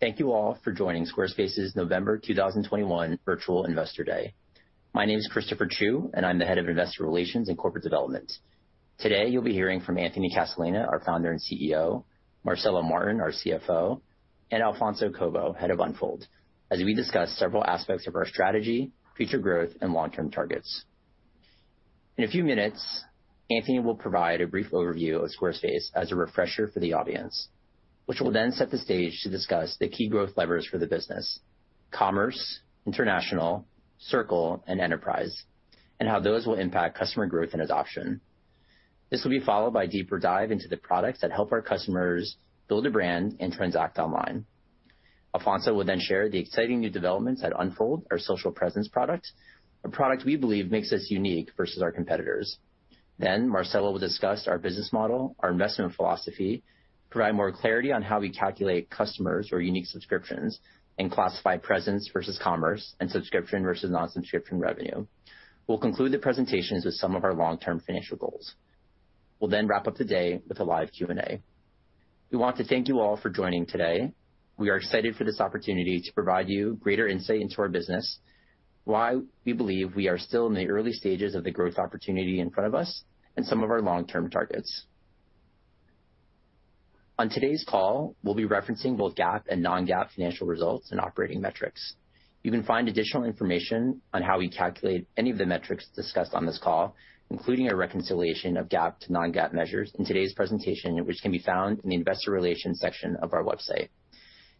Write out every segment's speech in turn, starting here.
Thank you all for joining Squarespace's November 2021 Virtual Investor Day. My name is Christopher Chiou, and I'm the Head of Investor Relations and Corporate Development. Today, you'll be hearing from Anthony Casalena, our Founder and CEO, Marcela Martin, our CFO, and Alfonso Cobo, Head of Unfold, as we discuss several aspects of our strategy, future growth, and long-term targets. In a few minutes, Anthony will provide a brief overview of Squarespace as a refresher for the audience, which will then set the stage to discuss the key growth levers for the business, commerce, international, Circle, and enterprise, and how those will impact customer growth and adoption. This will be followed by a deeper dive into the products that help our customers build a brand and transact online. Alfonso will then share the exciting new developments at Unfold, our social presence product, a product we believe makes us unique versus our competitors. Marcela will discuss our business model, our investment philosophy, provide more clarity on how we calculate customers or unique subscriptions, and classify presence versus commerce and subscription versus non-subscription revenue. We'll conclude the presentations with some of our long-term financial goals. We'll then wrap up the day with a live Q&A. We want to thank you all for joining today. We are excited for this opportunity to provide you greater insight into our business, why we believe we are still in the early stages of the growth opportunity in front of us and some of our long-term targets. On today's call, we'll be referencing both GAAP and non-GAAP financial results and operating metrics. You can find additional information on how we calculate any of the metrics discussed on this call, including a reconciliation of GAAP to non-GAAP measures in today's presentation, which can be found in the Investor Relations section of our website.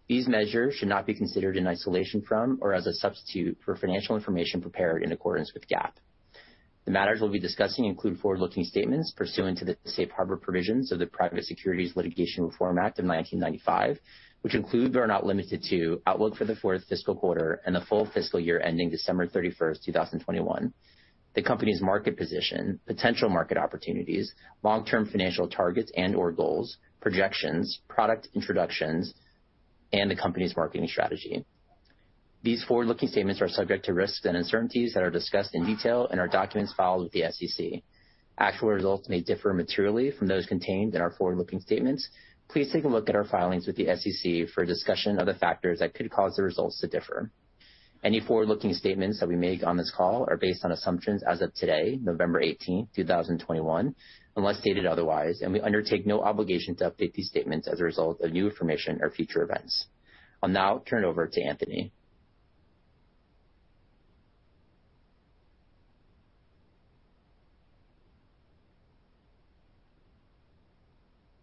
These measures should not be considered in isolation from or as a substitute for financial information prepared in accordance with GAAP. The matters we'll be discussing include forward-looking statements pursuant to the Safe Harbor Provisions of the Private Securities Litigation Reform Act of 1995, which include, but are not limited to, outlook for the fourth fiscal quarter and the full fiscal year ending December 31, 2021, the company's market position, potential market opportunities, long-term financial targets and/or goals, projections, product introductions, and the company's marketing strategy. These forward-looking statements are subject to risks and uncertainties that are discussed in detail in our documents filed with the SEC. Actual results may differ materially from those contained in our forward-looking statements. Please take a look at our filings with the SEC for a discussion of the factors that could cause the results to differ. Any forward-looking statements that we make on this call are based on assumptions as of today, November 18, 2021, unless stated otherwise, and we undertake no obligation to update these statements as a result of new information or future events. I'll now turn it over to Anthony.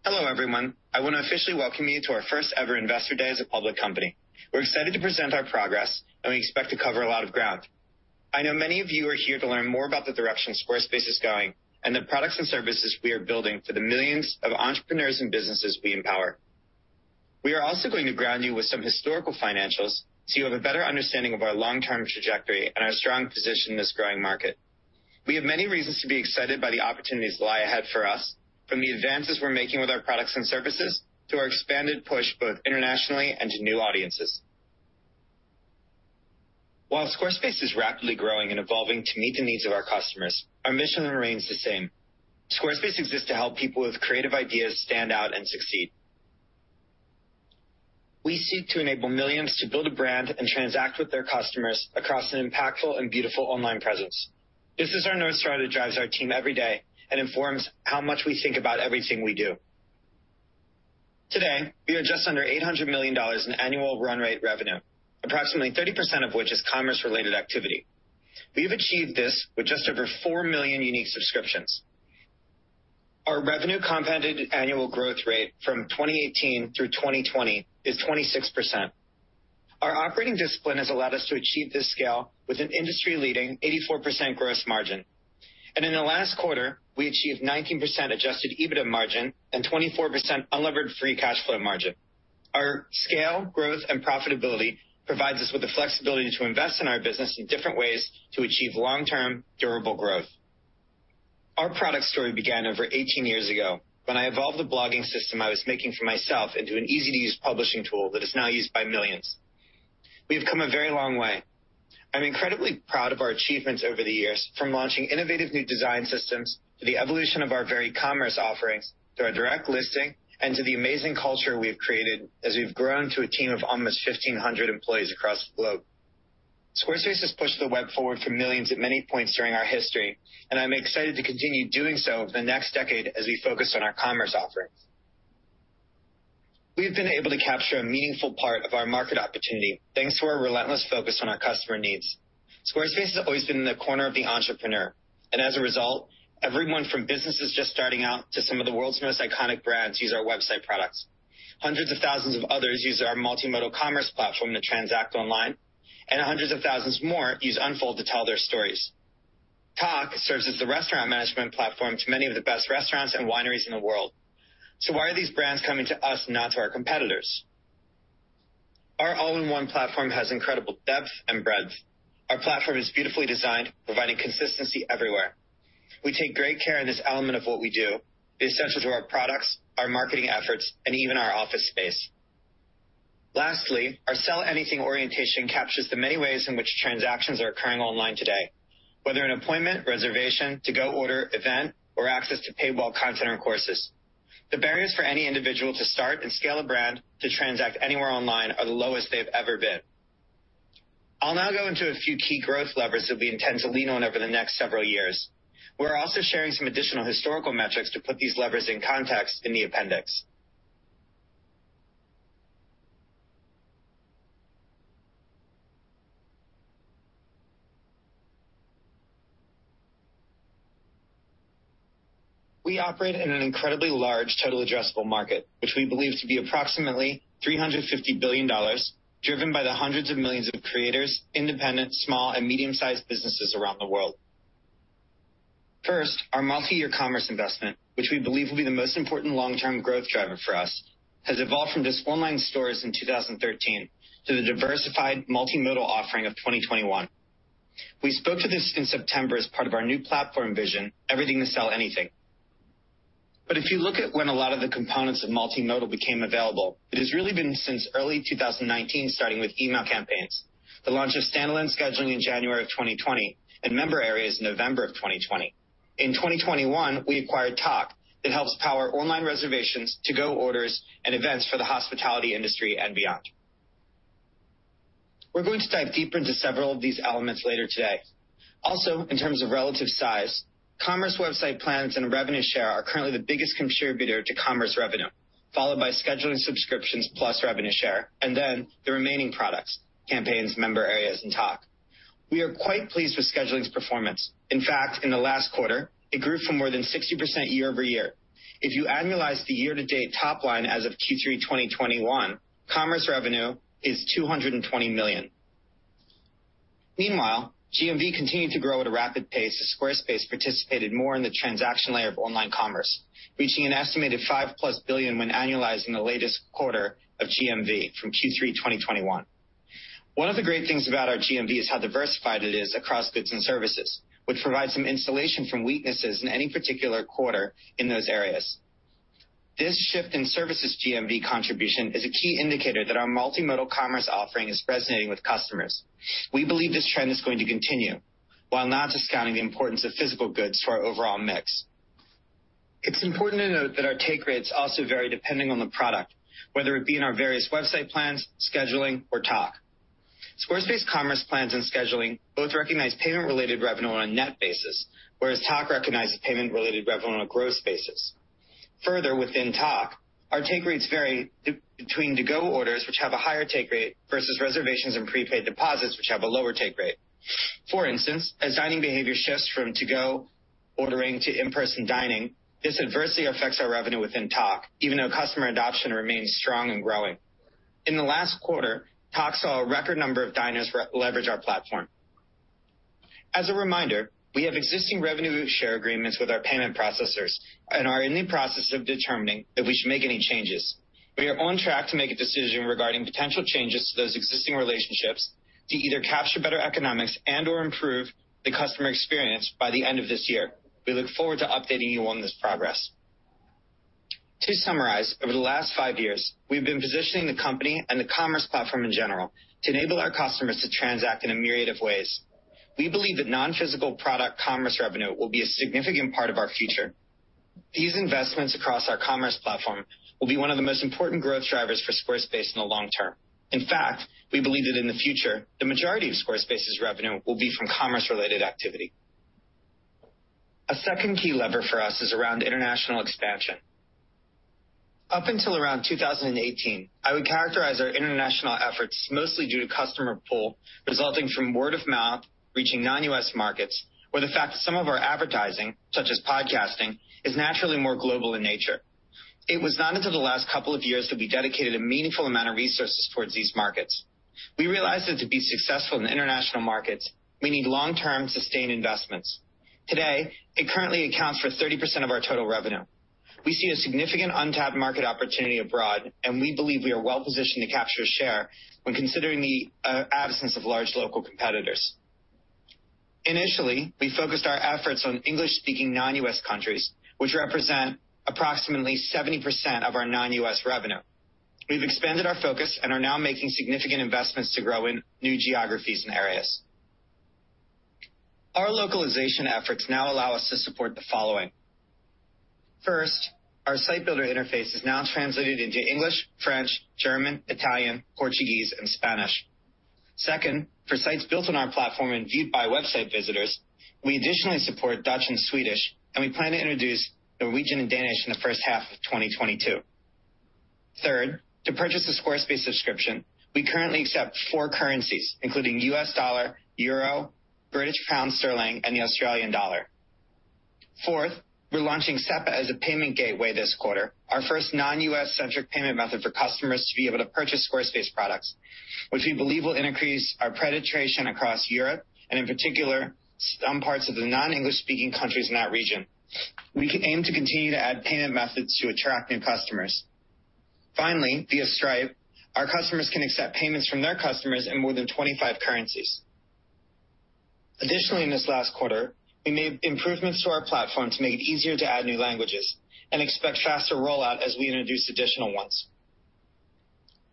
Hello, everyone. I want to officially welcome you to our first ever Investor Day as a public company. We're excited to present our progress, and we expect to cover a lot of ground. I know many of you are here to learn more about the direction Squarespace is going and the products and services we are building for the millions of entrepreneurs and businesses we empower. We are also going to ground you with some historical financials so you have a better understanding of our long-term trajectory and our strong position in this growing market. We have many reasons to be excited by the opportunities that lie ahead for us, from the advances we're making with our products and services to our expanded push both internationally and to new audiences. While Squarespace is rapidly growing and evolving to meet the needs of our customers, our mission remains the same. Squarespace exists to help people with creative ideas stand out and succeed. We seek to enable millions to build a brand and transact with their customers across an impactful and beautiful online presence. This is our North Star that drives our team every day and informs how much we think about everything we do. Today, we are just under $800 million in annual run rate revenue, approximately 30% of which is commerce-related activity. We have achieved this with just over 4 million unique subscriptions. Our revenue compounded annual growth rate from 2018 through 2020 is 26%. Our operating discipline has allowed us to achieve this scale with an industry-leading 84% gross margin. In the last quarter, we achieved 19% Adjusted EBITDA margin and 24% unlevered free cash flow margin. Our scale, growth, and profitability provides us with the flexibility to invest in our business in different ways to achieve long-term, durable growth. Our product story began over 18 years ago when I evolved the blogging system I was making for myself into an easy-to-use publishing tool that is now used by millions. We've come a very long way. I'm incredibly proud of our achievements over the years, from launching innovative new design systems to the evolution of our e-commerce offerings, to our direct listing, and to the amazing culture we've created as we've grown to a team of almost 1,500 employees across the globe. Squarespace has pushed the web forward for millions at many points during our history, and I'm excited to continue doing so over the next decade as we focus on our commerce offerings. We've been able to capture a meaningful part of our market opportunity, thanks to our relentless focus on our customer needs. Squarespace has always been in the corner of the entrepreneur, and as a result, everyone from businesses just starting out to some of the world's most iconic brands use our website products. Hundreds of thousands of others use our multimodal commerce platform to transact online, and hundreds of thousands more use Unfold to tell their stories. Tock serves as the restaurant management platform to many of the best restaurants and wineries in the world. Why are these brands coming to us and not to our competitors? Our all-in-one platform has incredible depth and breadth. Our platform is beautifully designed, providing consistency everywhere. We take great care in this element of what we do. It is central to our products, our marketing efforts, and even our office space. Lastly, our sell anything orientation captures the many ways in which transactions are occurring online today, whether an appointment, reservation, to-go order, event, or access to paywall content or courses. The barriers for any individual to start and scale a brand to transact anywhere online are the lowest they've ever been. I'll now go into a few key growth levers that we intend to lean on over the next several years. We're also sharing some additional historical metrics to put these levers in context in the appendix. We operate in an incredibly large total addressable market, which we believe to be approximately $350 billion, driven by the hundreds of millions of creators, independent, small, and medium-sized businesses around the world. First, our multi-year commerce investment, which we believe will be the most important long-term growth driver for us, has evolved from just Online Stores in 2013 to the diversified multimodal offering of 2021. We spoke to this in September as part of our new platform vision, Everything to Sell Anything. If you look at when a lot of the components of multimodal became available, it has really been since early 2019, starting with email campaigns, the launch of standalone scheduling in January 2020, and Member Areas November 2020. In 2021, we acquired Tock. It helps power online reservations to-go orders and events for the hospitality industry and beyond. We're going to dive deeper into several of these elements later today. Also, in terms of relative size, commerce website plans and revenue share are currently the biggest contributor to commerce revenue, followed by scheduling subscriptions plus revenue share, and then the remaining products, campaigns, Member Areas, and Tock. We are quite pleased with scheduling's performance. In fact, in the last quarter, it grew from more than 60% year-over-year. If you annualize the year-to-date top line as of Q3 2021, commerce revenue is $220 million. Meanwhile, GMV continued to grow at a rapid pace as Squarespace participated more in the transaction layer of online commerce, reaching an estimated $5+ billion when annualizing the latest quarter of GMV from Q3 2021. One of the great things about our GMV is how diversified it is across goods and services, which provides some insulation from weaknesses in any particular quarter in those areas. This shift in services GMV contribution is a key indicator that our multimodal commerce offering is resonating with customers. We believe this trend is going to continue, while not discounting the importance of physical goods to our overall mix. It's important to note that our take rates also vary depending on the product, whether it be in our various website plans, scheduling, or Tock. Squarespace commerce plans and scheduling both recognize payment-related revenue on a net basis, whereas Tock recognizes payment-related revenue on a gross basis. Further, within Tock, our take rates vary between to-go orders, which have a higher take rate, versus reservations and prepaid deposits, which have a lower take rate. For instance, as dining behavior shifts from to-go ordering to in-person dining, this adversely affects our revenue within Tock, even though customer adoption remains strong and growing. In the last quarter, Tock saw a record number of diners leverage our platform. As a reminder, we have existing revenue share agreements with our payment processors and are in the process of determining if we should make any changes. We are on track to make a decision regarding potential changes to those existing relationships to either capture better economics and/or improve the customer experience by the end of this year. We look forward to updating you on this progress. To summarize, over the last five years, we've been positioning the company and the commerce platform in general to enable our customers to transact in a myriad of ways. We believe that non-physical product commerce revenue will be a significant part of our future. These investments across our commerce platform will be one of the most important growth drivers for Squarespace in the long term. In fact, we believe that in the future, the majority of Squarespace's revenue will be from commerce-related activity. A second key lever for us is around international expansion. Up until around 2018, I would characterize our international efforts mostly due to customer pull resulting from word of mouth reaching non-U.S. markets, or the fact that some of our advertising, such as podcasting, is naturally more global in nature. It was not until the last couple of years that we dedicated a meaningful amount of resources towards these markets. We realized that to be successful in international markets, we need long-term sustained investments. Today, it currently accounts for 30% of our total revenue. We see a significant untapped market opportunity abroad, and we believe we are well-positioned to capture share when considering the absence of large local competitors. Initially, we focused our efforts on English-speaking non-U.S. countries, which represent approximately 70% of our non-U.S. revenue. We've expanded our focus and are now making significant investments to grow in new geographies and areas. Our localization efforts now allow us to support the following. First, our site builder interface is now translated into English, French, German, Italian, Portuguese, and Spanish. Second, for sites built on our platform and viewed by website visitors, we additionally support Dutch and Swedish, and we plan to introduce Norwegian and Danish in the first half of 2022. Third, to purchase a Squarespace subscription, we currently accept four currencies, including U.S. dollar, euro, British pound sterling, and the Australian dollar. Fourth, we're launching SEPA as a payment gateway this quarter, our first non-U.S.-centric payment method for customers to be able to purchase Squarespace products, which we believe will increase our penetration across Europe, and in particular, some parts of the non-English speaking countries in that region. We aim to continue to add payment methods to attract new customers. Finally, via Stripe, our customers can accept payments from their customers in more than 25 currencies. Additionally, in this last quarter, we made improvements to our platform to make it easier to add new languages and expect faster rollout as we introduce additional ones.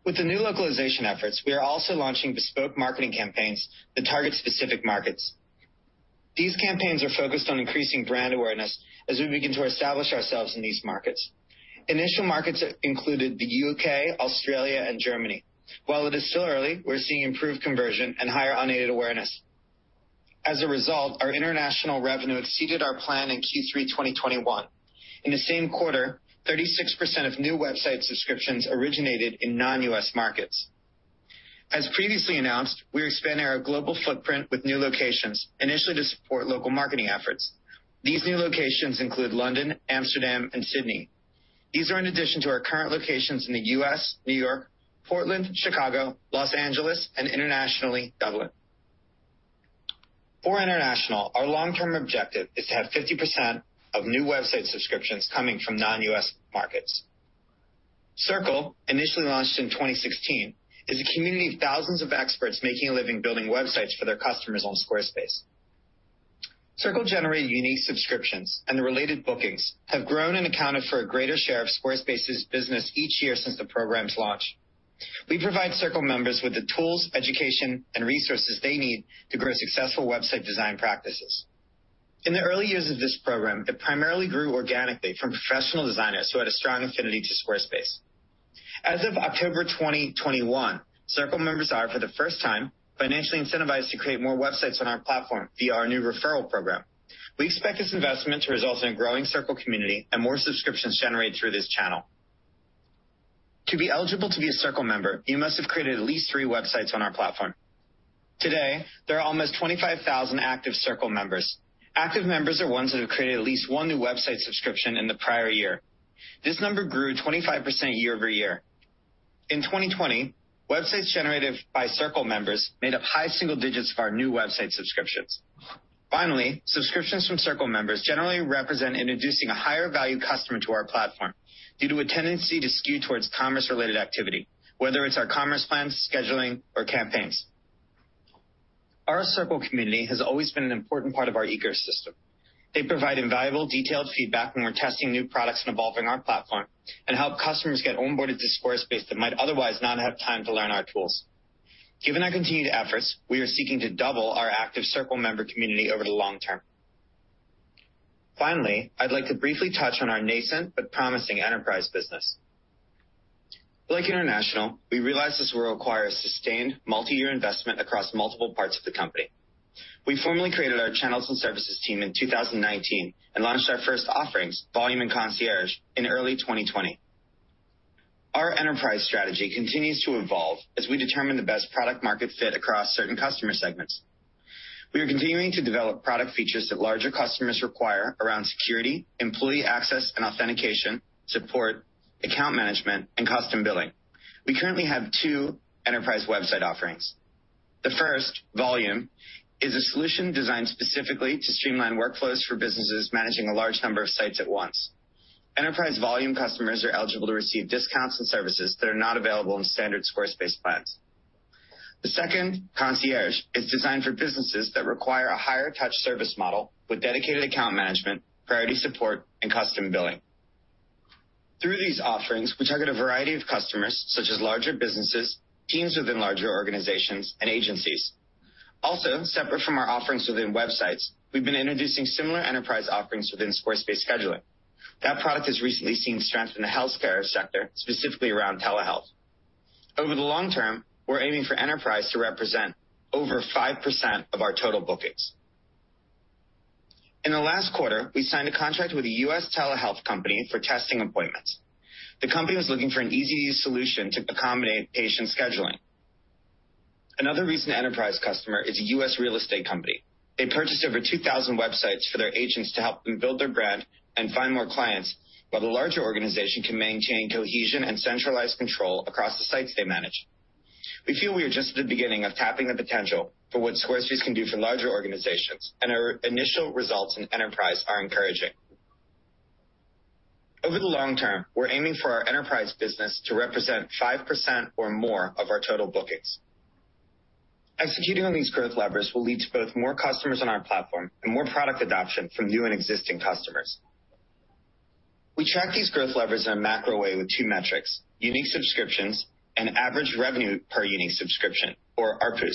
With the new localization efforts, we are also launching bespoke marketing campaigns that target specific markets. These campaigns are focused on increasing brand awareness as we begin to establish ourselves in these markets. Initial markets included the U.K., Australia, and Germany. While it is still early, we're seeing improved conversion and higher unaided awareness. As a result, our international revenue exceeded our plan in Q3 2021. In the same quarter, 36% of new website subscriptions originated in non-U.S. markets. As previously announced, we're expanding our global footprint with new locations initially to support local marketing efforts. These new locations include London, Amsterdam, and Sydney. These are in addition to our current locations in the U.S., New York, Portland, Chicago, Los Angeles, and internationally, Dublin. For international, our long-term objective is to have 50% of new website subscriptions coming from non-U.S. markets. Circle, initially launched in 2016, is a community of thousands of experts making a living building websites for their customers on Squarespace. Circle generate unique subscriptions, and the related bookings have grown and accounted for a greater share of Squarespace's business each year since the program's launch. We provide Circle members with the tools, education, and resources they need to grow successful website design practices. In the early years of this program, it primarily grew organically from professional designers who had a strong affinity to Squarespace. As of October 2021, Circle members are, for the first time, financially incentivized to create more websites on our platform via our new referral program. We expect this investment to result in a growing Circle community and more subscriptions generated through this channel. To be eligible to be a Circle member, you must have created at least three websites on our platform. Today, there are almost 25,000 active Circle members. Active members are ones that have created at least one new website subscription in the prior year. This number grew 25% year-over-year. In 2020, websites generated by Circle members made up high single digits of our new website subscriptions. Finally, subscriptions from Circle members generally represent introducing a higher value customer to our platform due to a tendency to skew towards commerce-related activity, whether it's our commerce plans, scheduling, or campaigns. Our Circle community has always been an important part of our ecosystem. They provide invaluable detailed feedback when we're testing new products and evolving our platform and help customers get onboarded to Squarespace that might otherwise not have time to learn our tools. Given our continued efforts, we are seeking to double our active Circle member community over the long term. Finally, I'd like to briefly touch on our nascent but promising enterprise business. Like international, we realize this will require a sustained multi-year investment across multiple parts of the company. We formally created our channels and services team in 2019 and launched our first offerings, Volume and Concierge, in early 2020. Our enterprise strategy continues to evolve as we determine the best product market fit across certain customer segments. We are continuing to develop product features that larger customers require around security, employee access and authentication, support, account management, and custom billing. We currently have two enterprise website offerings. The first, Volume, is a solution designed specifically to streamline workflows for businesses managing a large number of sites at once. Enterprise Volume customers are eligible to receive discounts and services that are not available in standard Squarespace plans. The second, Concierge, is designed for businesses that require a higher touch service model with dedicated account management, priority support, and custom billing. Through these offerings, we target a variety of customers, such as larger businesses, teams within larger organizations, and agencies. Also, separate from our offerings within websites, we've been introducing similar enterprise offerings within Squarespace Scheduling. That product has recently seen strength in the healthcare sector, specifically around telehealth. Over the long term, we're aiming for enterprise to represent over 5% of our total bookings. In the last quarter, we signed a contract with a U.S. telehealth company for testing appointments. The company was looking for an easy-to-use solution to accommodate patient scheduling. Another recent enterprise customer is a U.S. real estate company. They purchased over 2,000 websites for their agents to help them build their brand and find more clients while the larger organization can maintain cohesion and centralized control across the sites they manage. We feel we are just at the beginning of tapping the potential for what Squarespace can do for larger organizations, and our initial results in enterprise are encouraging. Over the long term, we're aiming for our enterprise business to represent 5% or more of our total bookings. Executing on these growth levers will lead to both more customers on our platform and more product adoption from new and existing customers. We track these growth levers in a macro way with two metrics, unique subscriptions and average revenue per unique subscription, or ARPU.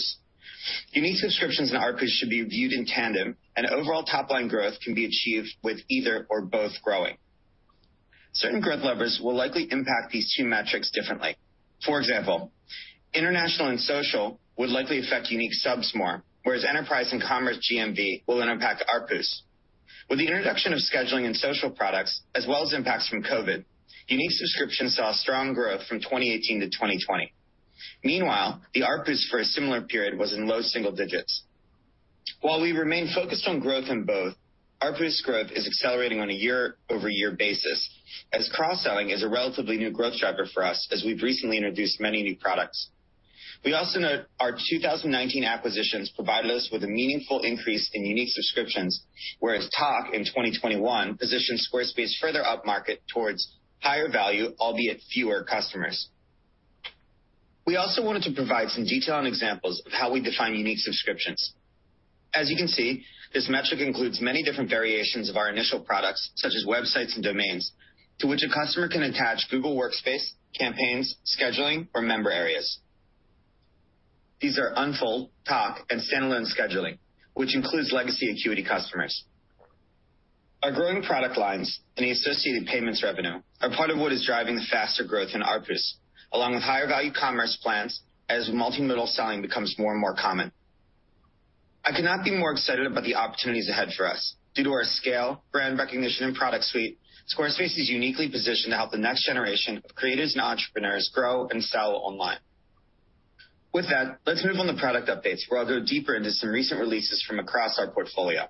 Unique subscriptions and ARPUs should be viewed in tandem, and overall top-line growth can be achieved with either or both growing. Certain growth levers will likely impact these two metrics differently. For example, international and social would likely affect unique subs more, whereas enterprise and commerce GMV will then impact ARPUs. With the introduction of scheduling and social products as well as impacts from COVID, unique subscriptions saw strong growth from 2018 to 2020. Meanwhile, the ARPUs for a similar period was in low single digits. While we remain focused on growth in both, ARPU's growth is accelerating on a year-over-year basis as cross-selling is a relatively new growth driver for us as we've recently introduced many new products. We also note our 2019 acquisitions provided us with a meaningful increase in unique subscriptions, whereas Tock in 2021 positioned Squarespace further upmarket towards higher value, albeit fewer customers. We also wanted to provide some detail on examples of how we define unique subscriptions. As you can see, this metric includes many different variations of our initial products, such as websites and domains, to which a customer can attach Google Workspace, campaigns, scheduling, or Member Areas. These are Unfold, Tock, and standalone scheduling, which includes legacy Acuity customers. Our growing product lines and the associated payments revenue are part of what is driving the faster growth in ARPUs, along with higher value commerce plans as multimodal selling becomes more and more common. I cannot be more excited about the opportunities ahead for us. Due to our scale, brand recognition, and product suite, Squarespace is uniquely positioned to help the next generation of creatives and entrepreneurs grow and sell online. With that, let's move on to product updates, where I'll go deeper into some recent releases from across our portfolio.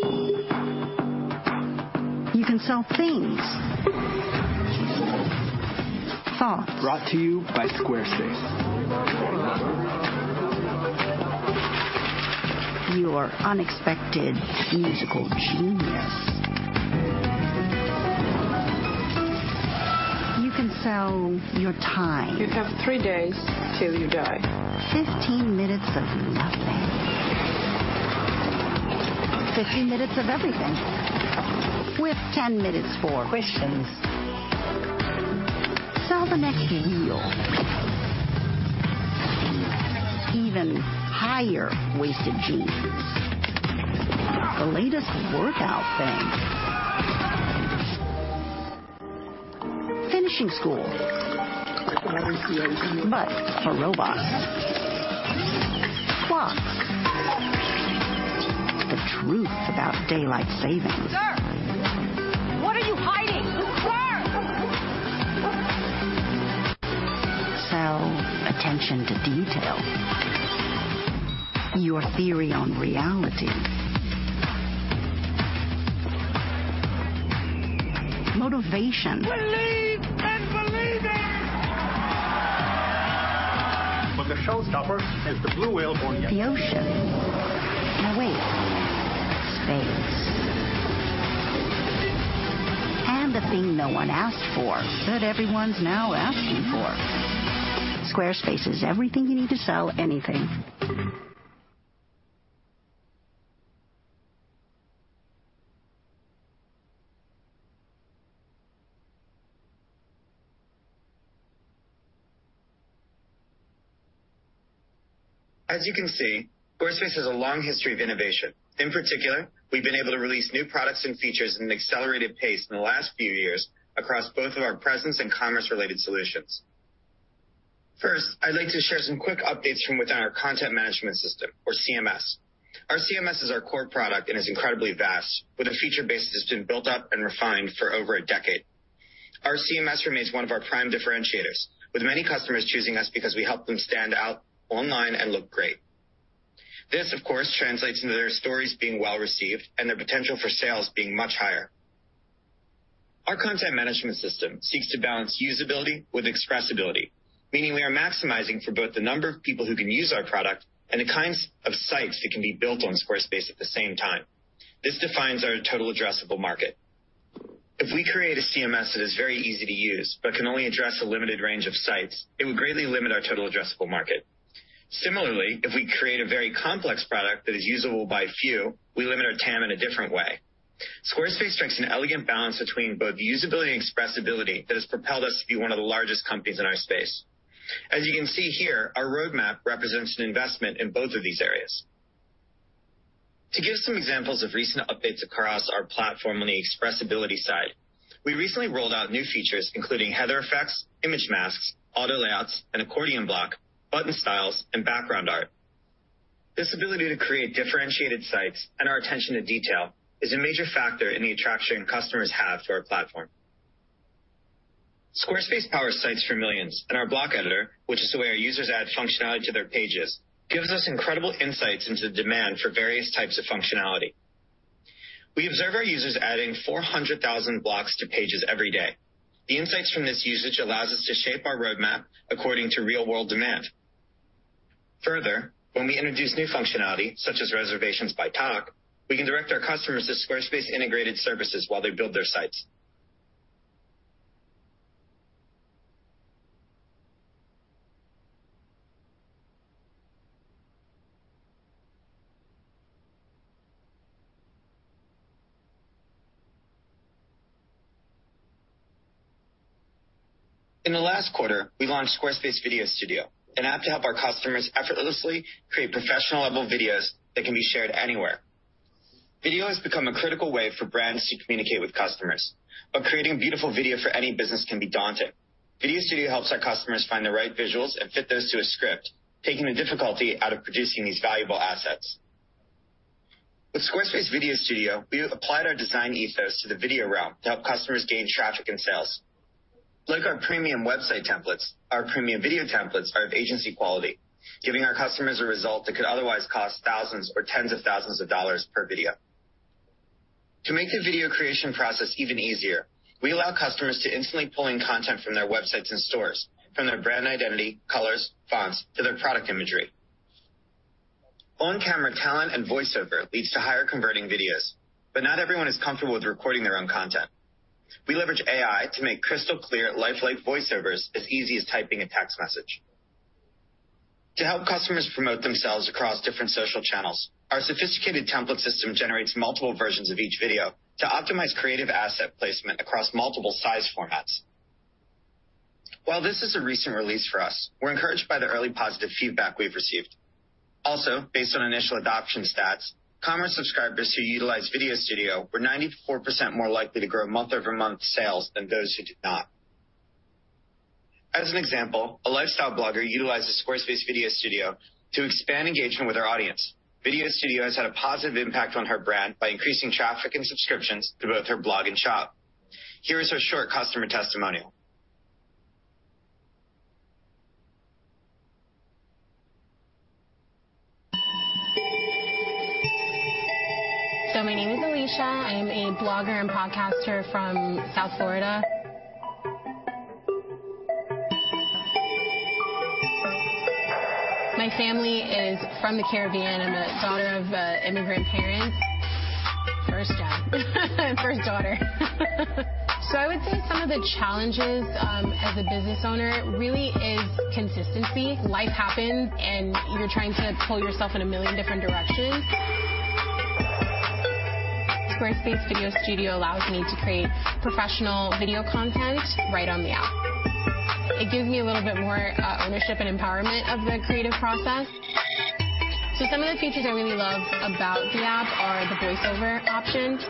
You can sell things. Thoughts. Brought to you by Squarespace. Your unexpected musical genius. You can sell your time. You have three days till you die. 15 minutes of nothing. 15 minutes of everything. With 10 minutes for questions. Sell the next you. Even higher waisted jeans. The latest workout thing. Finishing school. What is the opening? For robots. Clocks. The truth about daylight savings. Sir, what are you hiding? Attention to detail. Your theory on reality. Motivation. Believe in believers. The showstopper is the blue whale. Space. The thing no one asked for that everyone's now asking for. Squarespace is everything you need to sell anything. As you can see, Squarespace has a long history of innovation. In particular, we've been able to release new products and features in an accelerated pace in the last few years across both of our presence and commerce-related solutions. First, I'd like to share some quick updates from within our content management system or CMS. Our CMS is our core product and is incredibly vast with a feature base that has been built up and refined for over a decade. Our CMS remains one of our prime differentiators, with many customers choosing us because we help them stand out online and look great. This, of course, translates into their stories being well-received and their potential for sales being much higher. Our content management system seeks to balance usability with expressibility, meaning we are maximizing for both the number of people who can use our product and the kinds of sites that can be built on Squarespace at the same time. This defines our total addressable market. If we create a CMS that is very easy to use but can only address a limited range of sites, it would greatly limit our total addressable market. Similarly, if we create a very complex product that is usable by few, we limit our TAM in a different way. Squarespace strikes an elegant balance between both usability and expressibility that has propelled us to be one of the largest companies in our space. As you can see here, our roadmap represents an investment in both of these areas. To give some examples of recent updates across our platform on the expressibility side, we recently rolled out new features including header effects, image masks, auto layouts, an accordion block, button styles, and background art. This ability to create differentiated sites and our attention to detail is a major factor in the attraction customers have to our platform. Squarespace powers sites for millions, and our block editor, which is the way our users add functionality to their pages, gives us incredible insights into the demand for various types of functionality. We observe our users adding 400,000 blocks to pages every day. The insights from this usage allows us to shape our roadmap according to real-world demand. Further, when we introduce new functionality, such as reservations by Tock, we can direct our customers to Squarespace integrated services while they build their sites. In the last quarter, we launched Squarespace Video Studio, an app to help our customers effortlessly create professional-level videos that can be shared anywhere. Video has become a critical way for brands to communicate with customers, but creating a beautiful video for any business can be daunting. Video Studio helps our customers find the right visuals and fit those to a script, taking the difficulty out of producing these valuable assets. With Squarespace Video Studio, we applied our design ethos to the video realm to help customers gain traffic and sales. Like our premium website templates, our premium video templates are of agency quality, giving our customers a result that could otherwise cost thousands or tens of thousands of dollars per video. To make the video creation process even easier, we allow customers to instantly pull in content from their websites and stores, from their brand identity, colors, fonts, to their product imagery. On-camera talent and voice-over leads to higher converting videos, but not everyone is comfortable with recording their own content. We leverage AI to make crystal clear lifelike voice-overs as easy as typing a text message. To help customers promote themselves across different social channels, our sophisticated template system generates multiple versions of each video to optimize creative asset placement across multiple size formats. While this is a recent release for us, we're encouraged by the early positive feedback we've received. Also, based on initial adoption stats, commerce subscribers who utilize Video Studio were 94% more likely to grow month-over-month sales than those who did not. As an example, a lifestyle blogger utilizes Squarespace Video Studio to expand engagement with her audience. Video Studio has had a positive impact on her brand by increasing traffic and subscriptions to both her blog and shop. Here is her short customer testimonial. My name is Alicia. I am a blogger and podcaster from South Florida. My family is from the Caribbean. I'm a daughter of immigrant parents. First gen. First daughter. I would say some of the challenges as a business owner really is consistency. Life happens, and you're trying to pull yourself in a million different directions. Squarespace Video Studio allows me to create professional video content right on the app. It gives me a little bit more ownership and empowerment of the creative process. Some of the features I really love about the app are the voiceover option.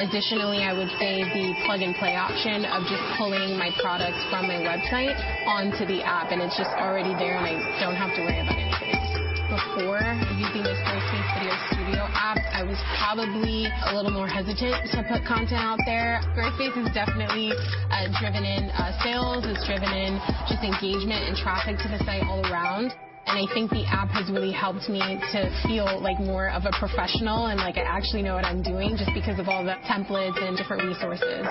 Additionally, I would say the plug-and-play option of just pulling my products from my website onto the app, and it's just already there. Probably a little more hesitant to put content out there. Squarespace has definitely driven in sales. It's driven insane engagement and traffic to the site all around. I think the app has really helped me to feel like more of a professional and like I actually know what I'm doing just because of all the templates and different resources.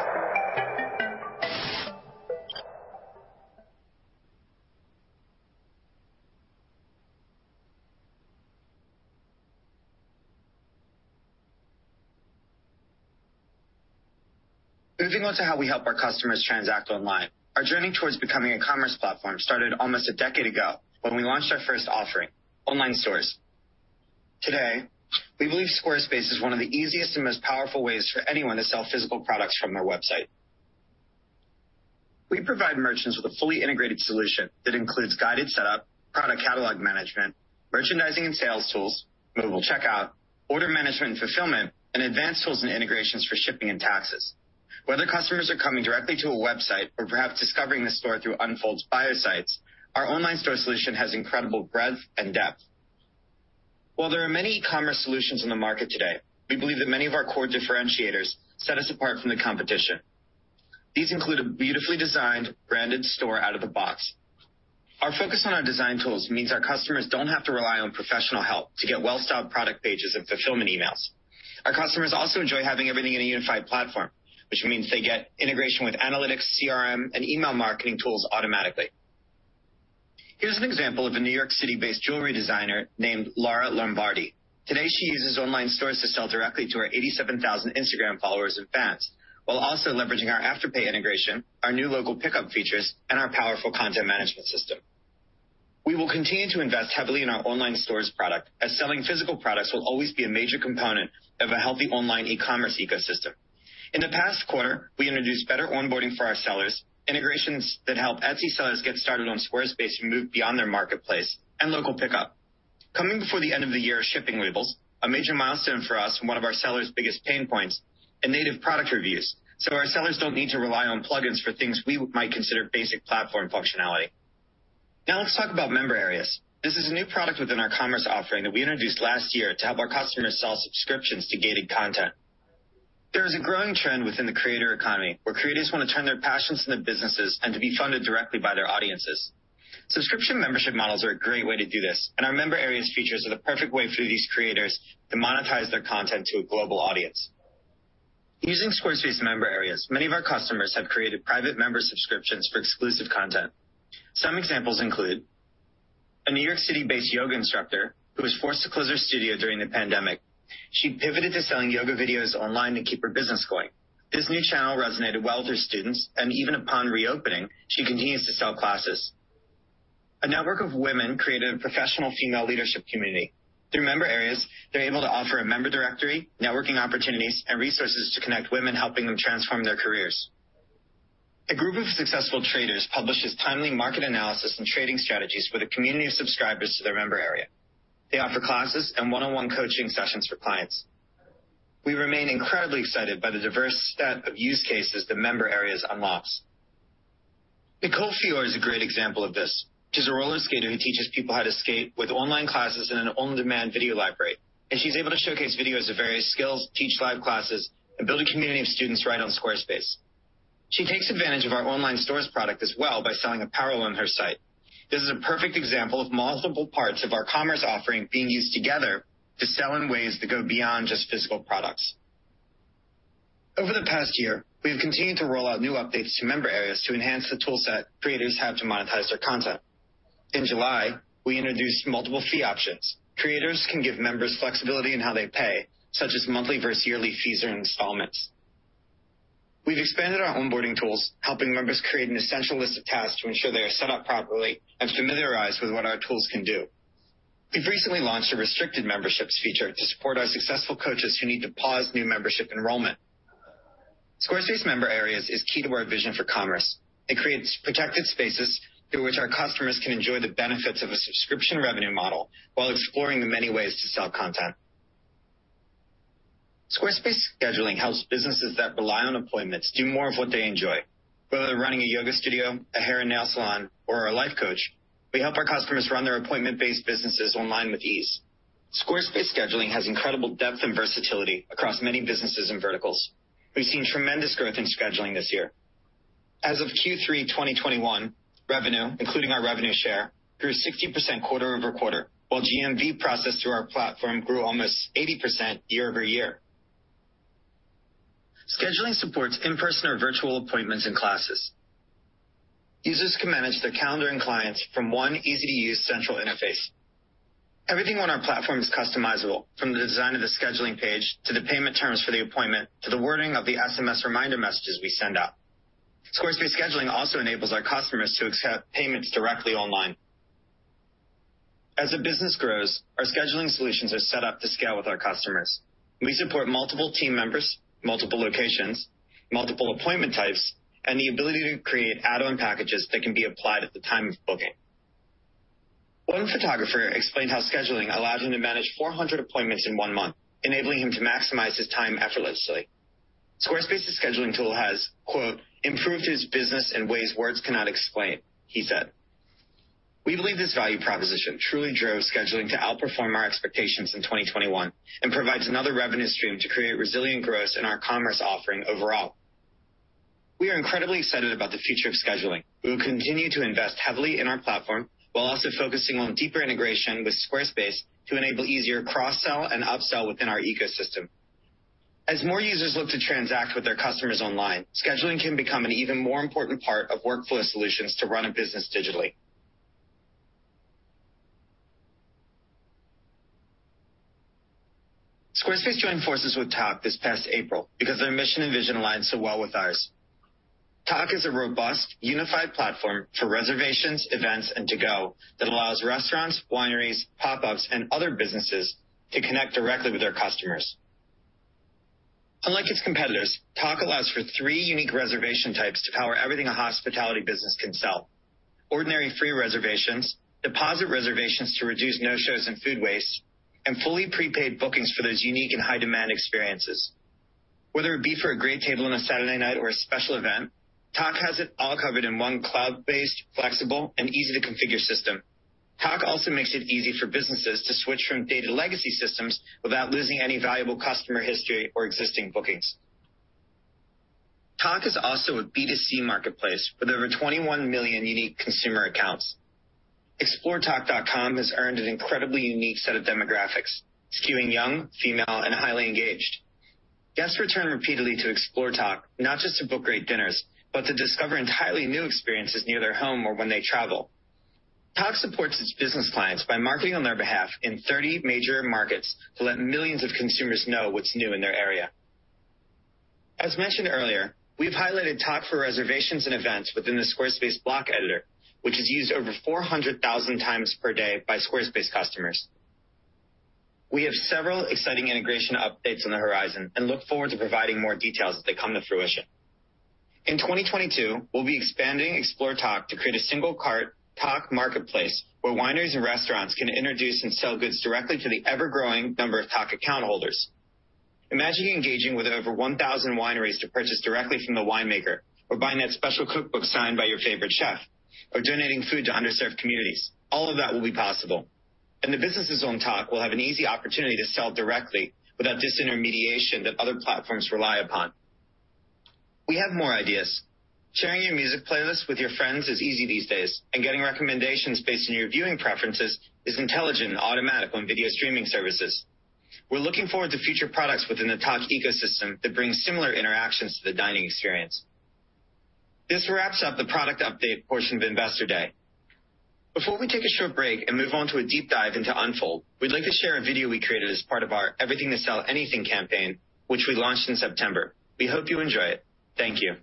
Moving on to how we help our customers transact online. Our journey towards becoming a commerce platform started almost a decade ago when we launched our first offering, Online Stores. Today, we believe Squarespace is one of the easiest and most powerful ways for anyone to sell physical products from their website. We provide merchants with a fully integrated solution that includes guided setup, product catalog management, merchandising and sales tools, mobile checkout, order management and fulfillment, and advanced tools and integrations for shipping and taxes. Whether customers are coming directly to a website or perhaps discovering the store through Unfold's Bio Sites, our online store solution has incredible breadth and depth. While there are many commerce solutions in the market today, we believe that many of our core differentiators set us apart from the competition. These include a beautifully designed branded store out of the box. Our focus on our design tools means our customers don't have to rely on professional help to get well-styled product pages and fulfillment emails. Our customers also enjoy having everything in a unified platform, which means they get integration with analytics, CRM, and email marketing tools automatically. Here's an example of a New York City-based jewelry designer named Laura Lombardi. Today, she uses Online Stores to sell directly to her 87,000 Instagram followers and fans, while also leveraging our Afterpay integration, our new local pickup features, and our powerful content management system. We will continue to invest heavily in our Online Stores product as selling physical products will always be a major component of a healthy online e-commerce ecosystem. In the past quarter, we introduced better onboarding for our sellers, integrations that help Etsy sellers get started on Squarespace to move beyond their marketplace, and local pickup. Coming before the end of the year are shipping labels, a major milestone for us and one of our sellers' biggest pain points, and native product reviews, so our sellers don't need to rely on plugins for things we might consider basic platform functionality. Now let's talk about Member Areas. This is a new product within our commerce offering that we introduced last year to help our customers sell subscriptions to gated content. There is a growing trend within the creator economy where creators want to turn their passions into businesses and to be funded directly by their audiences. Subscription membership models are a great way to do this, and our Member Areas features are the perfect way for these creators to monetize their content to a global audience. Using Squarespace Member Areas, many of our customers have created private member subscriptions for exclusive content. Some examples include a New York City-based yoga instructor who was forced to close her studio during the pandemic. She pivoted to selling yoga videos online to keep her business going. This new channel resonated well with her students, and even upon reopening, she continues to sell classes. A network of women created a professional female leadership community. Through Member Areas, they're able to offer a member directory, networking opportunities, and resources to connect women, helping them transform their careers. A group of successful traders publishes timely market analysis and trading strategies for the community of subscribers to their Member Area. They offer classes and one-on-one coaching sessions for clients. We remain incredibly excited by the diverse set of use cases that Member Areas unlocks. Nicole Fiore is a great example of this. She's a roller skater who teaches people how to skate with online classes in an on-demand video library, and she's able to showcase videos of various skills, teach live classes, and build a community of students right on Squarespace. She takes advantage of our Online Stores product as well by selling apparel on her site. This is a perfect example of multiple parts of our commerce offering being used together to sell in ways that go beyond just physical products. Over the past year, we've continued to roll out new updates to Member Areas to enhance the tool set creators have to monetize their content. In July, we introduced multiple fee options. Creators can give members flexibility in how they pay, such as monthly versus yearly fees or installments. We've expanded our onboarding tools, helping members create an essential list of tasks to ensure they are set up properly and familiarized with what our tools can do. We've recently launched a restricted memberships feature to support our successful coaches who need to pause new membership enrollment. Squarespace Member Areas is key to our vision for commerce. It creates protected spaces through which our customers can enjoy the benefits of a subscription revenue model while exploring the many ways to sell content. Squarespace Scheduling helps businesses that rely on appointments do more of what they enjoy. Whether they're running a yoga studio, a hair and nail salon, or a life coach, we help our customers run their appointment-based businesses online with ease. Squarespace Scheduling has incredible depth and versatility across many businesses and verticals. We've seen tremendous growth in Scheduling this year. As of Q3 2021, revenue, including our revenue share, grew 60% quarter-over-quarter, while GMV processed through our platform grew almost 80% year-over-year. Scheduling supports in-person or virtual appointments and classes. Users can manage their calendar and clients from one easy-to-use central interface. Everything on our platform is customizable, from the design of the scheduling page to the payment terms for the appointment to the wording of the SMS reminder messages we send out. Squarespace Scheduling also enables our customers to accept payments directly online. As a business grows, our scheduling solutions are set up to scale with our customers. We support multiple team members, multiple locations, multiple appointment types, and the ability to create add-on packages that can be applied at the time of booking. One photographer explained how Scheduling allowed him to manage 400 appointments in one month, enabling him to maximize his time effortlessly. Squarespace's Scheduling tool has, quote, "Improved his business in ways words cannot explain," he said. We believe this value proposition truly drove Scheduling to outperform our expectations in 2021 and provides another revenue stream to create resilient growth in our commerce offering overall. We are incredibly excited about the future of Scheduling. We will continue to invest heavily in our platform while also focusing on deeper integration with Squarespace to enable easier cross-sell and upsell within our ecosystem. As more users look to transact with their customers online, Scheduling can become an even more important part of workflow solutions to run a business digitally. Squarespace joined forces with Tock this past April because their mission and vision aligned so well with ours. Tock is a robust, unified platform for reservations, events, and to-go that allows restaurants, wineries, pop-ups, and other businesses to connect directly with their customers. Unlike its competitors, Tock allows for three unique reservation types to power everything a hospitality business can sell. Ordinary free reservations, deposit reservations to reduce no-shows and food waste, and fully prepaid bookings for those unique and high-demand experiences. Whether it be for a great table on a Saturday night or a special event, Tock has it all covered in one cloud-based, flexible, and easy-to-configure system. Tock also makes it easy for businesses to switch from dated legacy systems without losing any valuable customer history or existing bookings. Tock is also a B2C marketplace with over 21 million unique consumer accounts. Exploretock.com has earned an incredibly unique set of demographics, skewing young, female, and highly engaged. Guests return repeatedly to Explore Tock, not just to book great dinners, but to discover entirely new experiences near their home or when they travel. Tock supports its business clients by marketing on their behalf in 30 major markets to let millions of consumers know what's new in their area. As mentioned earlier, we've highlighted Tock for reservations and events within the Squarespace block editor, which is used over 400,000x per day by Squarespace customers. We have several exciting integration updates on the horizon and look forward to providing more details as they come to fruition. In 2022, we'll be expanding Explore Tock to create a single cart Tock marketplace where wineries and restaurants can introduce and sell goods directly to the ever-growing number of Tock account holders. Imagine engaging with over 1,000 wineries to purchase directly from the winemaker or buying that special cookbook signed by your favorite chef or donating food to underserved communities. All of that will be possible. The businesses on Tock will have an easy opportunity to sell directly without disintermediation that other platforms rely upon. We have more ideas. Sharing your music playlist with your friends is easy these days, and getting recommendations based on your viewing preferences is intelligent and automatic on video streaming services. We're looking forward to future products within the Tock ecosystem that bring similar interactions to the dining experience. This wraps up the product update portion of Investor Day. Before we take a short break and move on to a deep dive into Unfold, we'd like to share a video we created as part of our Everything to Sell Anything campaign, which we launched in September. We hope you enjoy it. Thank you.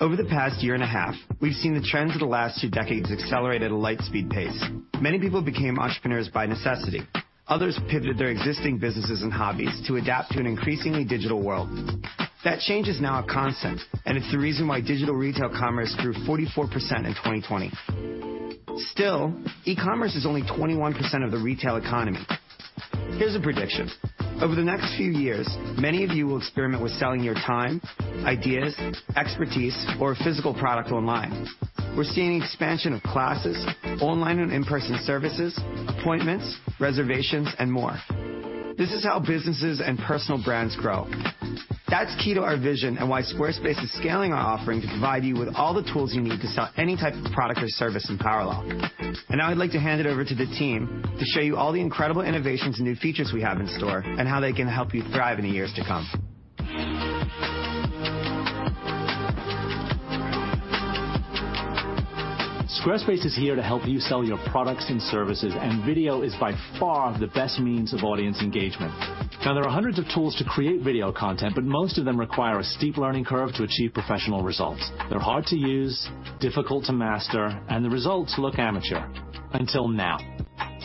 Over the past year and a half, we've seen the trends of the last two decades accelerate at a light-speed pace. Many people became entrepreneurs by necessity. Others pivoted their existing businesses and hobbies to adapt to an increasingly digital world. That change is now a constant, and it's the reason why digital retail commerce grew 44% in 2020. Still, e-commerce is only 21% of the retail economy. Here's a prediction. Over the next few years, many of you will experiment with selling your time, ideas, expertise, or a physical product online. We're seeing expansion of classes, online and in-person services, appointments, reservations, and more. This is how businesses and personal brands grow. That's key to our vision and why Squarespace is scaling our offering to provide you with all the tools you need to sell any type of product or service in parallel. Now I'd like to hand it over to the team to show you all the incredible innovations and new features we have in store and how they can help you thrive in the years to come. Squarespace is here to help you sell your products and services, and video is by far the best means of audience engagement. Now, there are hundreds of tools to create video content, but most of them require a steep learning curve to achieve professional results. They're hard to use, difficult to master, and the results look amateur. Until now.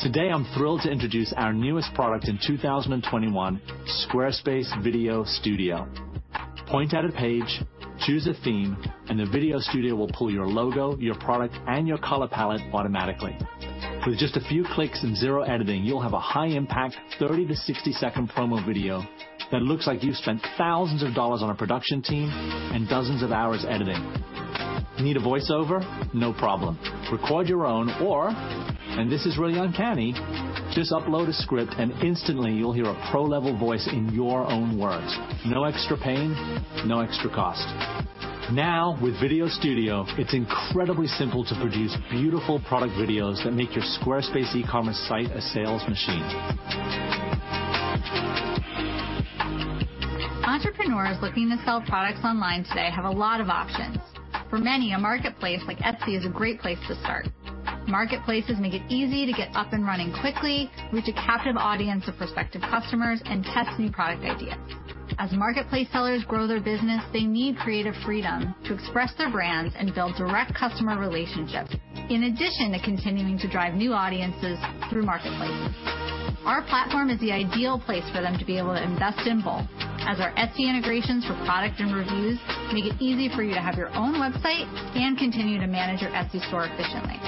Today, I'm thrilled to introduce our newest product in 2021, Squarespace Video Studio. Point at a page, choose a theme, and the video studio will pull your logo, your product, and your color palette automatically. With just a few clicks and zero editing, you'll have a high-impact 30-60-second promo video that looks like you've spent thousands of dollars on a production team and dozens of hours editing. Need a voiceover? No problem. Record your own or, and this is really uncanny, just upload a script and instantly you'll hear a pro-level voice in your own words. No extra pain, no extra cost. Now, with Video Studio, it's incredibly simple to produce beautiful product videos that make your Squarespace e-commerce site a sales machine. Entrepreneurs looking to sell products online today have a lot of options. For many, a marketplace like Etsy is a great place to start. Marketplaces make it easy to get up and running quickly, reach a captive audience of prospective customers, and test new product ideas. As marketplace sellers grow their business, they need creative freedom to express their brands and build direct customer relationships in addition to continuing to drive new audiences through marketplaces. Our platform is the ideal place for them to be able to invest in bulk as our Etsy integrations for product and reviews make it easy for you to have your own website and continue to manage your Etsy store efficiently.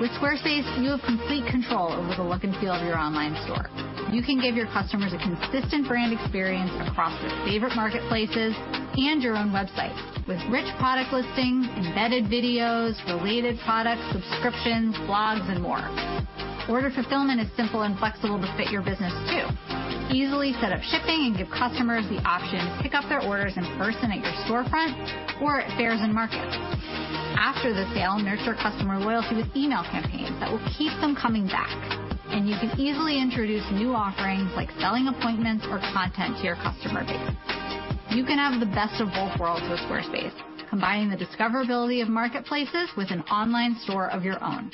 With Squarespace, you have complete control over the look and feel of your online store. You can give your customers a consistent brand experience across their favorite marketplaces and your own website with rich product listings, embedded videos, related products, subscriptions, blogs, and more. Order fulfillment is simple and flexible to fit your business too. Easily set up shipping and give customers the option to pick up their orders in person at your storefront or at fairs and markets. After the sale, nurture customer loyalty with email campaigns that will keep them coming back. You can easily introduce new offerings like selling appointments or content to your customer base. You can have the best of both worlds with Squarespace, combining the discoverability of marketplaces with an online store of your own.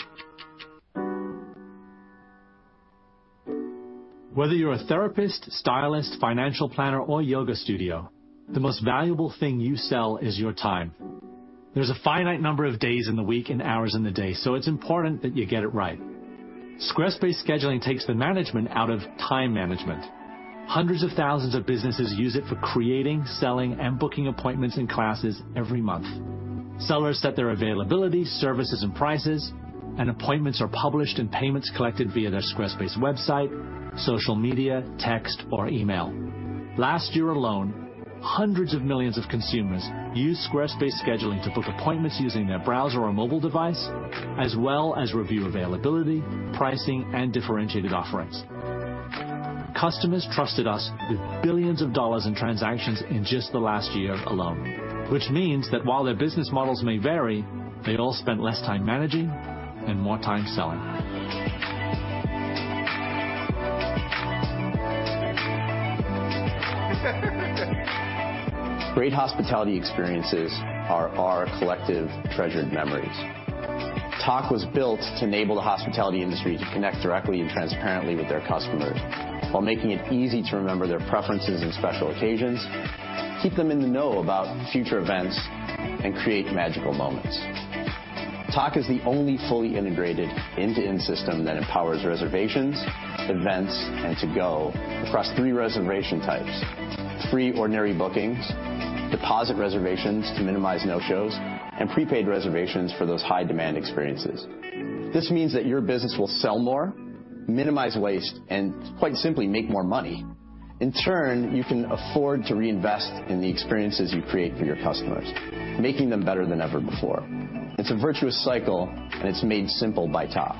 Whether you're a therapist, stylist, financial planner, or yoga studio, the most valuable thing you sell is your time. There's a finite number of days in the week and hours in the day, so it's important that you get it right. Squarespace Scheduling takes the management out of time management. Hundreds of thousands of businesses use it for creating, selling, and booking appointments and classes every month. Sellers set their availability, services, and prices, and appointments are published and payments collected via their Squarespace website, social media, text, or email. Last year alone, hundreds of millions of consumers used Squarespace Scheduling to book appointments using their browser or mobile device, as well as review availability, pricing, and differentiated offerings. Customers trusted us with billions of dollars in transactions in just the last year alone, which means that while their business models may vary, they all spent less time managing and more time selling. Great hospitality experiences are our collective treasured memories. Tock was built to enable the hospitality industry to connect directly and transparently with their customers while making it easy to remember their preferences and special occasions, keep them in the know about future events, and create magical moments. Tock is the only fully integrated end-to-end system that empowers reservations, events, and to-go across three reservation types, free ordinary bookings, deposit reservations to minimize no-shows, and prepaid reservations for those high-demand experiences. This means that your business will sell more, minimize waste, and quite simply, make more money. In turn, you can afford to reinvest in the experiences you create for your customers, making them better than ever before. It's a virtuous cycle, and it's made simple by Tock.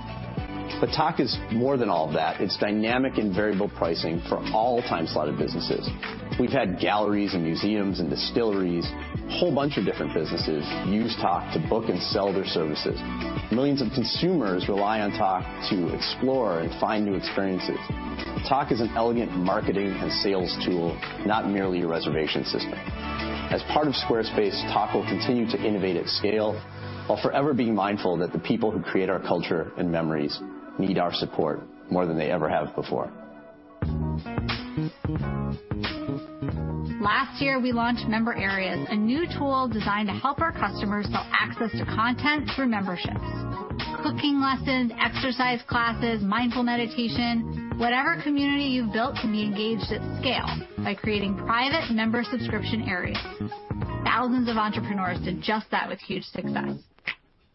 Tock is more than all of that. It's dynamic and variable pricing for all time-slotted businesses. We've had galleries and museums and distilleries, whole bunch of different businesses use Tock to book and sell their services. Millions of consumers rely on Tock to explore and find new experiences. Tock is an elegant marketing and sales tool, not merely a reservation system. As part of Squarespace, Tock will continue to innovate at scale while forever being mindful that the people who create our culture and memories need our support more than they ever have before. Last year, we launched Member Areas, a new tool designed to help our customers sell access to content through memberships. Cooking lessons, exercise classes, mindful meditation. Whatever community you've built can be engaged at scale by creating private member subscription areas. Thousands of entrepreneurs did just that with huge success.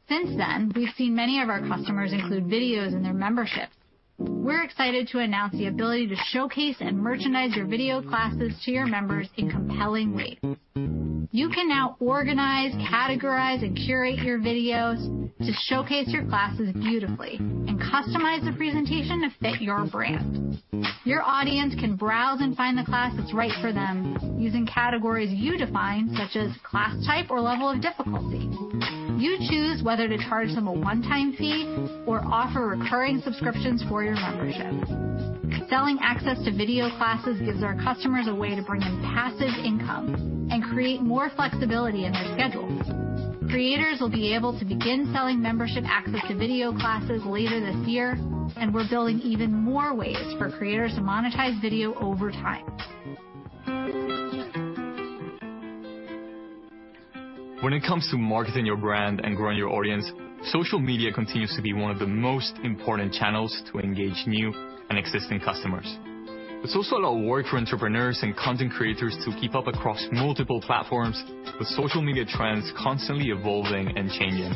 Since then, we've seen many of our customers include videos in their memberships. We're excited to announce the ability to showcase and merchandise your video classes to your members in compelling ways. You can now organize, categorize, and curate your videos to showcase your classes beautifully and customize the presentation to fit your brand. Your audience can browse and find the class that's right for them using categories you define, such as class type or level of difficulty. You choose whether to charge them a one-time fee or offer recurring subscriptions for your membership. Selling access to video classes gives our customers a way to bring in passive income and create more flexibility in their schedules. Creators will be able to begin selling membership access to video classes later this year, and we're building even more ways for creators to monetize video over time. When it comes to marketing your brand and growing your audience, social media continues to be one of the most important channels to engage new and existing customers. It's also a lot of work for entrepreneurs and content creators to keep up across multiple platforms with social media trends constantly evolving and changing.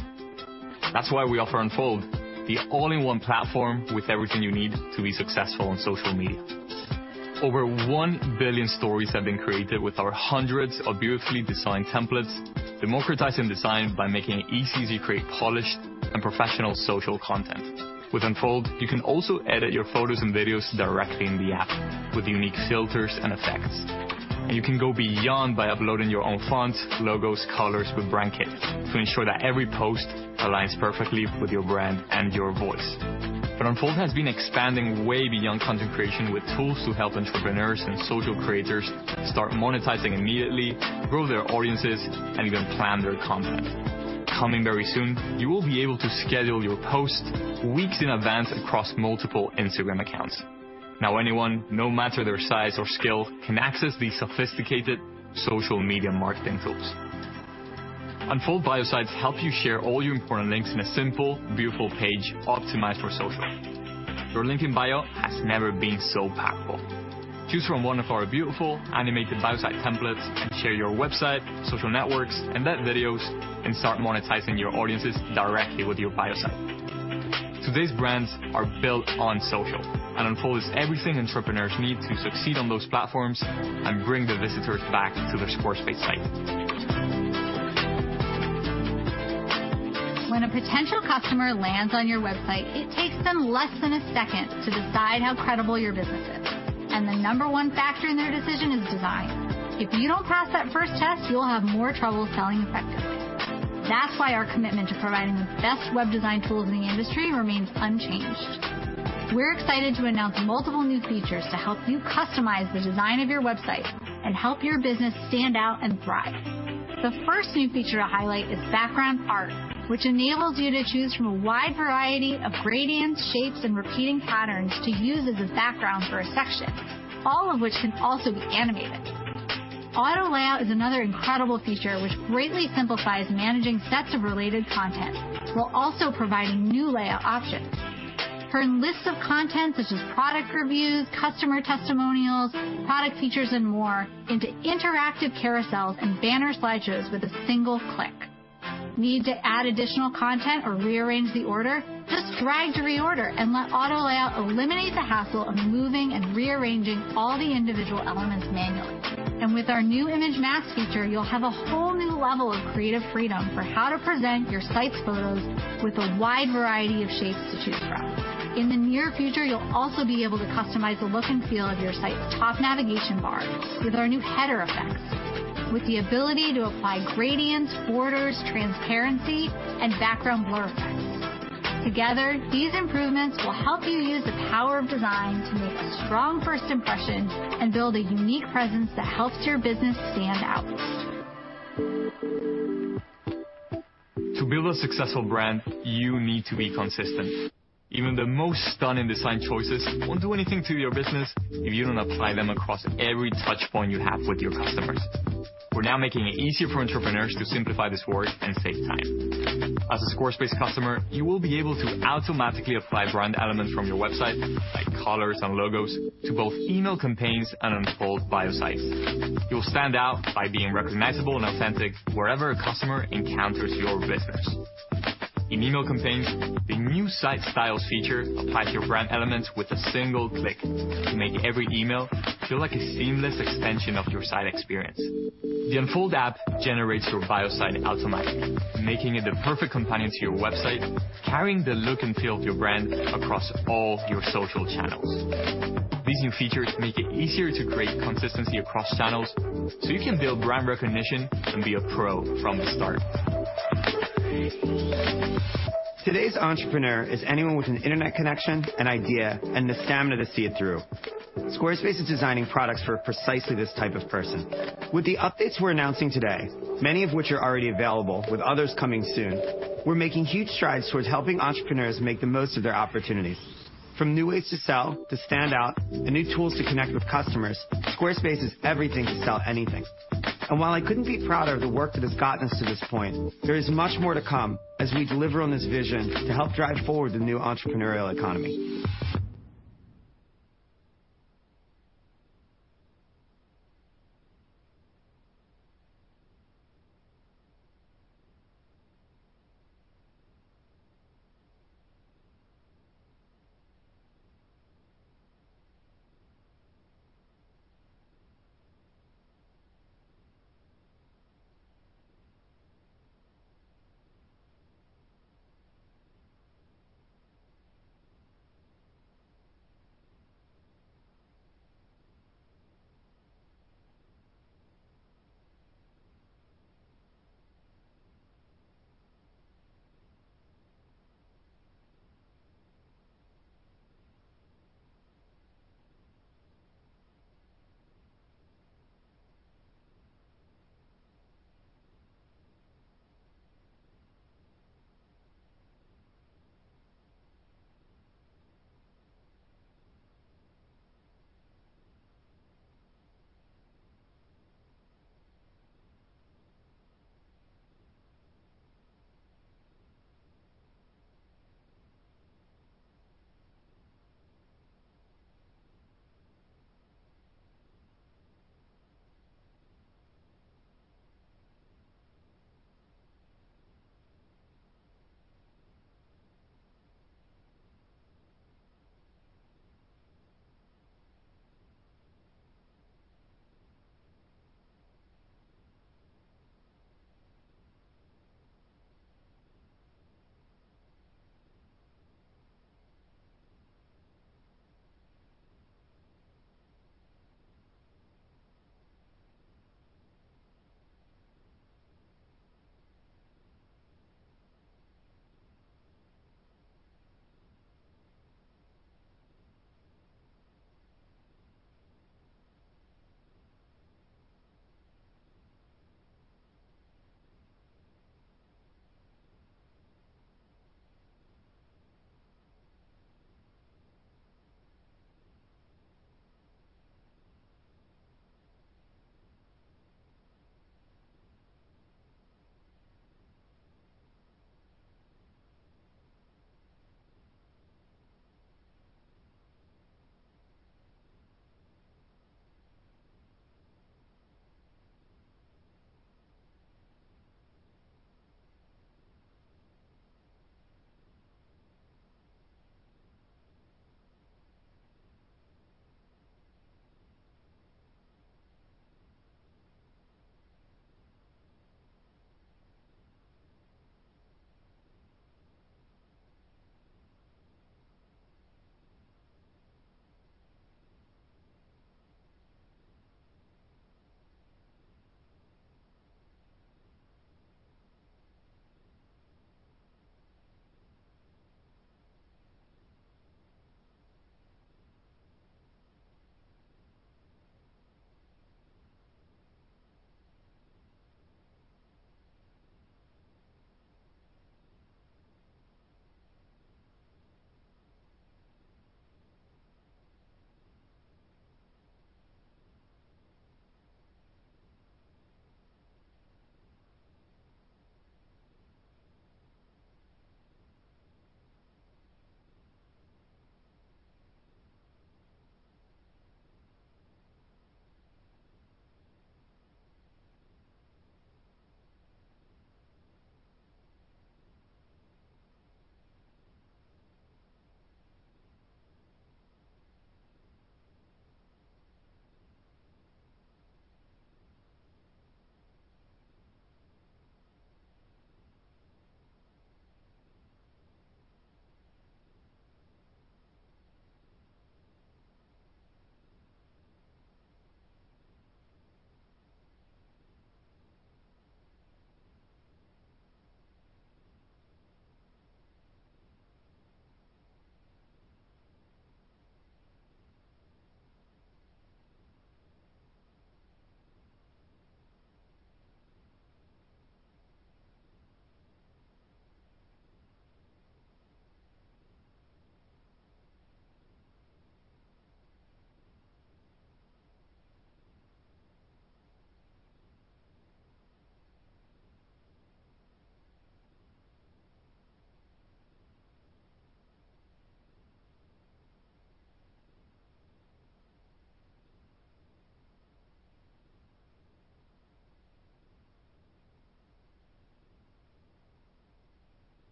That's why we offer Unfold, the all-in-one platform with everything you need to be successful on social media. Over 1 billion stories have been created with our hundreds of beautifully designed templates, democratizing design by making it easy to create polished and professional social content. With Unfold, you can also edit your photos and videos directly in the app with unique filters and effects. You can go beyond by uploading your own fonts, logos, colors with Brand Kit to ensure that every post aligns perfectly with your brand and your voice. Unfold has been expanding way beyond content creation with tools to help entrepreneurs and social creators start monetizing immediately, grow their audiences, and even plan their content. Coming very soon, you will be able to schedule your posts weeks in advance across multiple Instagram accounts. Now, anyone, no matter their size or skill, can access these sophisticated social media marketing tools. Unfold Bio Sites help you share all your important links in a simple, beautiful page optimized for social. Your link in bio has never been so powerful. Choose from one of our beautiful animated bio site templates and share your website, social networks, embed videos, and start monetizing your audiences directly with your bio site. Today's brands are built on social, and Unfold is everything entrepreneurs need to succeed on those platforms and bring the visitors back to their Squarespace site. When a potential customer lands on your website, it takes them less than a second to decide how credible your business is. The number one factor in their decision is design. If you don't pass that first test, you'll have more trouble selling effectively. That's why our commitment to providing the best web design tools in the industry remains unchanged. We're excited to announce multiple new features to help you customize the design of your website and help your business stand out and thrive. The first new feature to highlight is background art, which enables you to choose from a wide variety of gradients, shapes, and repeating patterns to use as a background for a section, all of which can also be animated. Auto layout is another incredible feature which greatly simplifies managing sets of related content while also providing new layout options. Turn lists of content such as product reviews, customer testimonials, product features, and more into interactive carousels and banner slideshows with a single click. Need to add additional content or rearrange the order? Just drag to reorder and let auto layout eliminate the hassle of moving and rearranging all the individual elements manually. And with our new image masks feature, you'll have a whole new level of creative freedom for how to present your site's photos with a wide variety of shapes to choose from. In the near future, you'll also be able to customize the look and feel of your site's top navigation bar with our new header effects, with the ability to apply gradients, borders, transparency, and background blur effects. Together, these improvements will help you use the power of design to make a strong first impression and build a unique presence that helps your business stand out. To build a successful brand, you need to be consistent. Even the most stunning design choices won't do anything to your business if you don't apply them across every touch point you have with your customers. We're now making it easier for entrepreneurs to simplify this work and save time. As a Squarespace customer, you will be able to automatically apply brand elements from your website, like colors and logos, to both Email Campaigns and Unfold Bio Sites. You'll stand out by being recognizable and authentic wherever a customer encounters your business. In Email Campaigns, the new site styles feature applies your brand elements with a single click to make every email feel like a seamless extension of your site experience. The Unfold app generates your Bio Site automatically, making it the perfect companion to your website, carrying the look and feel of your brand across all your social channels. These new features make it easier to create consistency across channels so you can build brand recognition and be a pro from the start. Today's entrepreneur is anyone with an internet connection, an idea, and the stamina to see it through. Squarespace is designing products for precisely this type of person. With the updates we're announcing today, many of which are already available with others coming soon, we're making huge strides towards helping entrepreneurs make the most of their opportunities. From new ways to sell, to stand out, and new tools to connect with customers, Squarespace is everything to sell anything. While I couldn't be prouder of the work that has gotten us to this point, there is much more to come as we deliver on this vision to help drive forward the new entrepreneurial economy.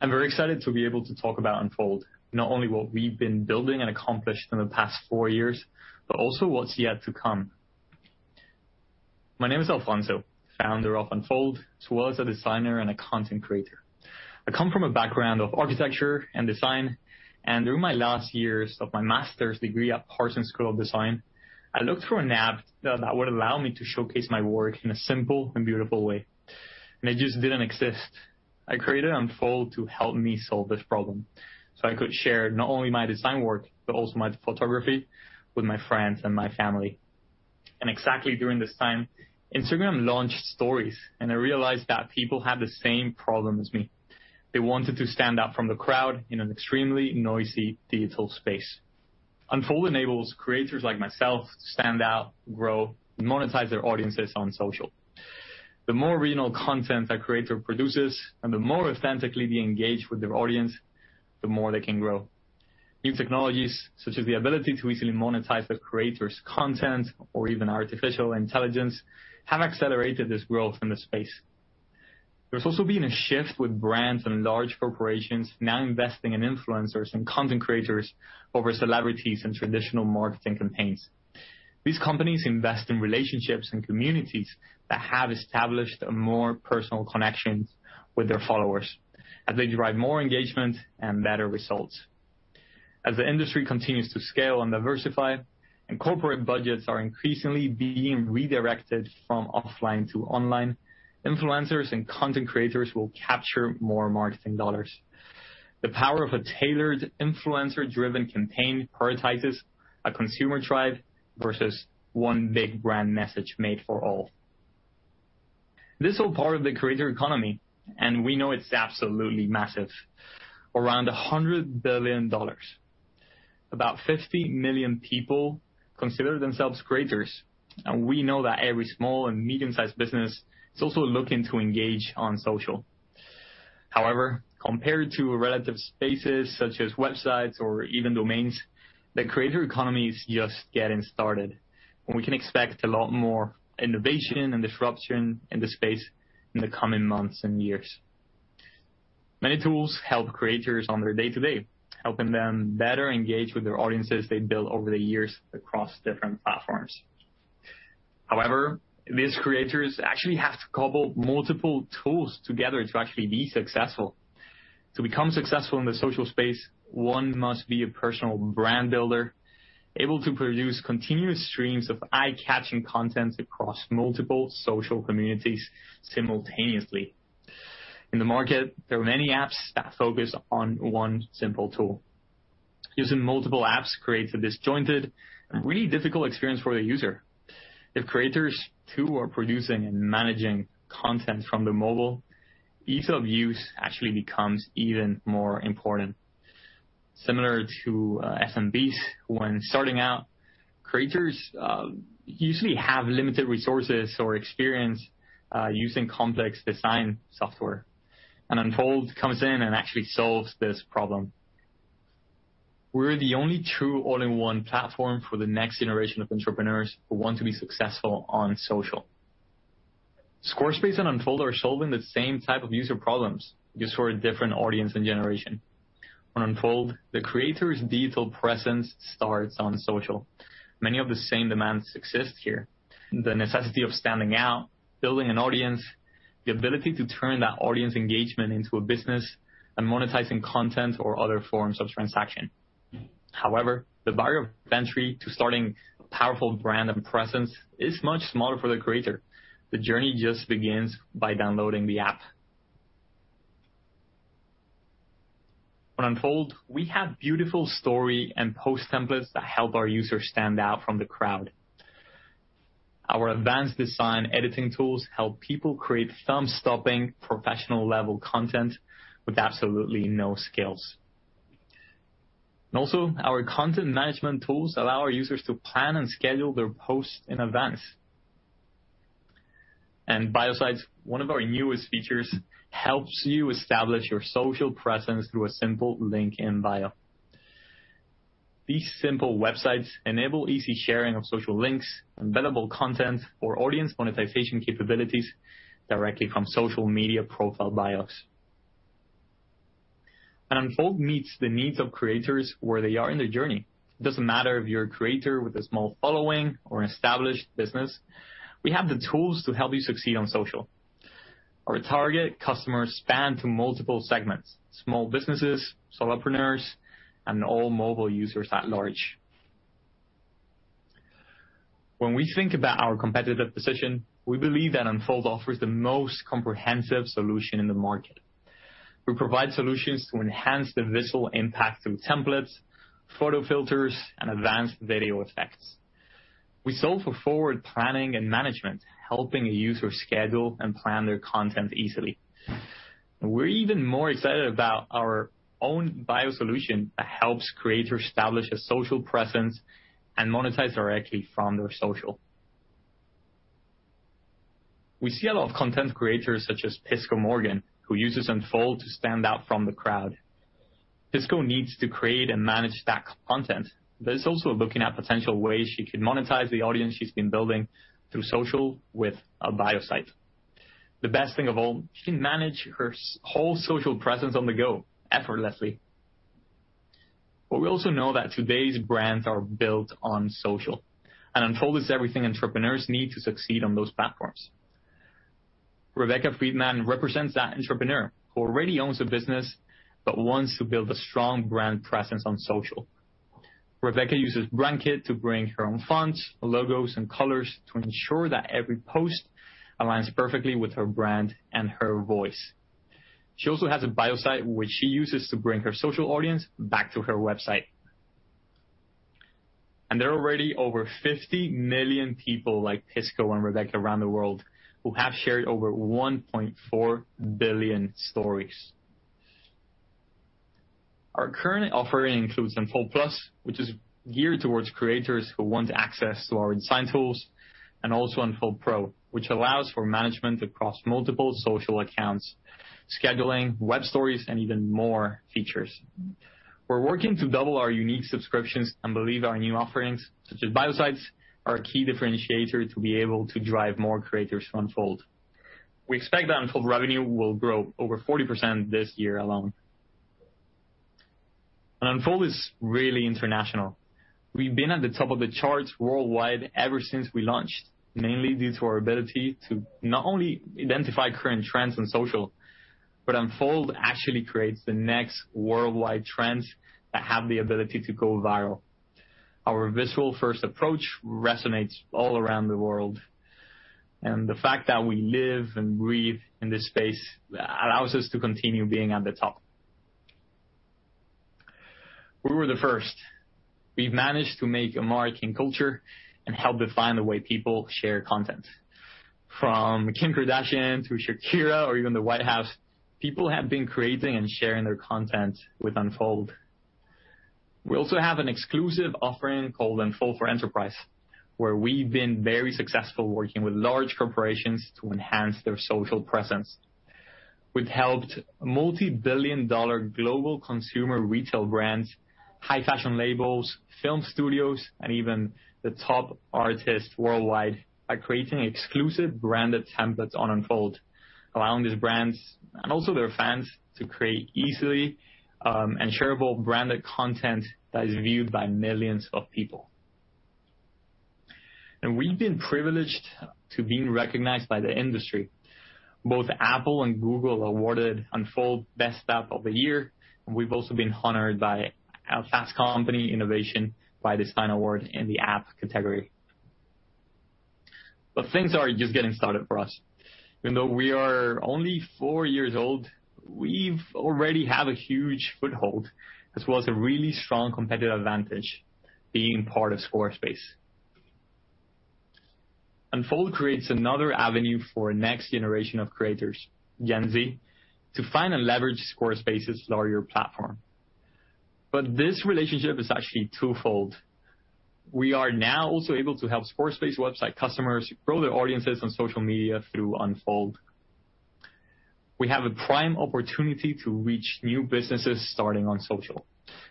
I'm very excited to be able to talk about Unfold. Not only what we've been building and accomplished in the past four years, but also what's yet to come. My name is Alfonso, founder of Unfold, as well as a designer and a content creator. I come from a background of architecture and design, and through my last years of my master's degree at Parsons School of Design, I looked for an app that would allow me to showcase my work in a simple and beautiful way, and it just didn't exist. I created Unfold to help me solve this problem, so I could share not only my design work, but also my photography with my friends and my family. Exactly during this time, Instagram launched Stories, and I realized that people had the same problem as me. They wanted to stand out from the crowd in an extremely noisy digital space. Unfold enables creators like myself to stand out, grow, and monetize their audiences on social. The more original content a creator produces, and the more authentically they engage with their audience, the more they can grow. New technologies, such as the ability to easily monetize the creator's content or even artificial intelligence, have accelerated this growth in the space. There's also been a shift with brands and large corporations now investing in influencers and content creators over celebrities and traditional marketing campaigns. These companies invest in relationships and communities that have established a more personal connection with their followers, as they drive more engagement and better results. As the industry continues to scale and diversify, and corporate budgets are increasingly being redirected from offline to online, influencers and content creators will capture more marketing dollars. The power of a tailored influencer-driven campaign prioritizes a consumer tribe versus one big brand message made for all. This is all part of the creator economy, and we know it's absolutely massive. Around $100 billion. About 50 million people consider themselves creators, and we know that every small and medium-sized business is also looking to engage on social. However, compared to related spaces such as websites or even domains, the creator economy is just getting started. We can expect a lot more innovation and disruption in the space in the coming months and years. Many tools help creators on their day-to-day, helping them better engage with their audiences they built over the years across different platforms. However, these creators actually have to cobble multiple tools together to actually be successful. To become successful in the social space, one must be a personal brand builder, able to produce continuous streams of eye-catching content across multiple social communities simultaneously. In the market, there are many apps that focus on one simple tool. Using multiple apps creates a disjointed and really difficult experience for the user. If creators, too, are producing and managing content from the mobile, ease of use actually becomes even more important. Similar to SMBs, when starting out, creators usually have limited resources or experience using complex design software, and Unfold comes in and actually solves this problem. We're the only true all-in-one platform for the next generation of entrepreneurs who want to be successful on social. Squarespace and Unfold are solving the same type of user problems, just for a different audience and generation. On Unfold, the creator's digital presence starts on social. Many of the same demands exist here. The necessity of standing out, building an audience, the ability to turn that audience engagement into a business, and monetizing content or other forms of transaction. However, the barrier of entry to starting a powerful brand and presence is much smaller for the creator. The journey just begins by downloading the app. On Unfold, we have beautiful story and post templates that help our users stand out from the crowd. Our advanced design editing tools help people create thumb-stopping professional-level content with absolutely no skills. Also, our content management tools allow our users to plan and schedule their posts in advance. Bio Sites, one of our newest features, helps you establish your social presence through a simple link in bio. These simple websites enable easy sharing of social links, embeddable content or audience monetization capabilities directly from social media profile bios. Unfold meets the needs of creators where they are in their journey. It doesn't matter if you're a creator with a small following or an established business, we have the tools to help you succeed on social. Our target customers span to multiple segments, small businesses, solopreneurs, and all mobile users at large. When we think about our competitive position, we believe that Unfold offers the most comprehensive solution in the market. We provide solutions to enhance the visual impact through templates, photo filters, and advanced video effects. We solve for forward planning and management, helping a user schedule and plan their content easily. We're even more excited about our own bio solution that helps creators establish a social presence and monetize directly from their social. We see a lot of content creators such as Pisco Morgan, who uses Unfold to stand out from the crowd. Pisco needs to create and manage that content, but is also looking at potential ways she could monetize the audience she's been building through social with a Bio Site. The best thing of all, she can manage her whole social presence on the go effortlessly. We also know that today's brands are built on social, and Unfold is everything entrepreneurs need to succeed on those platforms. Rebecca Friedman represents that entrepreneur who already owns a business but wants to build a strong brand presence on social. Rebecca uses Brand Kit to bring her own fonts, logos, and colors to ensure that every post aligns perfectly with her brand and her voice. She also has a Bio Site which she uses to bring her social audience back to her website. There are already over 50 million people like Pisco and Rebecca around the world who have shared over 1.4 billion stories. Our current offering includes Unfold+, which is geared towards creators who want access to our design tools, and also Unfold Pro, which allows for management across multiple social accounts, scheduling, web stories, and even more features. We're working to double our unique subscriptions and believe our new offerings, such as Bio Sites, are a key differentiator to be able to drive more creators to Unfold. We expect that Unfold revenue will grow over 40% this year alone. Unfold is really international. We've been at the top of the charts worldwide ever since we launched, mainly due to our ability to not only identify current trends on social, but Unfold actually creates the next worldwide trends that have the ability to go viral. Our visual-first approach resonates all around the world, and the fact that we live and breathe in this space allows us to continue being at the top. We were the first. We've managed to make a mark in culture and help define the way people share content. From Kim Kardashian to Shakira or even The White House, people have been creating and sharing their content with Unfold. We also have an exclusive offering called Unfold for Enterprise, where we've been very successful working with large corporations to enhance their social presence. We've helped multi-billion-dollar global consumer retail brands, high fashion labels, film studios, and even the top artists worldwide by creating exclusive branded templates on Unfold, allowing these brands, and also their fans, to create easily and shareable branded content that is viewed by millions of people. We've been privileged to being recognized by the industry. Both Apple and Google awarded Unfold Best App of the Year. We've also been honored by our Fast Company Innovation by Design award in the app category. Things are just getting started for us. Even though we are only four years old, we've already have a huge foothold, as well as a really strong competitive advantage being part of Squarespace. Unfold creates another avenue for a next generation of creators, Gen Z, to find and leverage Squarespace's larger platform. This relationship is actually twofold. We are now also able to help Squarespace website customers grow their audiences on social media through Unfold. We have a prime opportunity to reach new businesses starting on social,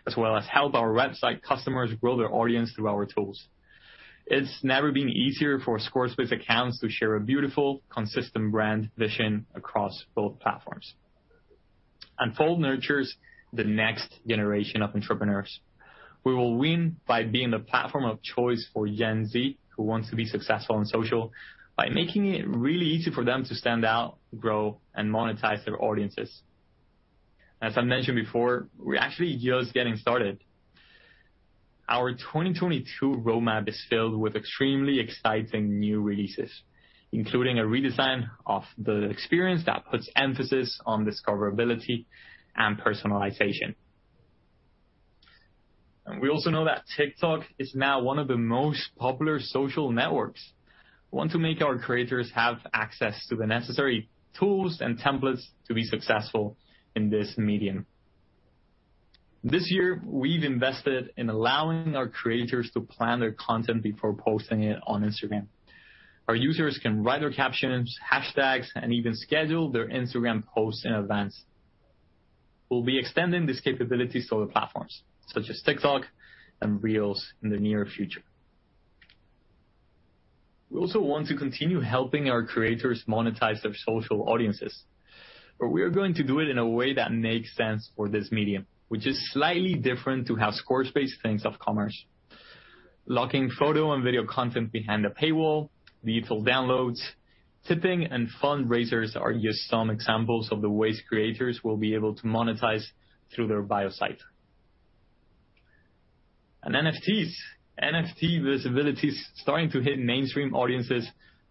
as well as help our website customers grow their audience through our tools. It's never been easier for Squarespace accounts to share a beautiful, consistent brand vision across both platforms. Unfold nurtures the next generation of entrepreneurs. We will win by being the platform of choice for Gen Z who wants to be successful on social by making it really easy for them to stand out, grow, and monetize their audiences. As I mentioned before, we're actually just getting started. Our 2022 roadmap is filled with extremely exciting new releases, including a redesign of the experience that puts emphasis on discoverability and personalization. We also know that TikTok is now one of the most popular social networks. We want to make our creators have access to the necessary tools and templates to be successful in this medium. This year, we've invested in allowing our creators to plan their content before posting it on Instagram. Our users can write their captions, hashtags, and even schedule their Instagram posts in advance. We'll be extending these capabilities to other platforms, such as TikTok and Reels in the near future. We also want to continue helping our creators monetize their social audiences, but we are going to do it in a way that makes sense for this medium, which is slightly different to how Squarespace thinks of commerce. Locking photo and video content behind a paywall, digital downloads, tipping, and fundraisers are just some examples of the ways creators will be able to monetize through their bio site. NFTs. NFT visibility is starting to hit mainstream audiences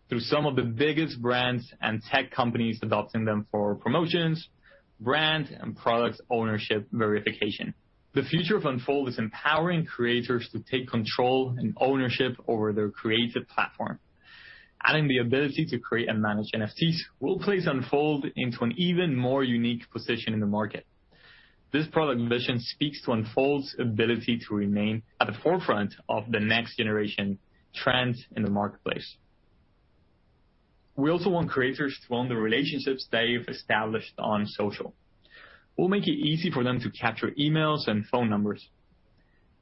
through some of the biggest brands and tech companies adopting them for promotions, brand and product ownership verification. The future of Unfold is empowering creators to take control and ownership over their creative platform. Adding the ability to create and manage NFTs will place Unfold into an even more unique position in the market. This product mission speaks to Unfold's ability to remain at the forefront of the next generation trends in the marketplace. We also want creators to own the relationships they've established on social. We'll make it easy for them to capture emails and phone numbers.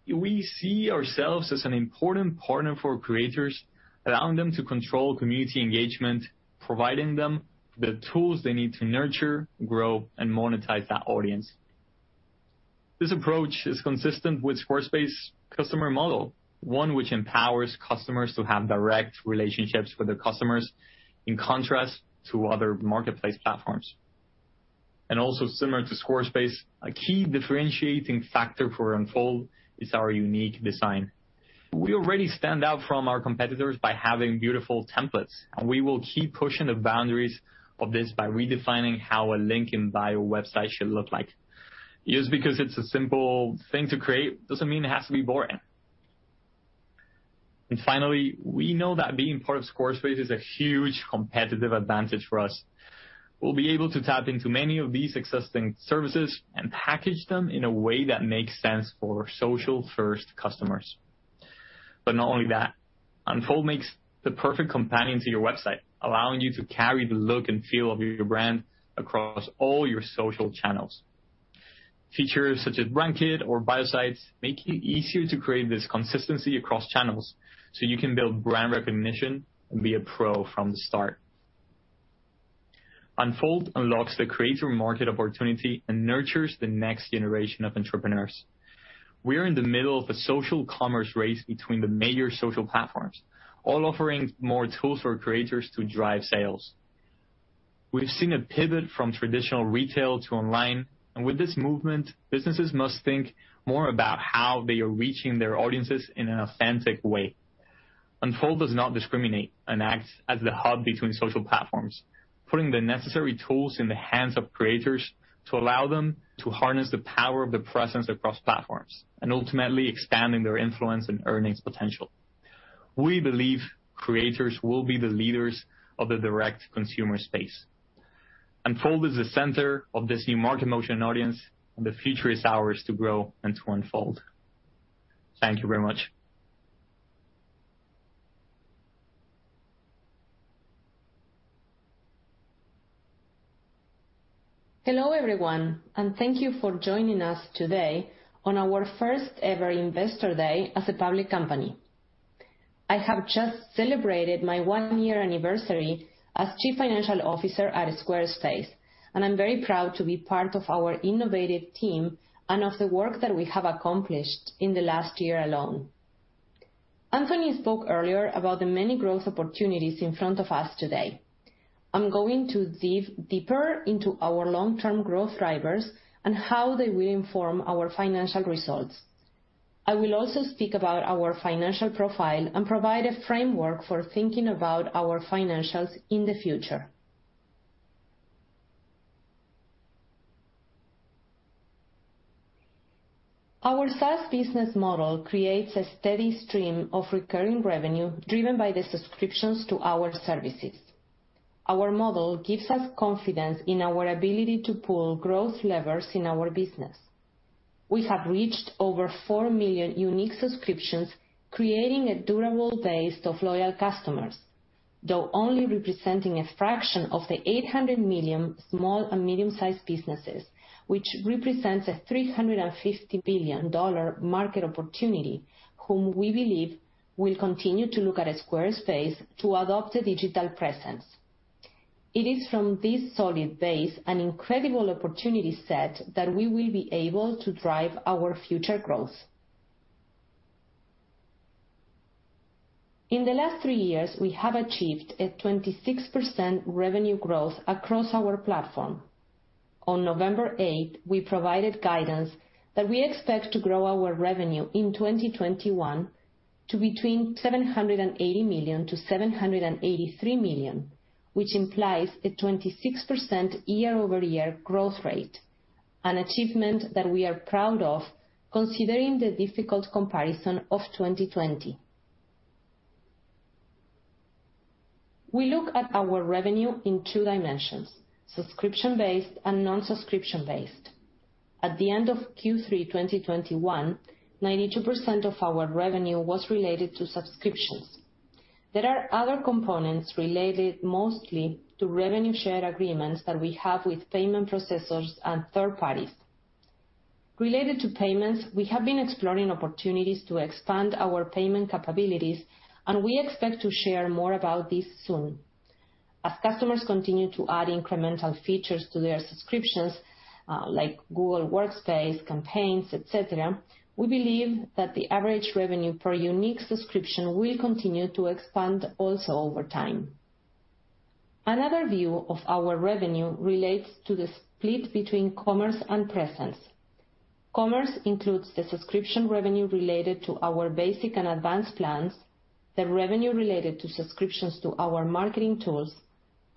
We see ourselves as an important partner for creators, allowing them to control community engagement, providing them the tools they need to nurture, grow, and monetize that audience. This approach is consistent with Squarespace customer model, one which empowers customers to have direct relationships with their customers, in contrast to other marketplace platforms. Also similar to Squarespace, a key differentiating factor for Unfold is our unique design. We already stand out from our competitors by having beautiful templates, and we will keep pushing the boundaries of this by redefining how a link in bio website should look like. Just because it's a simple thing to create doesn't mean it has to be boring. Finally, we know that being part of Squarespace is a huge competitive advantage for us. We'll be able to tap into many of these existing services and package them in a way that makes sense for social-first customers. Not only that, Unfold makes the perfect companion to your website, allowing you to carry the look and feel of your brand across all your social channels. Features such as Brand Kit or Bio Sites make it easier to create this consistency across channels, so you can build brand recognition and be a pro from the start. Unfold unlocks the creator market opportunity and nurtures the next generation of entrepreneurs. We're in the middle of a social commerce race between the major social platforms, all offering more tools for creators to drive sales. We've seen a pivot from traditional retail to online, and with this movement, businesses must think more about how they are reaching their audiences in an authentic way. Unfold does not discriminate and acts as the hub between social platforms, putting the necessary tools in the hands of creators to allow them to harness the power of their presence across platforms, and ultimately expanding their influence and earnings potential. We believe creators will be the leaders of the direct consumer space. Unfold is the center of this new market motion audience, and the future is ours to grow and to unfold. Thank you very much. Hello, everyone, and thank you for joining us today on our first-ever Investor Day as a public company. I have just celebrated my one-year anniversary as Chief Financial Officer at Squarespace, and I'm very proud to be part of our innovative team and of the work that we have accomplished in the last year alone. Anthony spoke earlier about the many growth opportunities in front of us today. I'm going to dive deeper into our long-term growth drivers and how they will inform our financial results. I will also speak about our financial profile and provide a framework for thinking about our financials in the future. Our sales business model creates a steady stream of recurring revenue driven by the subscriptions to our services. Our model gives us confidence in our ability to pull growth levers in our business. We have reached over 4 million unique subscriptions, creating a durable base of loyal customers. Though only representing a fraction of the 800 million small and medium-sized businesses, which represents a $350 billion market opportunity, whom we believe will continue to look at Squarespace to adopt a digital presence. It is from this solid base, an incredible opportunity set, that we will be able to drive our future growth. In the last three years, we have achieved 26% revenue growth across our platform. On November 8, we provided guidance that we expect to grow our revenue in 2021 to between $780 million and $783 million, which implies a 26% year-over-year growth rate, an achievement that we are proud of, considering the difficult comparison of 2020. We look at our revenue in two dimensions: subscription-based and non-subscription-based. At the end of Q3 2021, 92% of our revenue was related to subscriptions. There are other components related mostly to revenue share agreements that we have with payment processors and third parties. Related to payments, we have been exploring opportunities to expand our payment capabilities, and we expect to share more about this soon. As customers continue to add incremental features to their subscriptions, like Google Workspace, Campaigns, et cetera, we believe that the average revenue per unique subscription will continue to expand also over time. Another view of our revenue relates to the split between commerce and presence. Commerce includes the subscription revenue related to our basic and advanced plans, the revenue related to subscriptions to our marketing tools,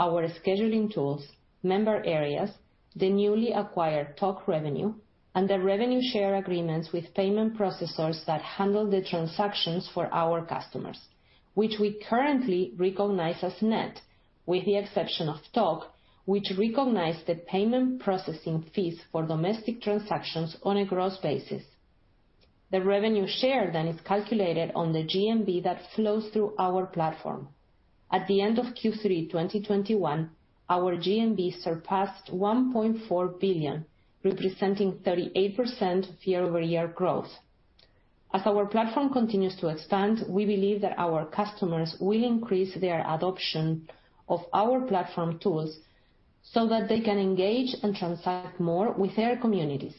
our scheduling tools, Member Areas, the newly acquired Tock revenue, and the revenue share agreements with payment processors that handle the transactions for our customers, which we currently recognize as net, with the exception of Tock, which recognize the payment processing fees for domestic transactions on a gross basis. The revenue share then is calculated on the GMV that flows through our platform. At the end of Q3 2021, our GMV surpassed $1.4 billion, representing 38% year-over-year growth. As our platform continues to expand, we believe that our customers will increase their adoption of our platform tools so that they can engage and transact more with their communities.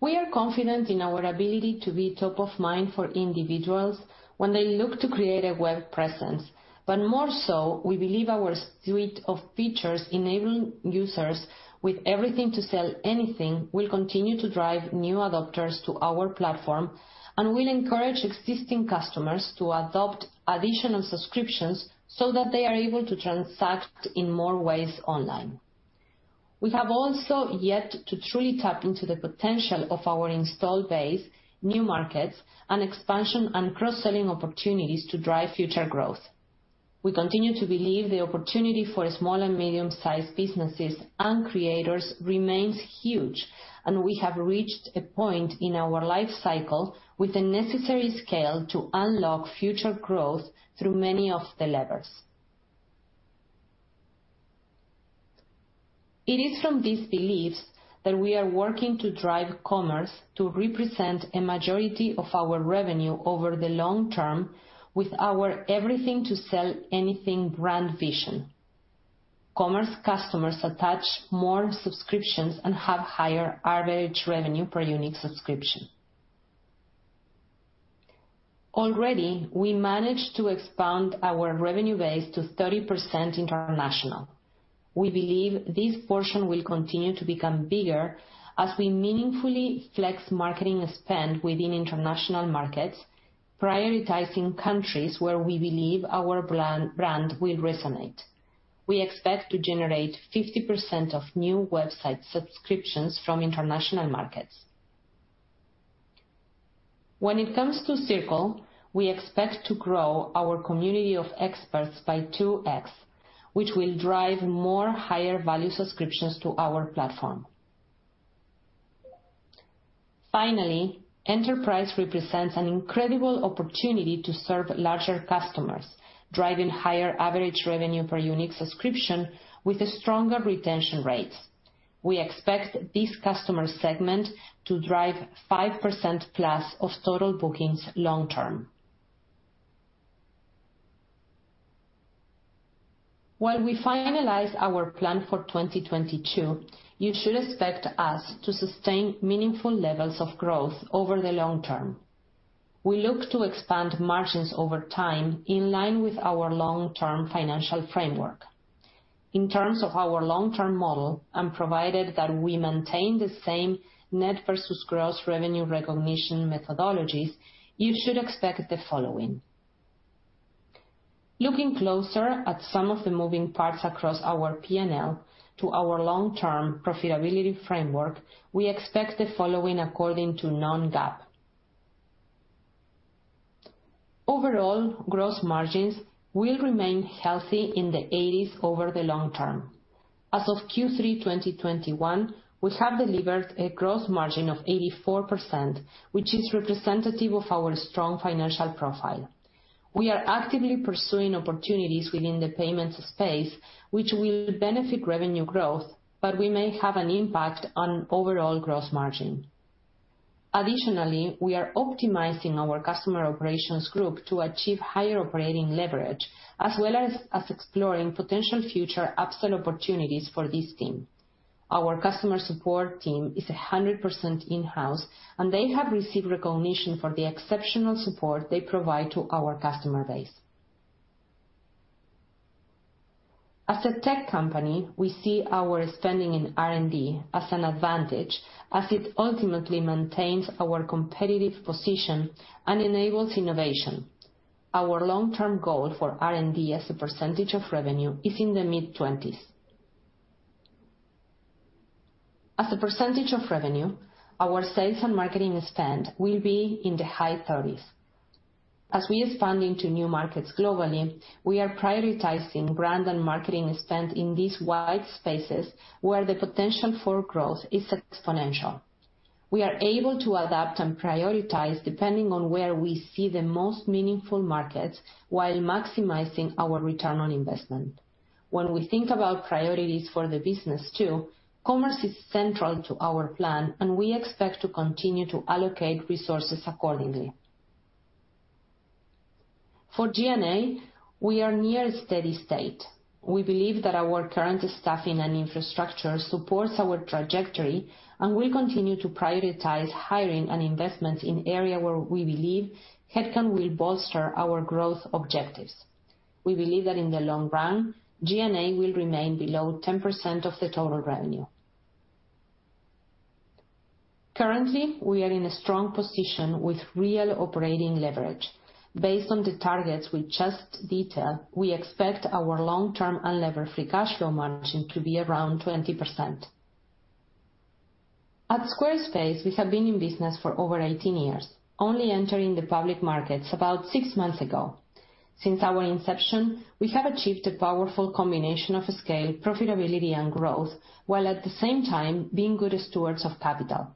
We are confident in our ability to be top of mind for individuals when they look to create a web presence, but more so, we believe our suite of features enabling users with everything to sell anything will continue to drive new adopters to our platform and will encourage existing customers to adopt additional subscriptions so that they are able to transact in more ways online. We have also yet to truly tap into the potential of our installed base, new markets, and expansion and cross-selling opportunities to drive future growth. We continue to believe the opportunity for small and medium-sized businesses and creators remains huge, and we have reached a point in our life cycle with the necessary scale to unlock future growth through many of the levers. It is from these beliefs that we are working to drive commerce to represent a majority of our revenue over the long term with our everything to sell anything brand vision. Commerce customers attach more subscriptions and have higher average revenue per unique subscription. Already, we managed to expand our revenue base to 30% international. We believe this portion will continue to become bigger as we meaningfully flex marketing spend within international markets, prioritizing countries where we believe our brand will resonate. We expect to generate 50% of new website subscriptions from international markets. When it comes to Circle, we expect to grow our community of experts by 2x, which will drive more higher value subscriptions to our platform. Finally, Enterprise represents an incredible opportunity to serve larger customers, driving higher average revenue per unique subscription with a stronger retention rate. We expect this customer segment to drive 5%+ of total bookings long term. While we finalize our plan for 2022, you should expect us to sustain meaningful levels of growth over the long term. We look to expand margins over time in line with our long-term financial framework. In terms of our long-term model, and provided that we maintain the same net versus gross revenue recognition methodologies, you should expect the following. Looking closer at some of the moving parts across our P&L to our long-term profitability framework, we expect the following according to non-GAAP. Overall, gross margins will remain healthy in the 80s over the long term. As of Q3 2021, we have delivered a gross margin of 84%, which is representative of our strong financial profile. We are actively pursuing opportunities within the payments space, which will benefit revenue growth, but we may have an impact on overall gross margin. Additionally, we are optimizing our customer operations group to achieve higher operating leverage, as well as exploring potential future upsell opportunities for this team. Our customer support team is 100% in-house, and they have received recognition for the exceptional support they provide to our customer base. As a tech company, we see our spending in R&D as an advantage as it ultimately maintains our competitive position and enables innovation. Our long-term goal for R&D as a percentage of revenue is in the mid-20s%. As a percentage of revenue, our sales and marketing spend will be in the high 30s%. As we expand into new markets globally, we are prioritizing brand and marketing spend in these wide spaces where the potential for growth is exponential. We are able to adapt and prioritize depending on where we see the most meaningful markets while maximizing our return on investment. When we think about priorities for the business too, commerce is central to our plan, and we expect to continue to allocate resources accordingly. For G&A, we are near a steady state. We believe that our current staffing and infrastructure supports our trajectory, and we continue to prioritize hiring and investments in areas where we believe headcount will bolster our growth objectives. We believe that in the long run, G&A will remain below 10% of the total revenue. Currently, we are in a strong position with real operating leverage. Based on the targets we just detailed, we expect our long-term unlevered free cash flow margin to be around 20%. At Squarespace, we have been in business for over 18 years, only entering the public markets about six months ago. Since our inception, we have achieved a powerful combination of scale, profitability, and growth, while at the same time being good stewards of capital.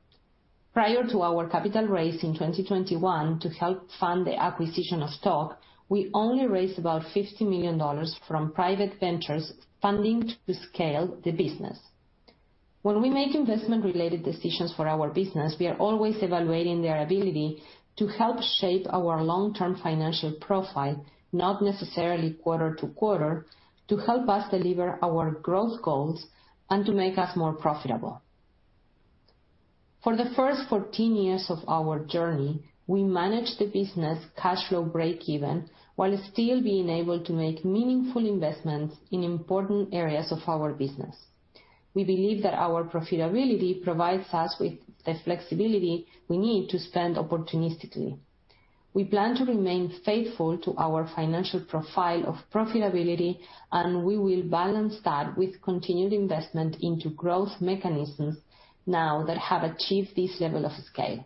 Prior to our capital raise in 2021 to help fund the acquisition of Tock, we only raised about $50 million from private ventures funding to scale the business. When we make investment-related decisions for our business, we are always evaluating their ability to help shape our long-term financial profile, not necessarily quarter to quarter, to help us deliver our growth goals and to make us more profitable. For the first 14 years of our journey, we managed the business cash flow break-even while still being able to make meaningful investments in important areas of our business. We believe that our profitability provides us with the flexibility we need to spend opportunistically. We plan to remain faithful to our financial profile of profitability, and we will balance that with continued investment into growth mechanisms now that have achieved this level of scale.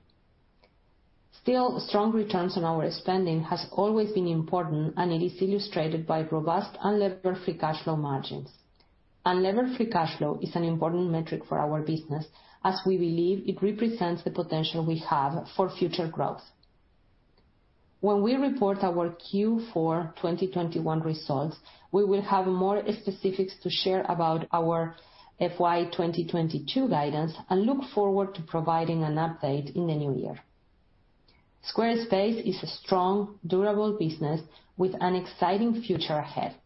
Still, strong returns on our spending has always been important, and it is illustrated by robust unlevered free cash flow margins. Unlevered free cash flow is an important metric for our business as we believe it represents the potential we have for future growth. When we report our Q4 2021 results, we will have more specifics to share about our FY 2022 guidance and look forward to providing an update in the new year. Squarespace is a strong, durable business with an exciting future ahead.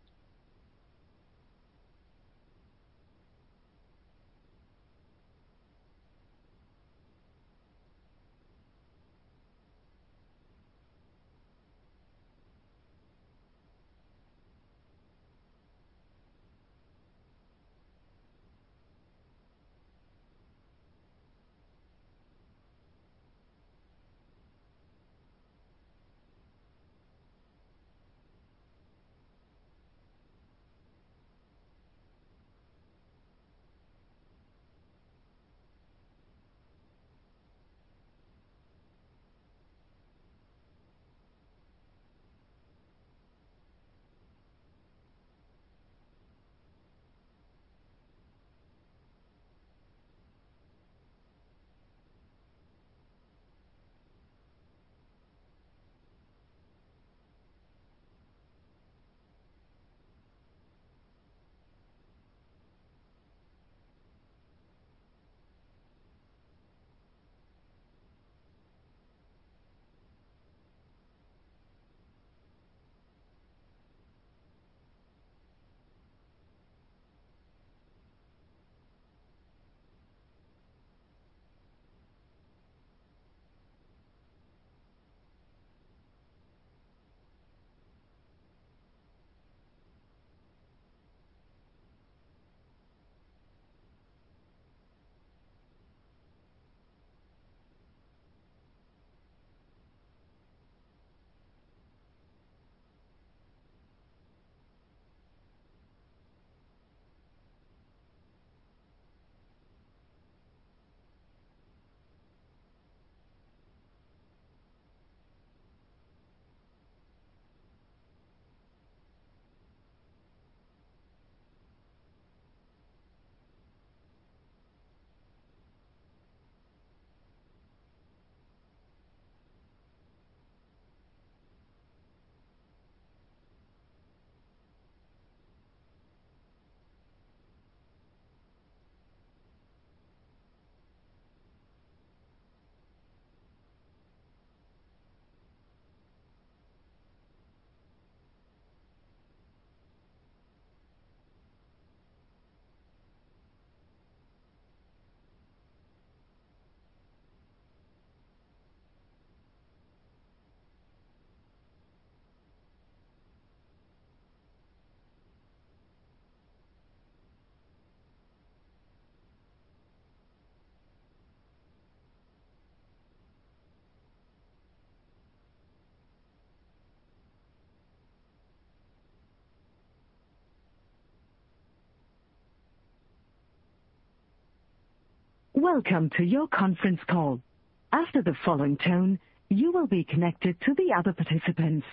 Welcome to your conference call. After the following tone, you will be connected to the other participants.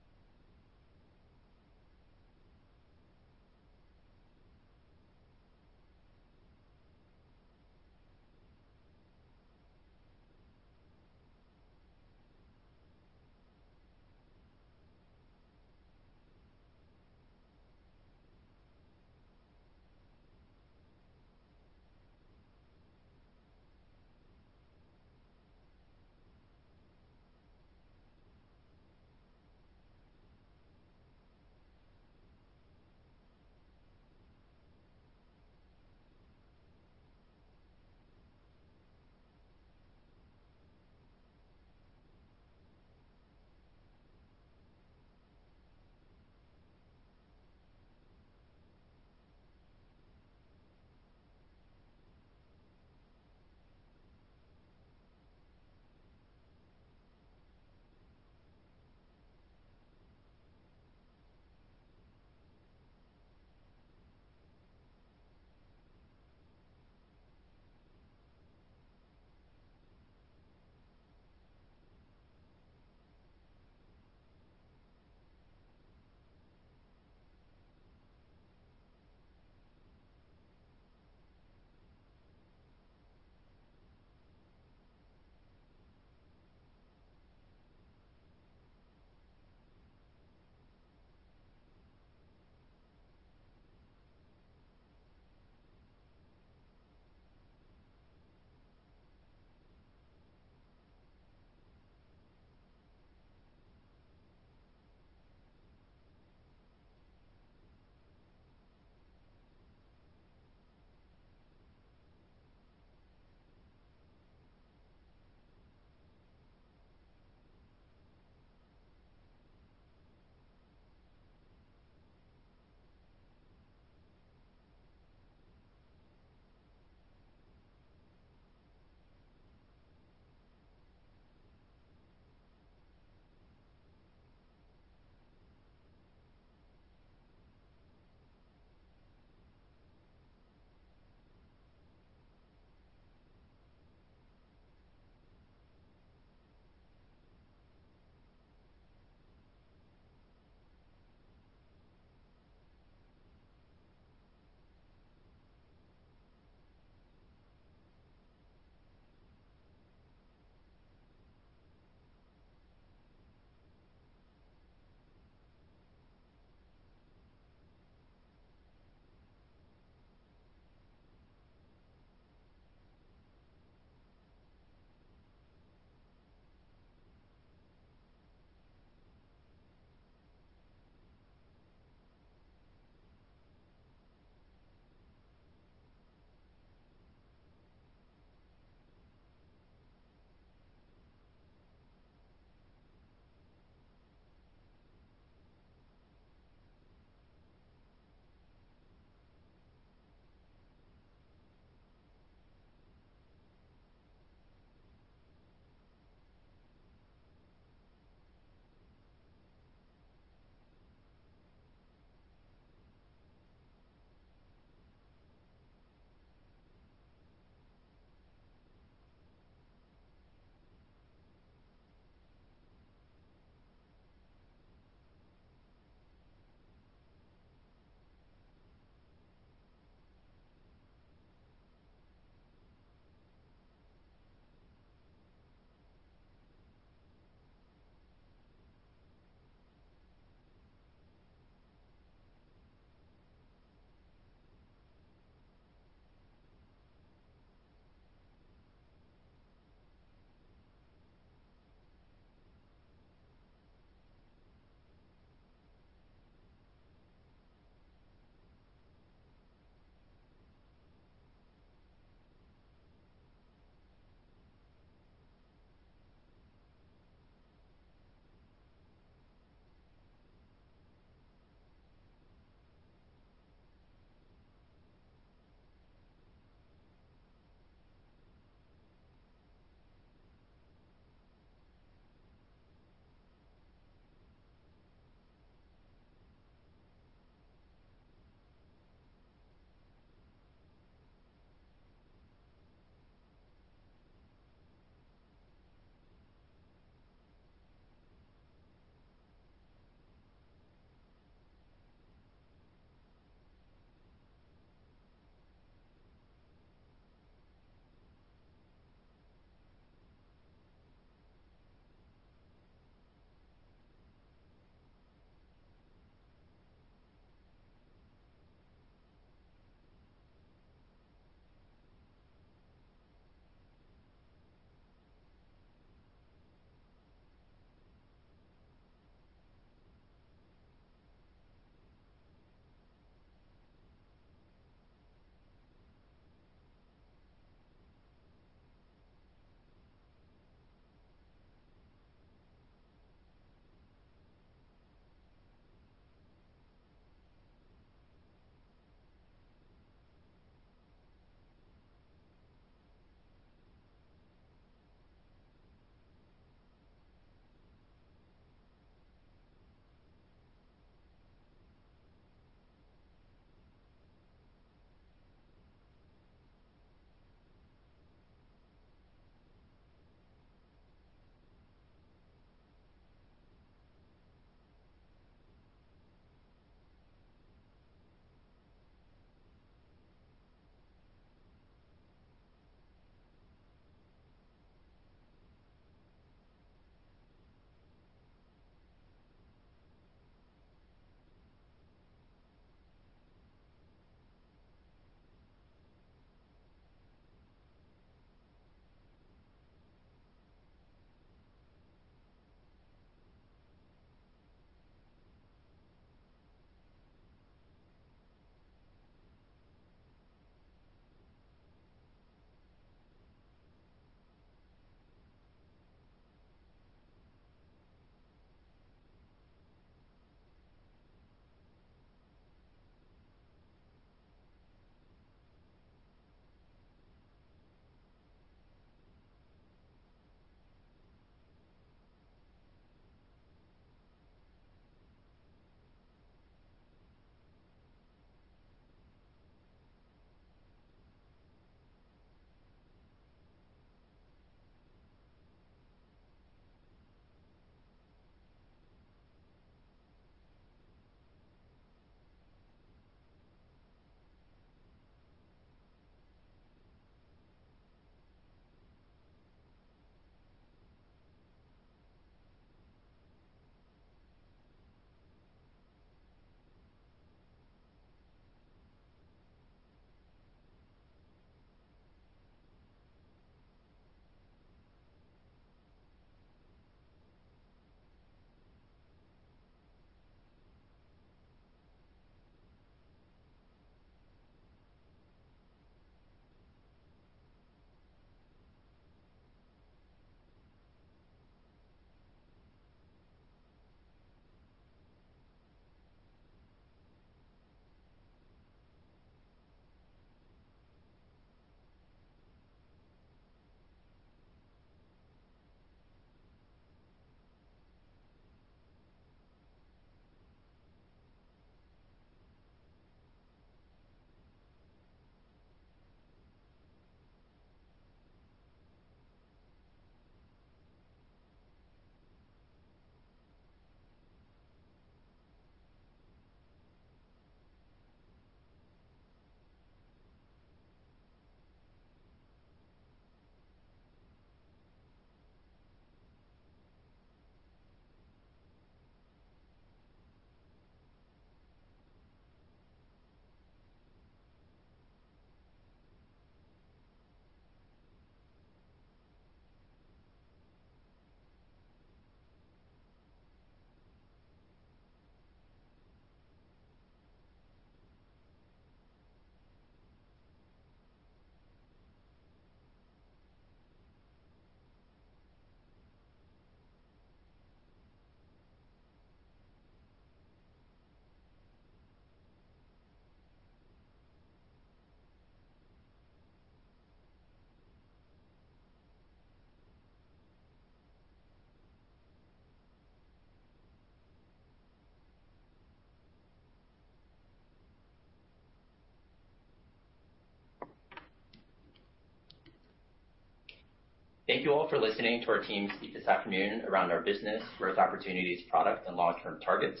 Thank you all for listening to our team speak this afternoon around our business growth opportunities, product, and long-term targets.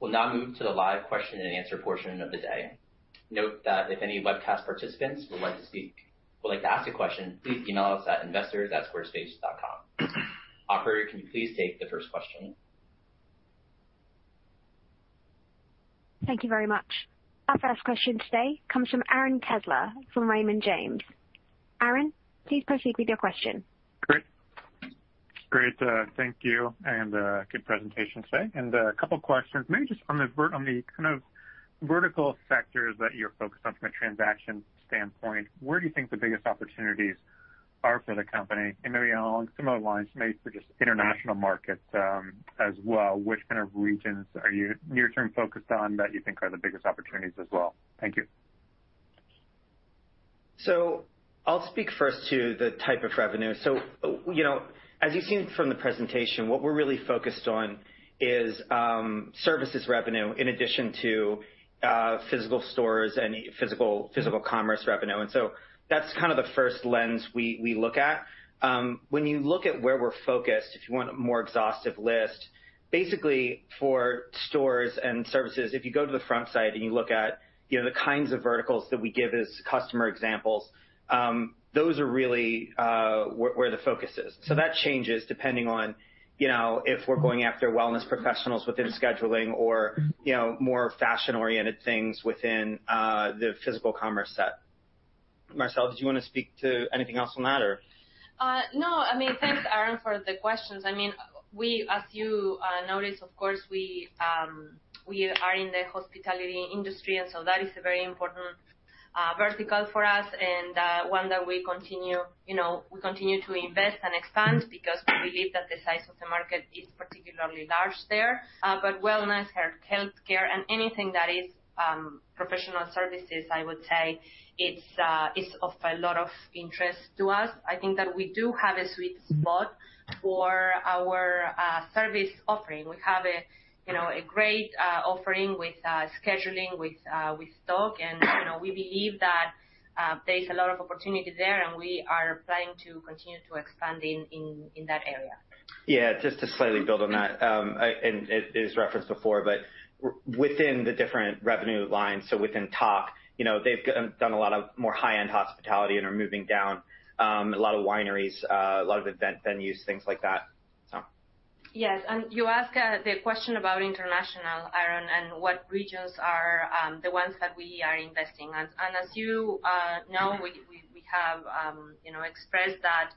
We'll now move to the live question and answer portion of the day. Note that if any webcast participants would like to ask a question, please email us at investors@squarespace.com. Operator, can you please take the first question? Thank you very much. Our first question today comes from Aaron Kessler from Raymond James. Aaron, please proceed with your question. Great, thank you, and good presentation today. A couple questions. Maybe just on the kind of vertical sectors that you're focused on from a transaction standpoint, where do you think the biggest opportunities are for the company? Maybe along similar lines, for just international markets as well, which kind of regions are you near-term focused on that you think are the biggest opportunities as well? Thank you. I'll speak first to the type of revenue. You know, as you've seen from the presentation, what we're really focused on is services revenue in addition to physical stores and physical commerce revenue. That's kind of the first lens we look at. When you look at where we're focused, if you want a more exhaustive list, basically for stores and services, if you go to the front slide and you look at the kinds of verticals that we give as customer examples, those are really where the focus is. That changes depending on if we're going after wellness professionals within scheduling or more fashion-oriented things within the physical commerce set. Marcela, did you wanna speak to anything else on that or? No. I mean, thanks, Aaron, for the questions. As you noticed, of course, we are in the hospitality industry, and so that is a very important vertical for us and one that we continue to invest and expand because we believe that the size of the market is particularly large there. But wellness, healthcare, and anything that is professional services, I would say it is of a lot of interest to us. I think that we do have a sweet spot for our service offering. We have a great offering with scheduling, with Tock. You know, we believe that there's a lot of opportunity there, and we are planning to continue to expand in that area. Yeah. Just to slightly build on that, it is referenced before, but within the different revenue lines, so within Tock, you know, they've done a lot more high-end hospitality and are moving down a lot of wineries, a lot of event venues, things like that, so. Yes. You ask the question about international, Aaron, and what regions are the ones that we are investing. As you know, we have expressed that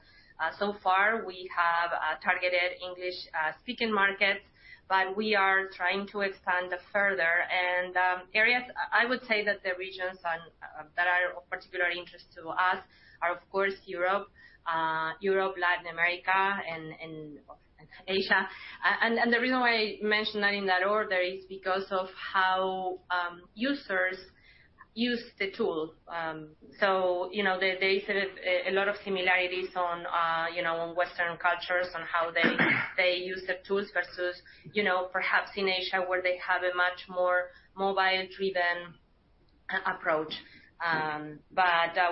so far we have targeted English speaking markets, but we are trying to expand further. I would say that the regions that are of particular interest to us are, of course, Europe, Latin America and Asia. The reason why I mention that in that order is because of how users use the tool. You know, there is a lot of similarities on Western cultures on how they use the tools versus, you know, perhaps in Asia, where they have a much more mobile-driven approach.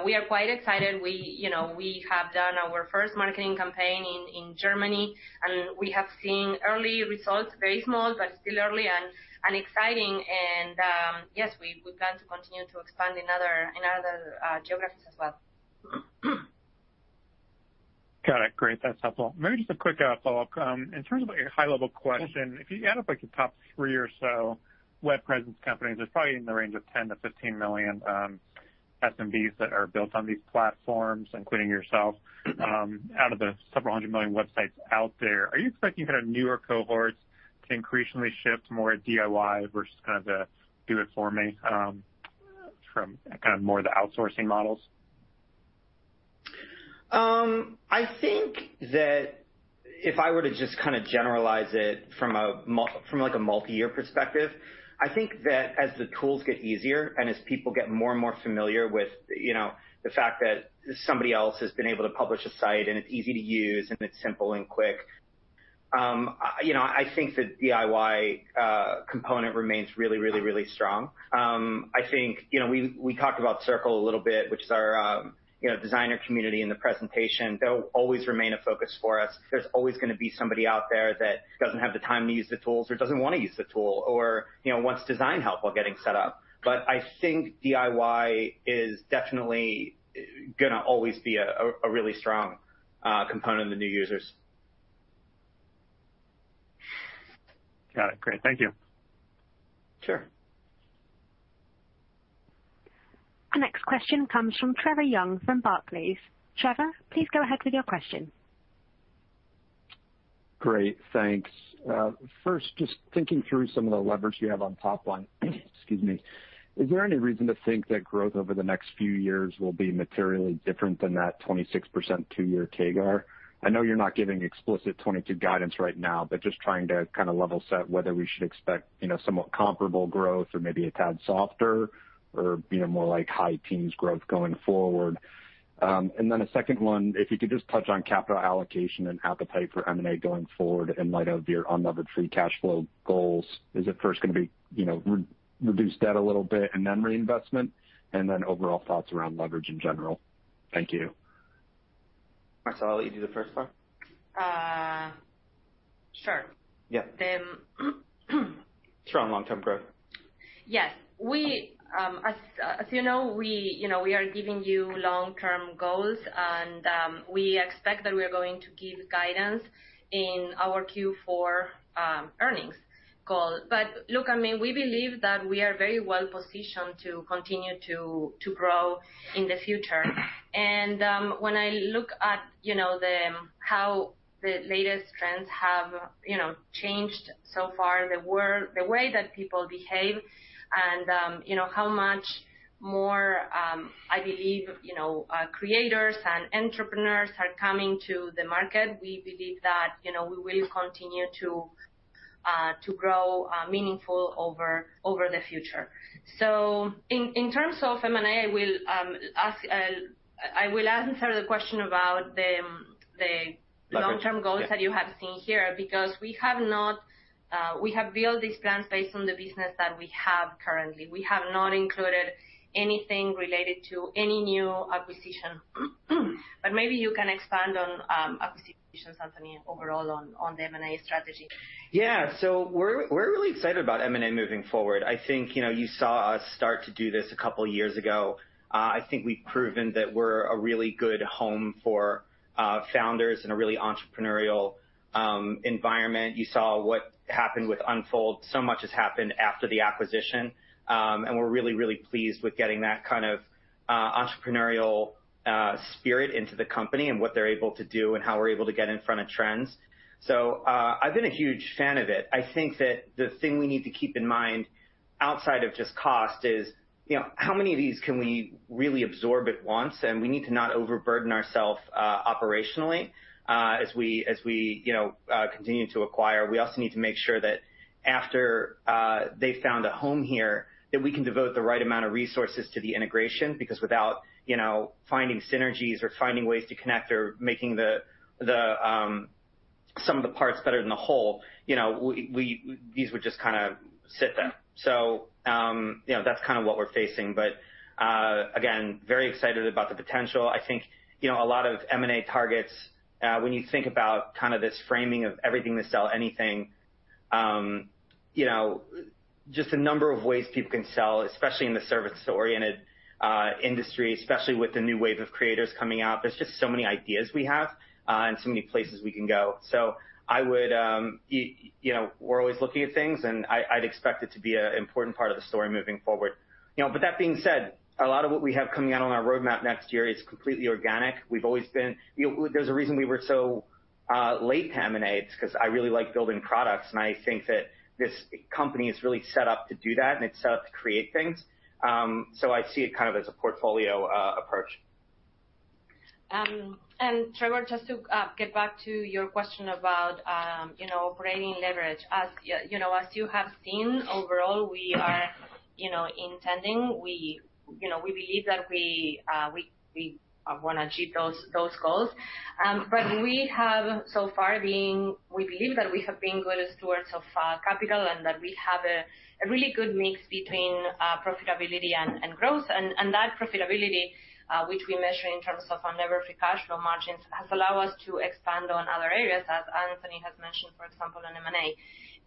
We are quite excited. We, you know, we have done our first marketing campaign in Germany, and we have seen early results, very small, but still early and exciting. Yes, we plan to continue to expand in other geographies as well. Got it. Great. That's helpful. Maybe just a quick follow-up. In terms of your high-level question, if you add up like the top three or so web presence companies, there's probably in the range of 10-15 million SMBs that are built on these platforms, including yourself, out of the several hundred million websites out there. Are you expecting kind of newer cohorts to increasingly shift more DIY versus kind of the do it for me from kind of more the outsourcing models? I think that if I were to just kinda generalize it from a multi-year perspective, I think that as the tools get easier and as people get more and more familiar with, you know, the fact that somebody else has been able to publish a site and it's easy to use and it's simple and quick, you know, I think the DIY component remains really strong. I think, you know, we talked about Circle a little bit, which is our, you know, designer community in the presentation. That will always remain a focus for us. There's always gonna be somebody out there that doesn't have the time to use the tools or doesn't wanna use the tool or, you know, wants design help while getting set up. I think DIY is definitely gonna always be a really strong component of the new users. Got it. Great. Thank you. Sure. The next question comes from Trevor Young from Barclays. Trevor, please go ahead with your question. Great. Thanks. First, just thinking through some of the levers you have on top line, excuse me. Is there any reason to think that growth over the next few years will be materially different than that 26% two-year CAGR? I know you're not giving explicit 2022 guidance right now, but just trying to kinda level set whether we should expect, you know, somewhat comparable growth or maybe a tad softer or, you know, more like high-teens growth going forward. Then a second one, if you could just touch on capital allocation and appetite for M&A going forward in light of your unlevered free cash flow goals. Is it first gonna be, you know, reduce debt a little bit and then reinvestment? Then overall thoughts around leverage in general. Thank you. Marcela, I'll let you do the first one. Sure. Yeah. Them... Strong long-term growth. Yes. We, as you know, we are giving you long-term goals, and we expect that we are going to give guidance in our Q4 earnings call. Look, I mean, we believe that we are very well positioned to continue to grow in the future. When I look at, you know, how the latest trends have, you know, changed so far, the way that people behave and, you know, how much more, I believe, you know, creators and entrepreneurs are coming to the market, we believe that, you know, we will continue to grow meaningful over the future. In terms of M&A, I will answer the question about the long-term- Okay. Yeah Goals that you have seen here, because we have not. We have built these plans based on the business that we have currently. We have not included anything related to any new acquisition. Maybe you can expand on acquisitions, Anthony, overall on the M&A strategy. Yeah. We're really excited about M&A moving forward. I think, you know, you saw us start to do this a couple years ago. I think we've proven that we're a really good home for founders in a really entrepreneurial environment. You saw what happened with Unfold. Much has happened after the acquisition. We're really, really pleased with getting that kind of entrepreneurial spirit into the company and what they're able to do and how we're able to get in front of trends. I've been a huge fan of it. I think that the thing we need to keep in mind outside of just cost is, you know, how many of these can we really absorb at once? We need to not overburden ourselves operationally as we, you know, continue to acquire. We also need to make sure that after they found a home here, that we can devote the right amount of resources to the integration, because without, you know, finding synergies or finding ways to connect or making the sum of the parts better than the whole, you know, these would just kinda sit there. You know, that's kind of what we're facing. Again, very excited about the potential. I think, you know, a lot of M&A targets, when you think about kind of this framing of everything to sell anything, you know, just the number of ways people can sell, especially in the service-oriented industry, especially with the new wave of creators coming out, there's just so many ideas we have, and so many places we can go. I would you know, we're always looking at things, and I'd expect it to be an important part of the story moving forward. You know, but that being said, a lot of what we have coming out on our roadmap next year is completely organic. We've always been. There's a reason we were so late to M&A. It's 'cause I really like building products, and I think that this company is really set up to do that, and it's set up to create things. I see it kind of as a portfolio approach. Trevor, just to get back to your question about, you know, operating leverage. As you know, as you have seen overall, we are intending. We, you know, we believe that we wanna achieve those goals. We believe that we have been good stewards of capital, and that we have a really good mix between profitability and growth. And that profitability, which we measure in terms of unlevered free cash flow margins, has allowed us to expand on other areas, as Anthony has mentioned, for example, in M&A.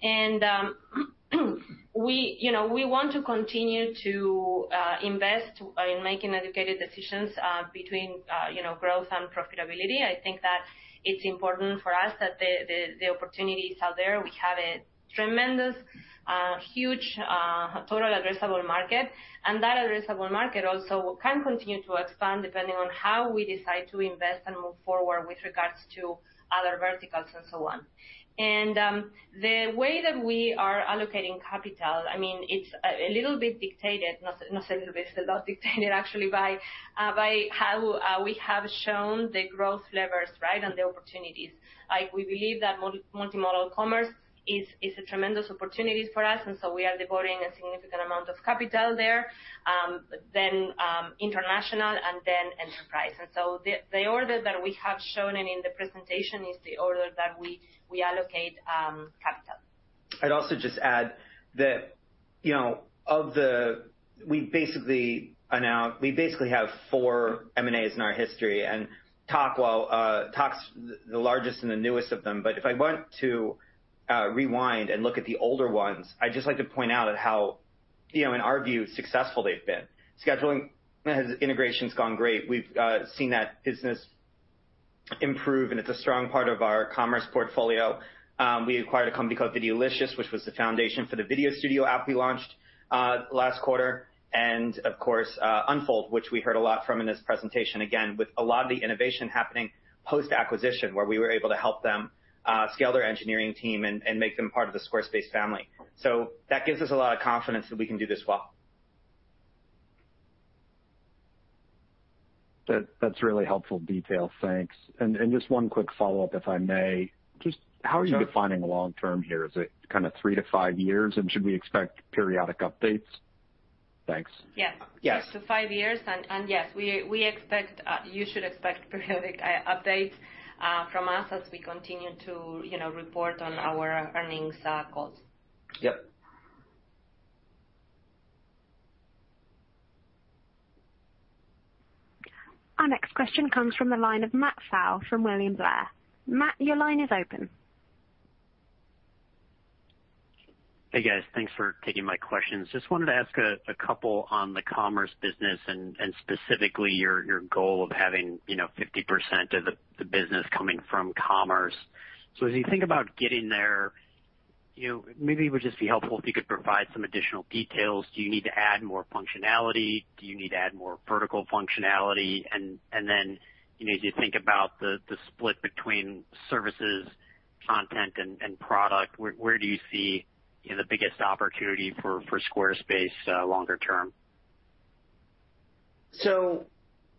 We, you know, we want to continue to invest by making educated decisions between, you know, growth and profitability. I think that it's important for us that the opportunity is out there. We have a tremendous huge total addressable market, and that addressable market also can continue to expand depending on how we decide to invest and move forward with regards to other verticals and so on. The way that we are allocating capital, I mean, it's a little bit dictated, not a little bit, it's a lot dictated actually by how we have shown the growth levers, right, and the opportunities. Like, we believe that multimodal commerce is a tremendous opportunity for us, and so we are devoting a significant amount of capital there. International and then enterprise. The order that we have shown and in the presentation is the order that we allocate capital. I'd also just add that, you know, of the we basically have four M&As in our history, and Tock's the largest and the newest of them. If I want to rewind and look at the older ones, I'd just like to point out how, you know, in our view, successful they've been. Scheduling integration's gone great. We've seen that business improve, and it's a strong part of our commerce portfolio. We acquired a company called Videolicious, which was the foundation for the Video Studio app we launched last quarter, and of course, Unfold, which we heard a lot from in this presentation, again, with a lot of the innovation happening post-acquisition, where we were able to help them scale their engineering team and make them part of the Squarespace family. That gives us a lot of confidence that we can do this well. That's really helpful detail. Thanks. Just one quick follow-up, if I may. Sure. Just how are you defining long-term here? Is it kinda 3-5 years, and should we expect periodic updates? Thanks. Yeah. Yes. Up to five years, and yes, we expect you should expect periodic updates from us as we continue to, you know, report on our earnings calls. Yep. Our next question comes from the line of Matthew Pfau from William Blair. Matt, your line is open. Hey, guys. Thanks for taking my questions. Just wanted to ask a couple on the commerce business and specifically your goal of having, you know, 50% of the business coming from commerce. As you think about getting there, you know, maybe it would just be helpful if you could provide some additional details. Do you need to add more functionality? Do you need to add more vertical functionality? Then, you know, as you think about the split between services, content, and product, where do you see, you know, the biggest opportunity for Squarespace longer term?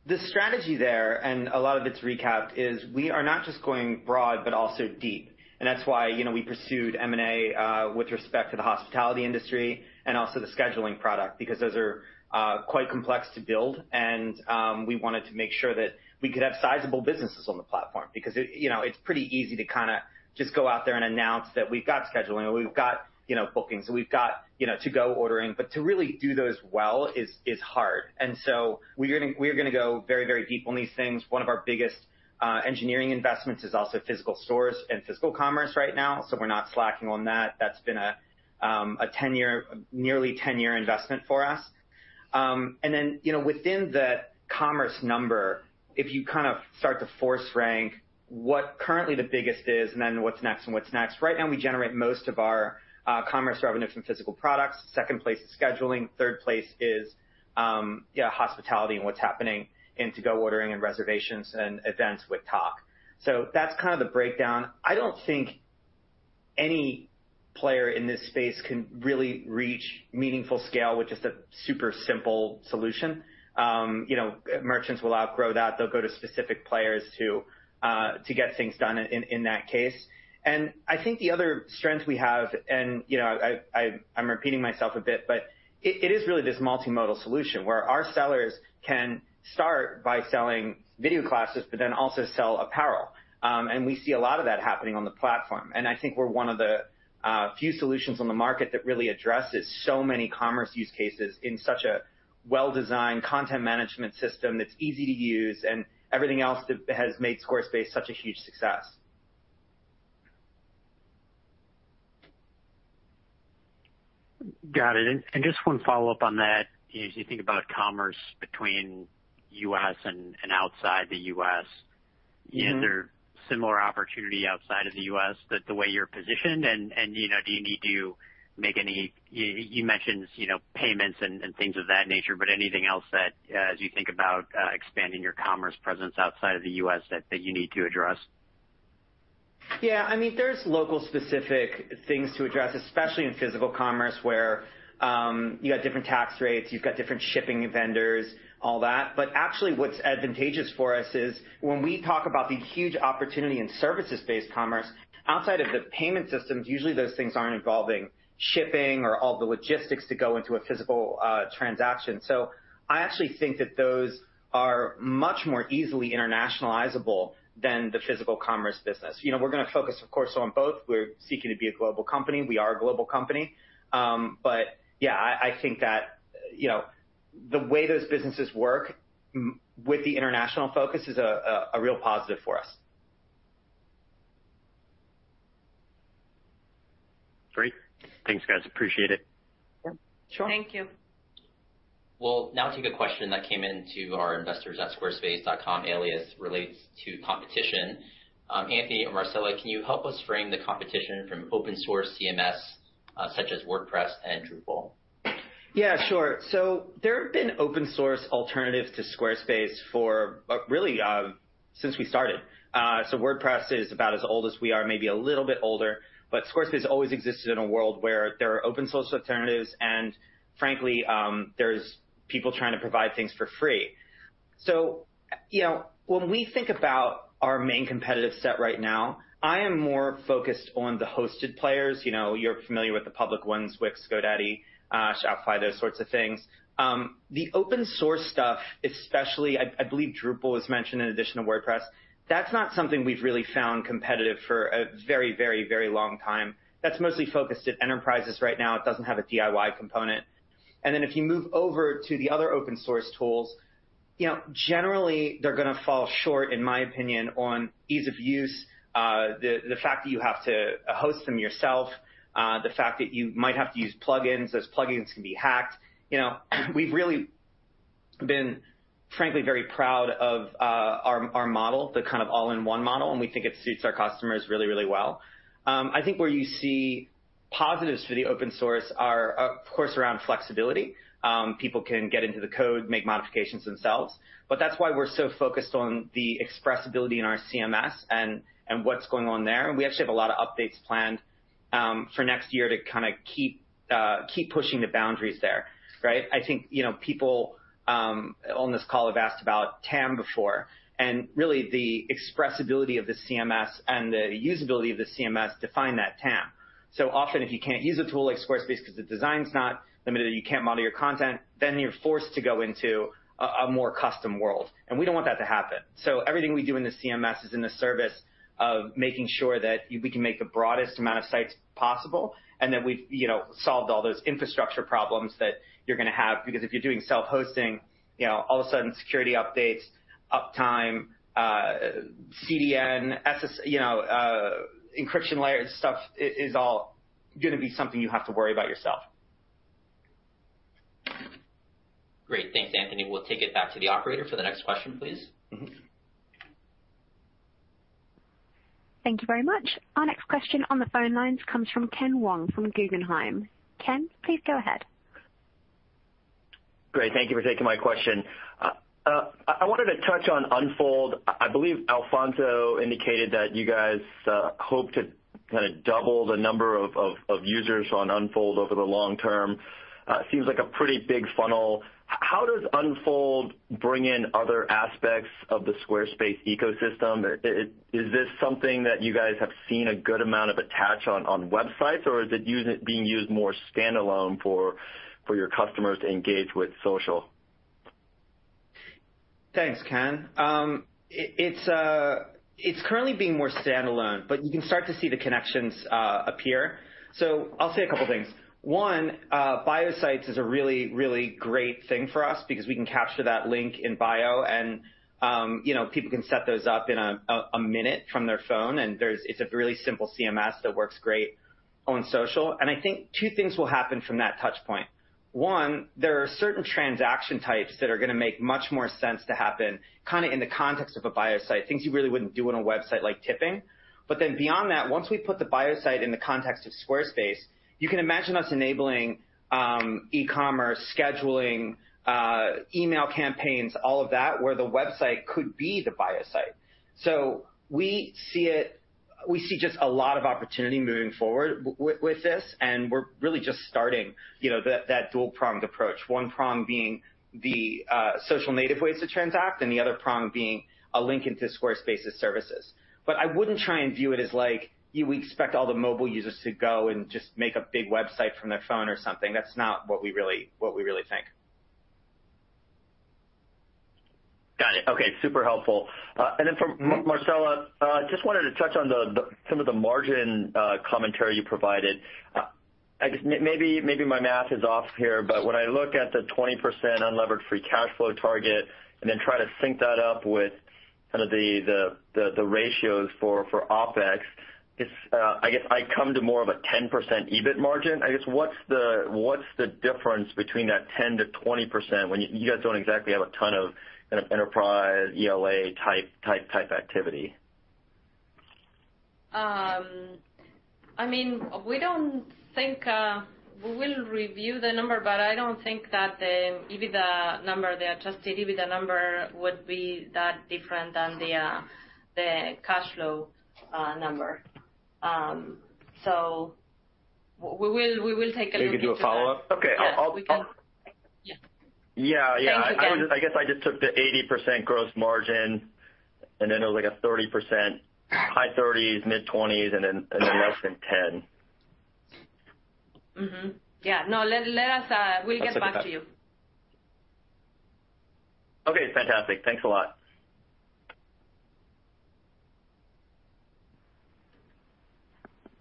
The strategy there, and a lot of it's recapped, is we are not just going broad, but also deep. That's why, you know, we pursued M&A with respect to the hospitality industry and also the scheduling product, because those are quite complex to build. We wanted to make sure that we could have sizable businesses on the platform because it, you know, it's pretty easy to kinda just go out there and announce that we've got scheduling or we've got, you know, bookings or we've got, you know, to-go ordering. But to really do those well is hard. We're gonna go very, very deep on these things. One of our biggest engineering investments is also physical stores and physical commerce right now, so we're not slacking on that. That's been a 10-year, nearly 10-year investment for us. You know, within the commerce number, if you kind of start to force rank what currently the biggest is and then what's next and what's next, right now we generate most of our commerce revenue from physical products. Second place is scheduling. Third place is, yeah, hospitality and what's happening in to-go ordering and reservations and events with Tock. That's kind of the breakdown. I don't think any player in this space can really reach meaningful scale with just a super simple solution. You know, merchants will outgrow that. They'll go to specific players to get things done in that case. I think the other strength we have, and, you know, I'm repeating myself a bit, but it is really this multimodal solution where our sellers can start by selling video classes but then also sell apparel. We see a lot of that happening on the platform. I think we're one of the few solutions on the market that really addresses so many commerce use cases in such a well-designed content management system that's easy to use and everything else that has made Squarespace such a huge success. Got it. Just one follow-up on that, as you think about commerce between U.S. and outside the U.S.- Mm-hmm. Is there similar opportunity outside of the U.S. in the way you're positioned? You know, do you need to make any. You mentioned, you know, payments and things of that nature, but anything else that, as you think about expanding your commerce presence outside of the U.S. that you need to address? Yeah, I mean, there's local specific things to address, especially in physical commerce, where you got different tax rates, you've got different shipping vendors, all that. But actually, what's advantageous for us is when we talk about the huge opportunity in services-based commerce, outside of the payment systems, usually those things aren't involving shipping or all the logistics to go into a physical transaction. So I actually think that those are much more easily internationalizable than the physical commerce business. You know, we're gonna focus, of course, on both. We're seeking to be a global company. We are a global company. But yeah, I think that, you know, the way those businesses work with the international focus is a real positive for us. Great. Thanks, guys. Appreciate it. Yeah, sure. Thank you. We'll now take a question that came into our investors@squarespace.com email that relates to competition. Anthony and Marcela, can you help us frame the competition from open source CMS, such as WordPress and Drupal? Yeah, sure. There have been open source alternatives to Squarespace for really since we started. WordPress is about as old as we are, maybe a little bit older, but Squarespace always existed in a world where there are open source alternatives, and frankly, there's people trying to provide things for free. You know, when we think about our main competitive set right now, I am more focused on the hosted players. You know, you're familiar with the public ones, Wix, GoDaddy, Shopify, those sorts of things. The open source stuff especially, I believe Drupal was mentioned in addition to WordPress. That's not something we've really found competitive for a very, very, very long time. That's mostly focused at enterprises right now. It doesn't have a DIY component. Then if you move over to the other open source tools, you know, generally they're gonna fall short, in my opinion, on ease of use, the fact that you have to host them yourself, the fact that you might have to use plug-ins, those plug-ins can be hacked. You know, we've really been frankly very proud of our model, the kind of all-in-one model, and we think it suits our customers really, really well. I think where you see positives for the open source are, of course, around flexibility. People can get into the code, make modifications themselves, but that's why we're so focused on the expressibility in our CMS and what's going on there. We actually have a lot of updates planned for next year to kinda keep pushing the boundaries there, right? I think, you know, people on this call have asked about TAM before, and really the expressibility of the CMS and the usability of the CMS define that TAM. Often, if you can't use a tool like Squarespace because the design's not limited or you can't model your content, then you're forced to go into a more custom world, and we don't want that to happen. Everything we do in the CMS is in the service of making sure that we can make the broadest amount of sites possible and that we've, you know, solved all those infrastructure problems that you're gonna have. Because if you're doing self-hosting, you know, all of a sudden security updates, uptime, CDN, SSL, you know, encryption layer stuff is all gonna be something you have to worry about yourself. Great. Thanks, Anthony. We'll take it back to the operator for the next question, please. Mm-hmm. Thank you very much. Our next question on the phone lines comes from Ken Wong from Guggenheim. Ken, please go ahead. Great. Thank you for taking my question. I wanted to touch on Unfold. I believe Alfonso indicated that you guys hope to kinda double the number of users on Unfold over the long term. Seems like a pretty big funnel. How does Unfold bring in other aspects of the Squarespace ecosystem? Is this something that you guys have seen a good amount of attach on websites, or is it being used more standalone for your customers to engage with social? Thanks, Ken. It's currently being more standalone, but you can start to see the connections appear. I'll say a couple things. One, Bio Sites is a really great thing for us because we can capture that link in bio and, you know, people can set those up in a minute from their phone. It's a really simple CMS that works great on social. I think two things will happen from that touch point. One, there are certain transaction types that are gonna make much more sense to happen, kinda in the context of a Bio Site, things you really wouldn't do on a website like tipping. Beyond that, once we put the Bio Sites in the context of Squarespace, you can imagine us enabling, e-commerce, scheduling, email campaigns, all of that, where the website could be the Bio Sites. We see just a lot of opportunity moving forward with this, and we're really just starting, you know, that dual-pronged approach. One prong being the social native ways to transact, and the other prong being a link into Squarespace services. I wouldn't try and view it as like, we expect all the mobile users to go and just make a big website from their phone or something. That's not what we really think. Got it. Okay, super helpful. For Marcela, just wanted to touch on some of the margin commentary you provided. I guess maybe my math is off here, but when I look at the 20% unlevered free cash flow target and then try to sync that up with kind of the ratios for OpEx, it's, I guess, I come to more of a 10% EBIT margin. I guess, what's the difference between that 10%-20% when you guys don't exactly have a ton of enterprise ELA type activity? I mean, we don't think we will review the number, but I don't think that the EBITDA number, the Adjusted EBITDA number would be that different than the cash flow number. We will take a look into that. Maybe do a follow-up? Okay. I'll Yeah, yeah. I guess I just took the 80% gross margin, and then it was like a 30%. Right. high 30s, mid-20s, and then less than 10. Yeah. No, let us, we'll get back to you. Okay. Fantastic. Thanks a lot.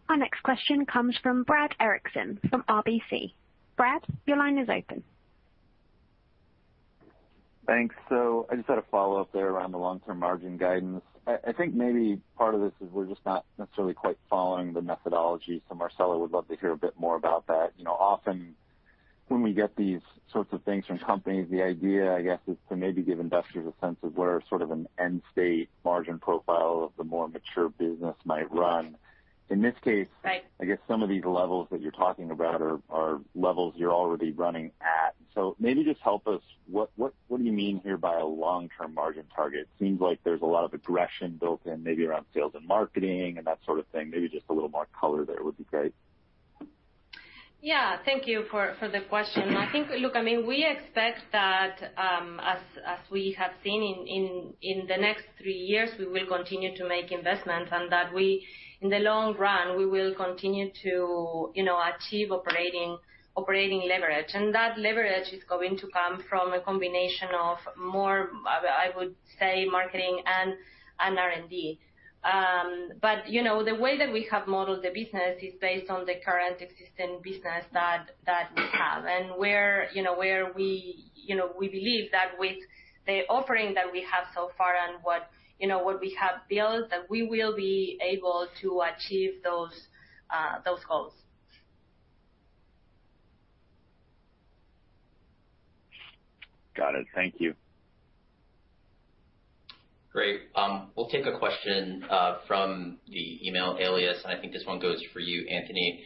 Our next question comes from Brad Erickson from RBC. Brad, your line is open. Thanks. I just had a follow-up there around the long-term margin guidance. I think maybe part of this is we're just not necessarily quite following the methodology, so Marcela would love to hear a bit more about that. You know, often when we get these sorts of things from companies, the idea, I guess, is to maybe give investors a sense of where sort of an end state margin profile of the more mature business might run. In this case. Right. I guess some of these levels that you're talking about are levels you're already running at. Maybe just help us, what do you mean here by a long-term margin target? Seems like there's a lot of aggression built in maybe around sales and marketing and that sort of thing. Maybe just a little more color there would be great. Yeah. Thank you for the question. I think. Look, I mean, we expect that, as we have seen in the next three years, we will continue to make investments, and that we, in the long run, we will continue to, you know, achieve operating leverage. That leverage is going to come from a combination of more, I would say, marketing and R&D. But, you know, the way that we have modeled the business is based on the current existing business that we have and where, you know, we believe that with the offering that we have so far and what we have built, that we will be able to achieve those goals. Got it. Thank you. Great. We'll take a question from the email alias, and I think this one goes for you, Anthony.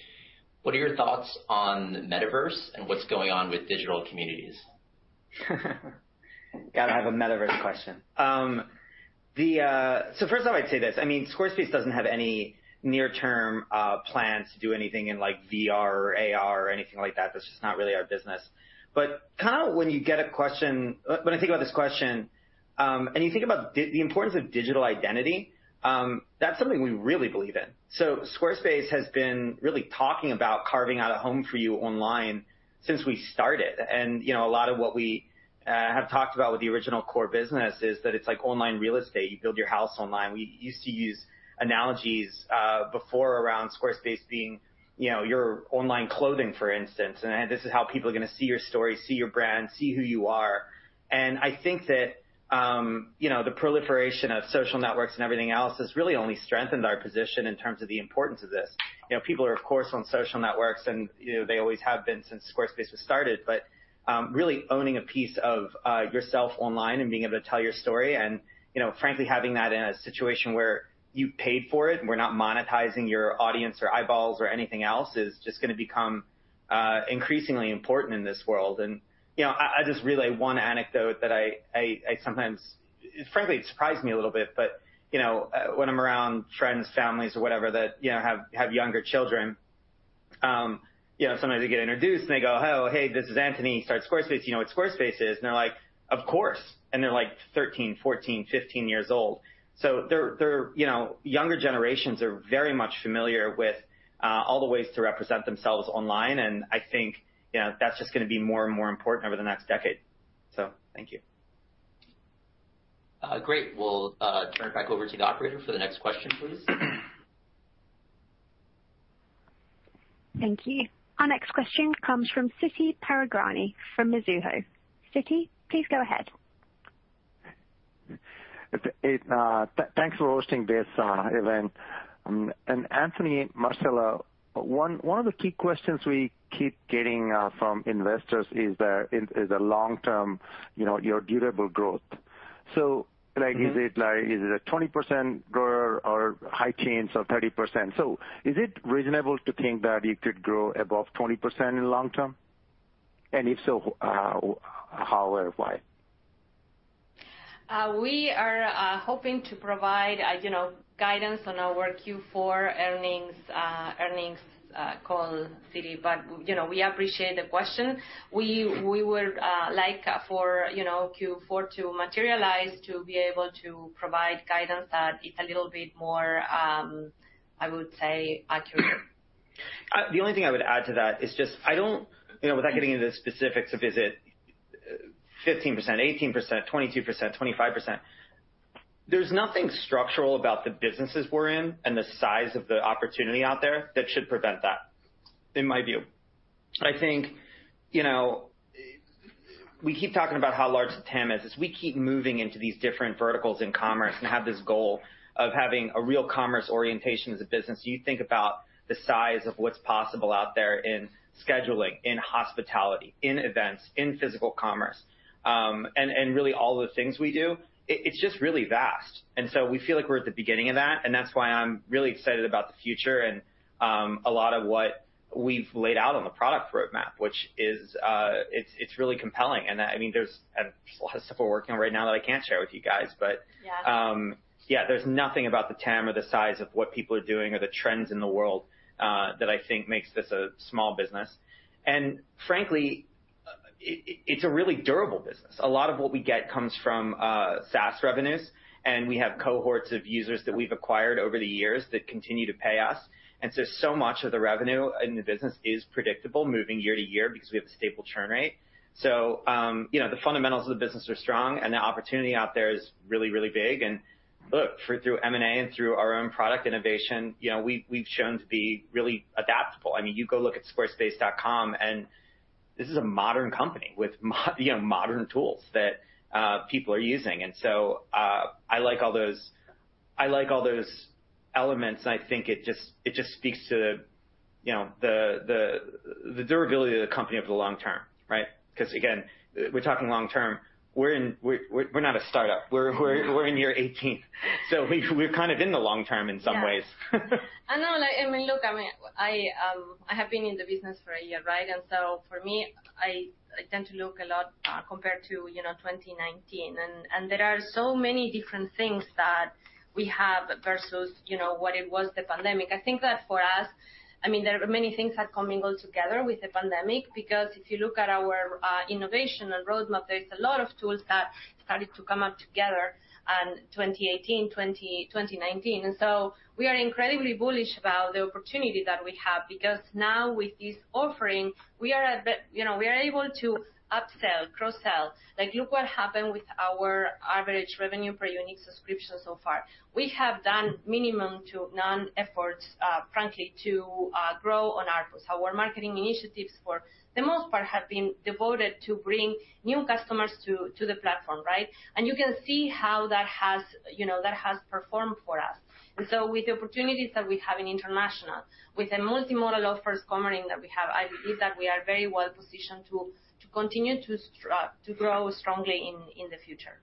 What are your thoughts on Metaverse and what's going on with digital communities? Gotta have a Metaverse question. First off, I'd say this, I mean, Squarespace doesn't have any near-term plans to do anything in like VR or AR or anything like that. That's just not really our business. Kinda when you get a question. When I think about this question, and you think about the importance of digital identity, that's something we really believe in. Squarespace has been really talking about carving out a home for you online since we started. You know, a lot of what we have talked about with the original core business is that it's like online real estate. You build your house online. We used to use analogies before around Squarespace being, you know, your online clothing, for instance. This is how people are gonna see your story, see your brand, see who you are. I think that, you know, the proliferation of social networks and everything else has really only strengthened our position in terms of the importance of this. You know, people are of course on social networks and, you know, they always have been since Squarespace was started. Really owning a piece of yourself online and being able to tell your story and, you know, frankly, having that in a situation where you paid for it, and we're not monetizing your audience or eyeballs or anything else is just gonna become increasingly important in this world. You know, I sometimes... Frankly, it surprised me a little bit, but you know, when I'm around friends, families or whatever that you know have younger children, you know, sometimes they get introduced, and they go, "Oh, hey, this is Anthony. He starts Squarespace. You know what Squarespace is?" They're like, "Of course." They're like 13, 14, 15 years old. Younger generations are very much familiar with all the ways to represent themselves online, and I think you know, that's just gonna be more and more important over the next decade. Thank you. Great. We'll turn it back over to the operator for the next question, please. Thank you. Our next question comes from Siti Panigrahi from Mizuho. Siti, please go ahead. Thanks for hosting this event. Anthony, Marcela, one of the key questions we keep getting from investors is the long-term, you know, your durable growth. Like- Mm-hmm. Is it like, is it a 20% grower or high teens or 30%? Is it reasonable to think that it could grow above 20% in long term? If so, how or why? We are hoping to provide, you know, guidance on our Q4 earnings call, Siti, but, you know, we appreciate the question. We would like for, you know, Q4 to materialize to be able to provide guidance that is a little bit more, I would say, accurate. The only thing I would add to that is just I don't, you know, without getting into the specifics of, is it 15%, 18%, 22%, 25%, there's nothing structural about the businesses we're in and the size of the opportunity out there that should prevent that, in my view. I think, you know. We keep talking about how large the TAM is. As we keep moving into these different verticals in commerce and have this goal of having a real commerce orientation as a business, you think about the size of what's possible out there in scheduling, in hospitality, in events, in physical commerce, and really all the things we do, it's just really vast. We feel like we're at the beginning of that, and that's why I'm really excited about the future and a lot of what we've laid out on the product roadmap, which is, it's really compelling. I mean, there's a lot of stuff we're working on right now that I can't share with you guys, but- Yeah. Yeah, there's nothing about the TAM or the size of what people are doing or the trends in the world that I think makes this a small business. Frankly, it's a really durable business. A lot of what we get comes from SaaS revenues, and we have cohorts of users that we've acquired over the years that continue to pay us. So much of the revenue in the business is predictable moving year to year because we have a stable churn rate. You know, the fundamentals of the business are strong, and the opportunity out there is really, really big. Look, through M&A and through our own product innovation, you know, we've shown to be really adaptable. I mean, you go look at squarespace.com, and this is a modern company with, you know, modern tools that people are using. I like all those elements, and I think it just speaks to, you know, the durability of the company over the long term, right? 'Cause again, we're talking long term. We're not a startup. We're in year 18. We're kind of in the long term in some ways. Yeah. I know. I mean, look, I have been in the business for a year, right? For me, I tend to look a lot compared to, you know, 2019. There are so many different things that we have versus, you know, what it was the pandemic. I think that for us, I mean, there are many things that commingled together with the pandemic, because if you look at our innovation and roadmap, there's a lot of tools that started to come up together in 2018, 2019. We are incredibly bullish about the opportunity that we have because now with this offering, we are a bit. You know, we are able to upsell, cross-sell. Like, look what happened with our average revenue per unique subscription so far. We have done minimal to none efforts, frankly, to grow on ARPU. Our marketing initiatives, for the most part, have been devoted to bring new customers to the platform, right? You can see how that has, you know, performed for us. With the opportunities that we have in international, with the multimodal offerings we have, I believe that we are very well positioned to continue to grow strongly in the future.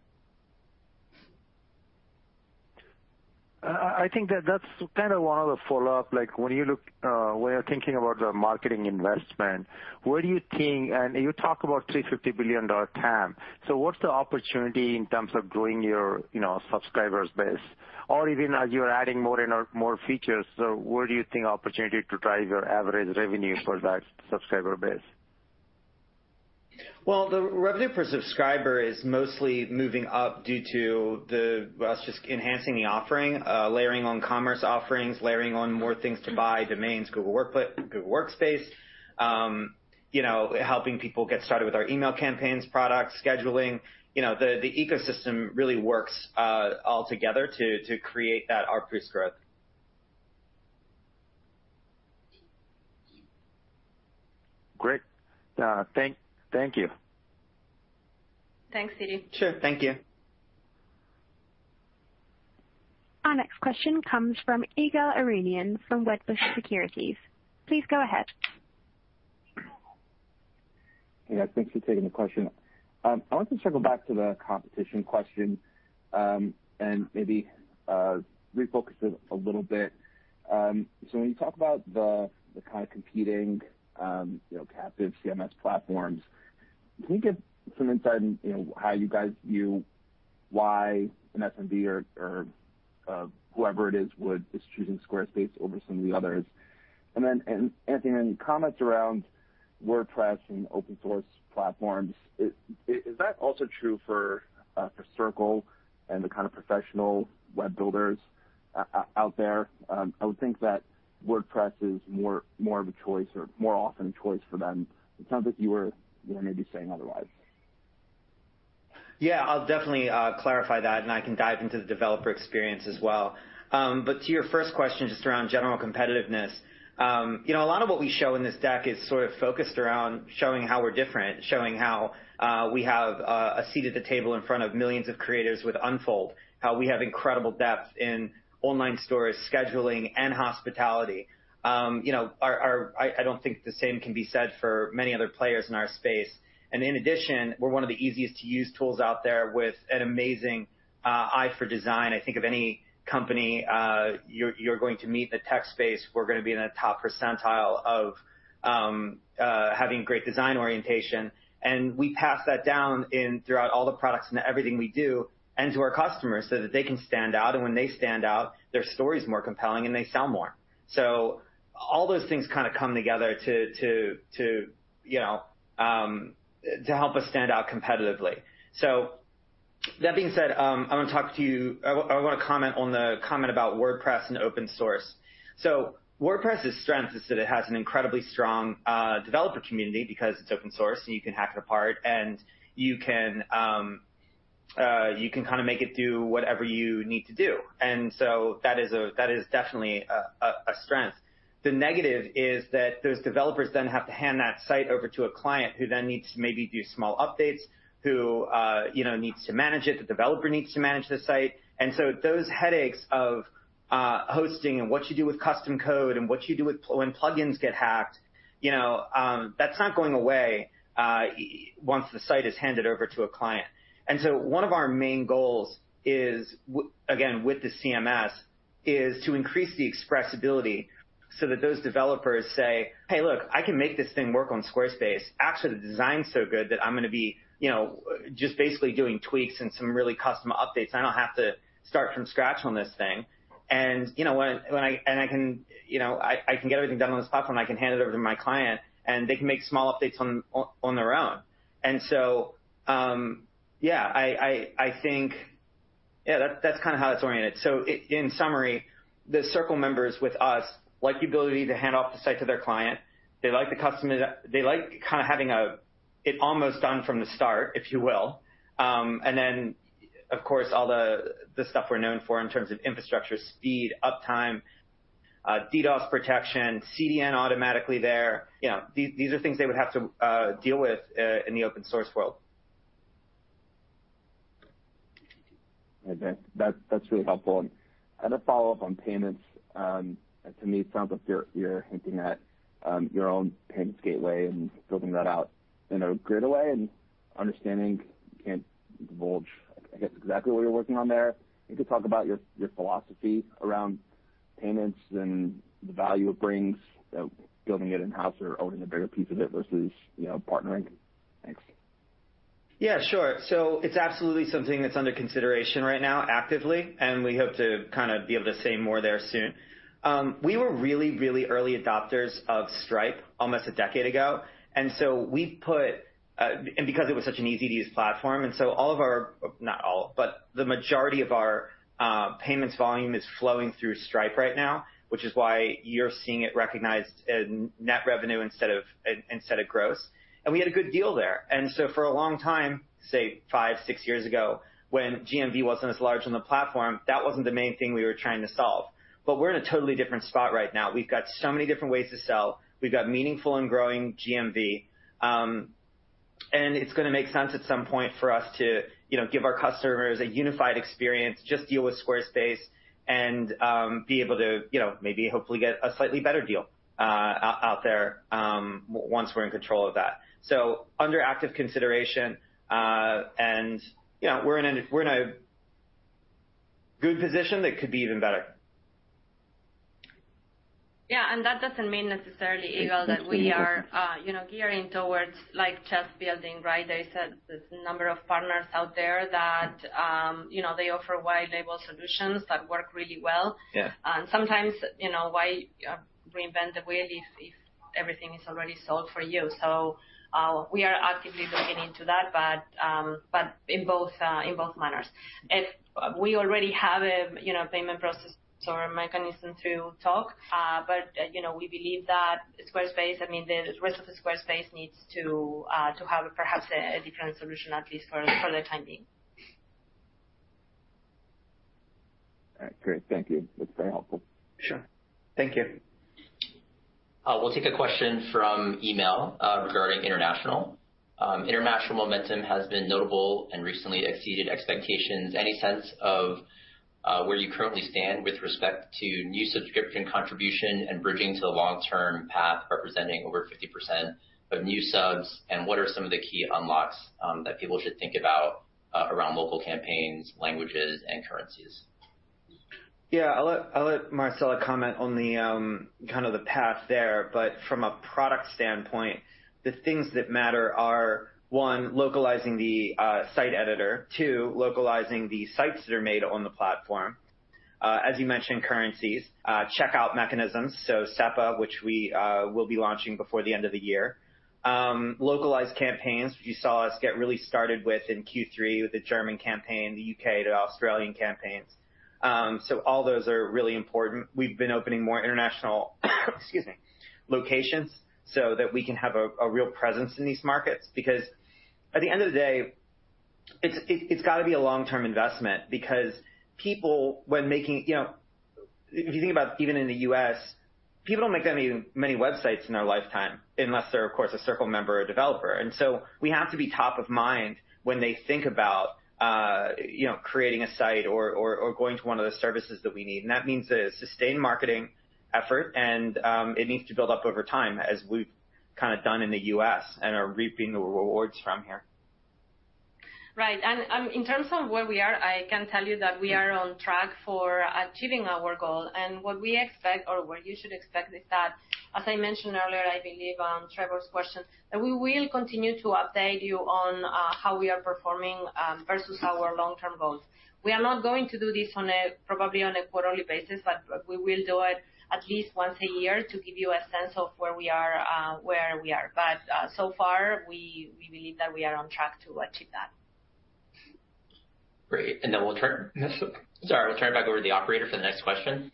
I think that that's kind of one of the follow-up. Like, when you look, when you're thinking about the marketing investment, where do you think you talk about $350 billion TAM. So what's the opportunity in terms of growing your, you know, subscribers base? Or even as you're adding more and more features, so where do you think opportunity to drive your average revenue for that subscriber base? Well, the revenue per subscriber is mostly moving up due to well, it's just enhancing the offering, layering on commerce offerings, layering on more things to buy, domains, Google Workspace, you know, helping people get started with our email campaigns products, scheduling. You know, the ecosystem really works all together to create that ARPU growth. Great. Thank you. Thanks, Siti. Sure. Thank you. Our next question comes from Ygal Arounian from Wedbush Securities. Please go ahead. Yeah. Thanks for taking the question. I want to circle back to the competition question and maybe refocus it a little bit. When you talk about the kind of competing, you know, captive CMS platforms, can you give some insight in, you know, how you guys view why an SMB or whoever it is would choose Squarespace over some of the others? Any comments around WordPress and open source platforms. Is that also true for Circle and the kind of professional web builders out there? I would think that WordPress is more of a choice or more often a choice for them. It sounds like you were, you know, maybe saying otherwise. Yeah. I'll definitely clarify that, and I can dive into the developer experience as well. To your first question, just around general competitiveness, you know, a lot of what we show in this deck is sort of focused around showing how we're different, showing how we have a seat at the table in front of millions of creators with Unfold, how we have incredible depth in Online Stores, scheduling, and hospitality. You know, I don't think the same can be said for many other players in our space. In addition, we're one of the easiest to use tools out there with an amazing eye for design. I think of any company, you're going to meet in the tech space, we're gonna be in the top percentile of having great design orientation, and we pass that down throughout all the products and everything we do and to our customers so that they can stand out, and when they stand out, their story's more compelling, and they sell more. All those things kind of come together to you know to help us stand out competitively. That being said, I wanna comment on the comment about WordPress and open source. WordPress's strength is that it has an incredibly strong developer community because it's open source, and you can hack it apart, and you can kind of make it do whatever you need to do. That is definitely a strength. The negative is that those developers then have to hand that site over to a client who then needs to maybe do small updates, who you know needs to manage it, the developer needs to manage the site. Those headaches of hosting and what you do with custom code and what you do when plugins get hacked, you know, that's not going away once the site is handed over to a client. One of our main goals is again with the CMS, is to increase the expressibility so that those developers say, "Hey, look, I can make this thing work on Squarespace. Actually, the design is so good that I'm gonna be, you know, just basically doing tweaks and some really custom updates. I don't have to start from scratch on this thing. You know, when I can get everything done on this platform, I can hand it over to my client, and they can make small updates on their own." Yeah, I think that's kinda how it's oriented. In summary, the Circle members with us like the ability to hand off the site to their client. They like kinda having it almost done from the start, if you will. Of course, all the stuff we're known for in terms of infrastructure, speed, uptime, DDoS protection, CDN automatically there. You know, these are things they would have to deal with in the open source world. Okay. That's really helpful. I had a follow-up on payments. To me, it sounds like you're hinting at your own payments gateway and building that out in a great way and understanding you can't divulge, I guess, exactly what you're working on there. You could talk about your philosophy around payments and the value it brings, building it in-house or owning a bigger piece of it versus partnering. Thanks. Yeah, sure. It's absolutely something that's under consideration right now actively, and we hope to kinda be able to say more there soon. We were really, really early adopters of Stripe almost a decade ago. Because it was such an easy-to-use platform, all of our, not all, but the majority of our, payments volume is flowing through Stripe right now, which is why you're seeing it recognized in net revenue instead of gross. We had a good deal there. For a long time, say five, six years ago, when GMV wasn't as large on the platform, that wasn't the main thing we were trying to solve. We're in a totally different spot right now. We've got so many different ways to sell. We've got meaningful and growing GMV. It's gonna make sense at some point for us to, you know, give our customers a unified experience, just deal with Squarespace and be able to, you know, maybe hopefully get a slightly better deal out there once we're in control of that. Under active consideration, you know, we're in a good position that could be even better. Yeah. That doesn't mean necessarily, Ygal, that we are, you know, gearing towards like just building, right? There's a number of partners out there that, you know, they offer white label solutions that work really well. Yeah. Sometimes, you know, why reinvent the wheel if everything is already solved for you. We are actively looking into that, but in both manners. We already have a, you know, payment processor mechanism to take, but, you know, we believe that Squarespace, I mean, the rest of the Squarespace needs to have perhaps a different solution, at least for the time being. All right. Great. Thank you. That's very helpful. Sure. Thank you. We'll take a question from email regarding international. International momentum has been notable and recently exceeded expectations. Any sense of where you currently stand with respect to new subscription contribution and bridging to the long-term path, representing over 50% of new subs, and what are some of the key unlocks that people should think about around local campaigns, languages, and currencies? Yeah. I'll let Marcela comment on the kind of the path there. From a product standpoint, the things that matter are, one, localizing the site editor. Two, localizing the sites that are made on the platform. As you mentioned, currencies, checkout mechanisms, so SEPA, which we will be launching before the end of the year. Localized campaigns, you saw us get really started with in Q3 with the German campaign, the U.K., the Australian campaigns. So all those are really important. We've been opening more international, excuse me, locations so that we can have a real presence in these markets. Because at the end of the day, it's gotta be a long-term investment because people, when making... You know, if you think about even in the U.S., people don't make that many websites in their lifetime unless they're, of course, a Circle member or developer. We have to be top of mind when they think about, you know, creating a site or going to one of the services that we need. That means a sustained marketing effort, and it needs to build up over time as we've kinda done in the U.S. and are reaping the rewards from here. Right. In terms of where we are, I can tell you that we are on track for achieving our goal. What we expect or what you should expect is that, as I mentioned earlier, I believe, on Trevor's question, that we will continue to update you on how we are performing versus our long-term goals. We are not going to do this on a, probably on a quarterly basis, but we will do it at least once a year to give you a sense of where we are. So far, we believe that we are on track to achieve that. Great. Yes. Sorry. I'll turn it back over to the operator for the next question.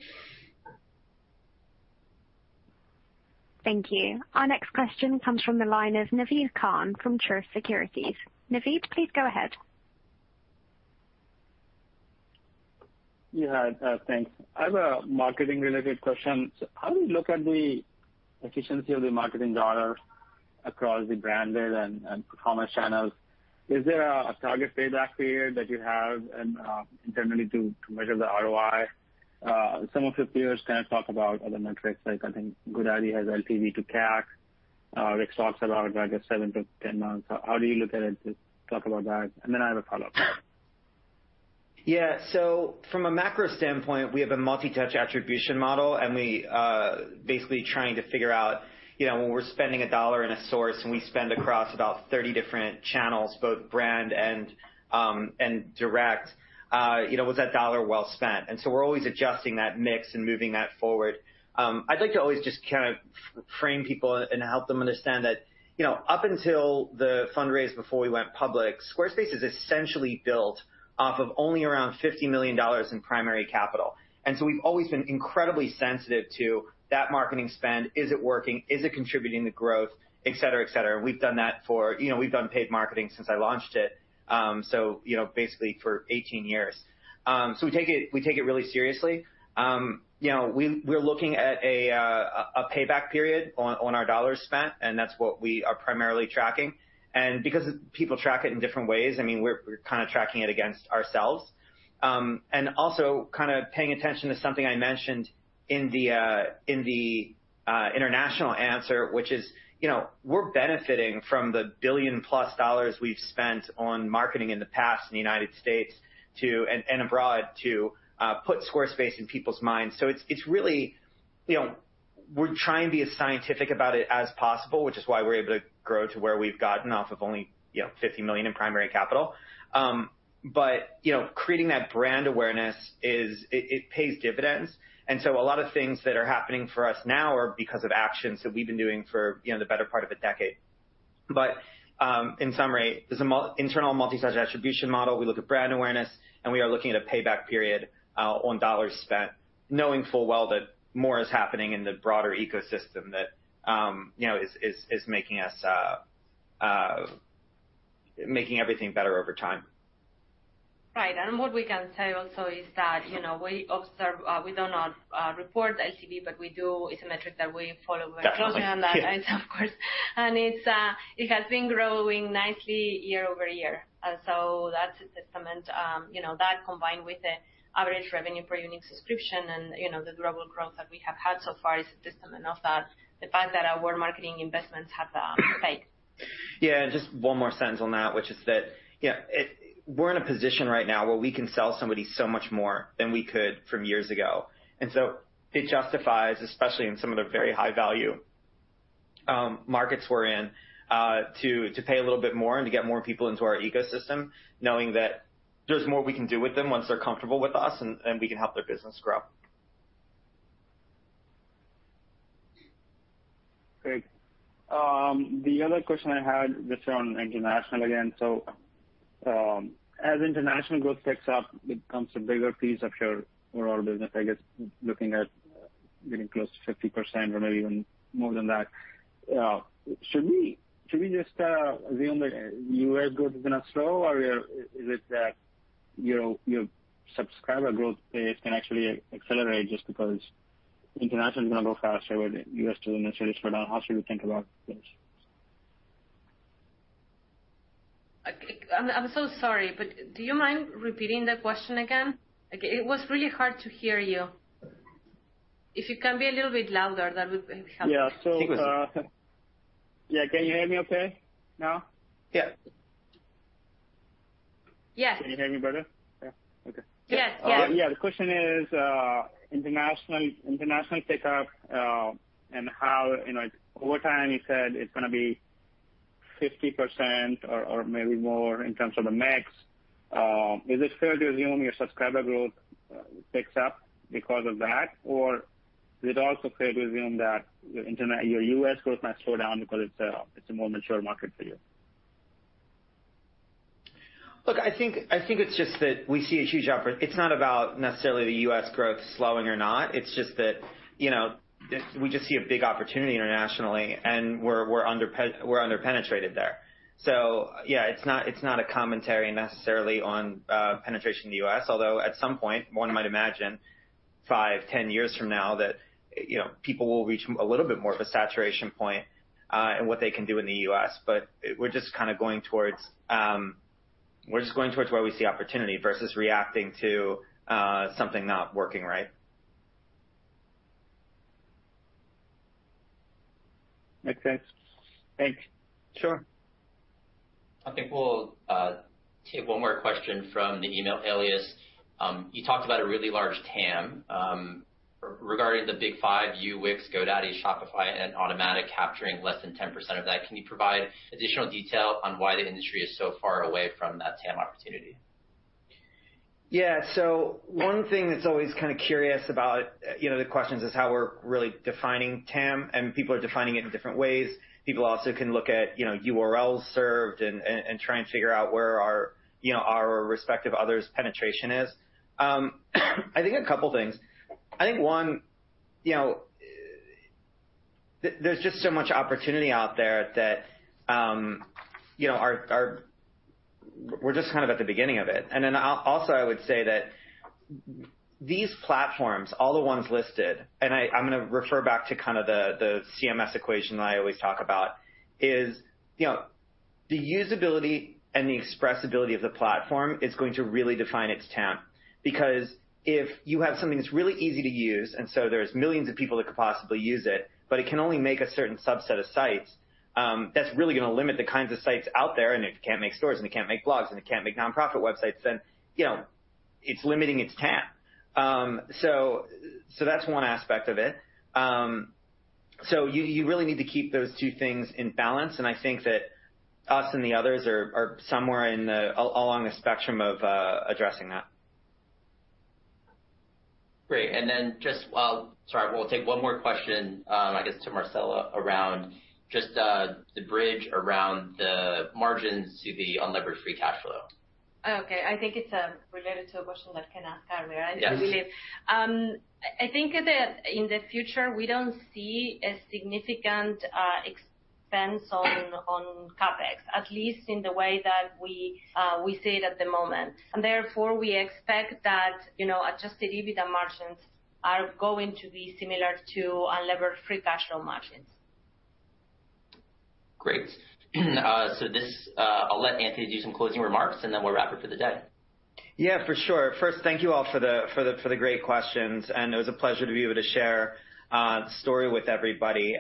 Thank you. Our next question comes from the line of Naved Khan from Truist Securities. Naved, please go ahead. Yeah, thanks. I have a marketing-related question. How do you look at the efficiency of the marketing dollar across the branded and performance channels? Is there a target payback period that you have and internally to measure the ROI? Some of your peers kinda talk about other metrics, like I think GoDaddy has LTV to CAC. Rick talks a lot about, I guess, seven to 10 months. How do you look at it? Just talk about that, and then I have a follow-up. Yeah. From a macro standpoint, we have a multi-touch attribution model, and we basically trying to figure out, you know, when we're spending a dollar in a source, and we spend across about 30 different channels, both brand and direct, you know, was that dollar well spent? We're always adjusting that mix and moving that forward. I like to always just kind of frame people and help them understand that, you know, up until the fundraise before we went public, Squarespace is essentially built off of only around $50 million in primary capital. We've always been incredibly sensitive to that marketing spend, is it working, is it contributing to growth, et cetera, et cetera. We've done that for. You know, we've done paid marketing since I launched it, so, you know, basically for 18 years. We take it really seriously. You know, we're looking at a payback period on our dollars spent, and that's what we are primarily tracking. Because people track it in different ways, I mean, we're kinda tracking it against ourselves. Also kinda paying attention to something I mentioned in the international answer, which is, you know, we're benefiting from the $1 billion+ dollars we've spent on marketing in the past in the United States too, and abroad, to put Squarespace in people's minds. It's really, you know, we're trying to be as scientific about it as possible, which is why we're able to grow to where we've gotten off of only, you know, $50 million in primary capital. You know, creating that brand awareness is It pays dividends. A lot of things that are happening for us now are because of actions that we've been doing for, you know, the better part of a decade. In summary, there's a multi-touch attribution model. We look at brand awareness, and we are looking at a payback period on dollars spent, knowing full well that more is happening in the broader ecosystem that is making everything better over time. Right. What we can say also is that, you know, we observe, we do not report LTV, but we do. It's a metric that we follow very closely. Definitely. On that, of course. It has been growing nicely year-over-year. That's a testament, you know, that combined with the average revenue per unique subscription and, you know, the durable growth that we have had so far is a testament of that, the fact that our marketing investments have the effect. Yeah, just one more sentence on that, which is that, you know, we're in a position right now where we can sell somebody so much more than we could from years ago. It justifies, especially in some of the very high-value markets we're in, to pay a little bit more and to get more people into our ecosystem, knowing that there's more we can do with them once they're comfortable with us, and we can help their business grow. Great. The other question I had just on international again. As international growth picks up, it becomes a bigger piece of your overall business, I guess, looking at getting close to 50% or maybe even more than that. Should we just assume that U.S. growth is gonna slow? Or is it that, you know, your subscriber growth pace can actually accelerate just because international is gonna grow faster without the U.S. necessarily slowing down? How should we think about this? I'm so sorry, but do you mind repeating the question again? Like, it was really hard to hear you. If you can be a little bit louder, that would be helpful. Yeah. Yeah. Can you hear me okay now? Yes. Yes. Can you hear me better? Yeah. Okay. Yes. Yes. Yeah, the question is international pickup and how, you know, over time you said it's gonna be 50% or maybe more in terms of the mix. Is it fair to assume your subscriber growth picks up because of that? Or is it also fair to assume that your U.S. growth might slow down because it's a more mature market for you? Look, I think it's just that we see a huge opportunity. It's not about necessarily the U.S. growth slowing or not. It's just that, you know, this we just see a big opportunity internationally, and we're under-penetrated there. Yeah, it's not a commentary necessarily on penetration in the U.S. Although at some point, one might imagine five, 10 years from now, that, you know, people will reach a little bit more of a saturation point in what they can do in the U.S. We're just kinda going towards where we see opportunity versus reacting to something not working right. Makes sense. Thanks. Sure. I think we'll take one more question from the email alias. You talked about a really large TAM regarding the big five, you, Wix, GoDaddy, Shopify, and Automattic capturing less than 10% of that. Can you provide additional detail on why the industry is so far away from that TAM opportunity? Yeah. One thing that's always kinda curious about, you know, the questions is how we're really defining TAM, and people are defining it in different ways. People also can look at, you know, URLs served and trying to figure out where our, you know, our respective others' penetration is. I think a couple things. I think one, you know, there's just so much opportunity out there that, you know, we're just kind of at the beginning of it. Also I would say that these platforms, all the ones listed, and I'm gonna refer back to kind of the CMS equation that I always talk about is, you know, the usability and the expressibility of the platform is going to really define its TAM. Because if you have something that's really easy to use, and so there's millions of people that could possibly use it, but it can only make a certain subset of sites, that's really gonna limit the kinds of sites out there, and it can't make stores, and it can't make blogs, and it can't make nonprofit websites, then, you know, it's limiting its TAM. That's one aspect of it. You really need to keep those two things in balance, and I think that us and the others are somewhere along the spectrum of addressing that. Great. Sorry, we'll take one more question, I guess, to Marcela around just the bridge around the margins to the unlevered free cash flow. Okay. I think it's related to a question that Ken asked earlier. Yes. I do believe. I think that in the future, we don't see a significant expense on CapEx, at least in the way that we see it at the moment. Therefore, we expect that, you know, Adjusted EBITDA margins are going to be similar to unlevered free cash flow margins. Great. I'll let Anthony do some closing remarks, and then we'll wrap it for the day. Yeah, for sure. First, thank you all for the great questions, and it was a pleasure to be able to share the story with everybody.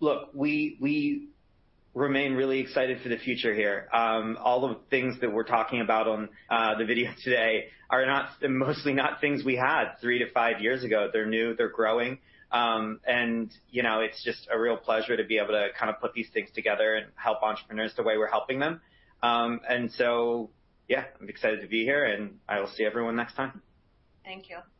Look, we remain really excited for the future here. All the things that we're talking about on the video today are mostly not things we had three to five years ago. They're new, they're growing. You know, it's just a real pleasure to be able to kind of put these things together and help entrepreneurs the way we're helping them. Yeah, I'm excited to be here, and I will see everyone next time. Thank you. Yes.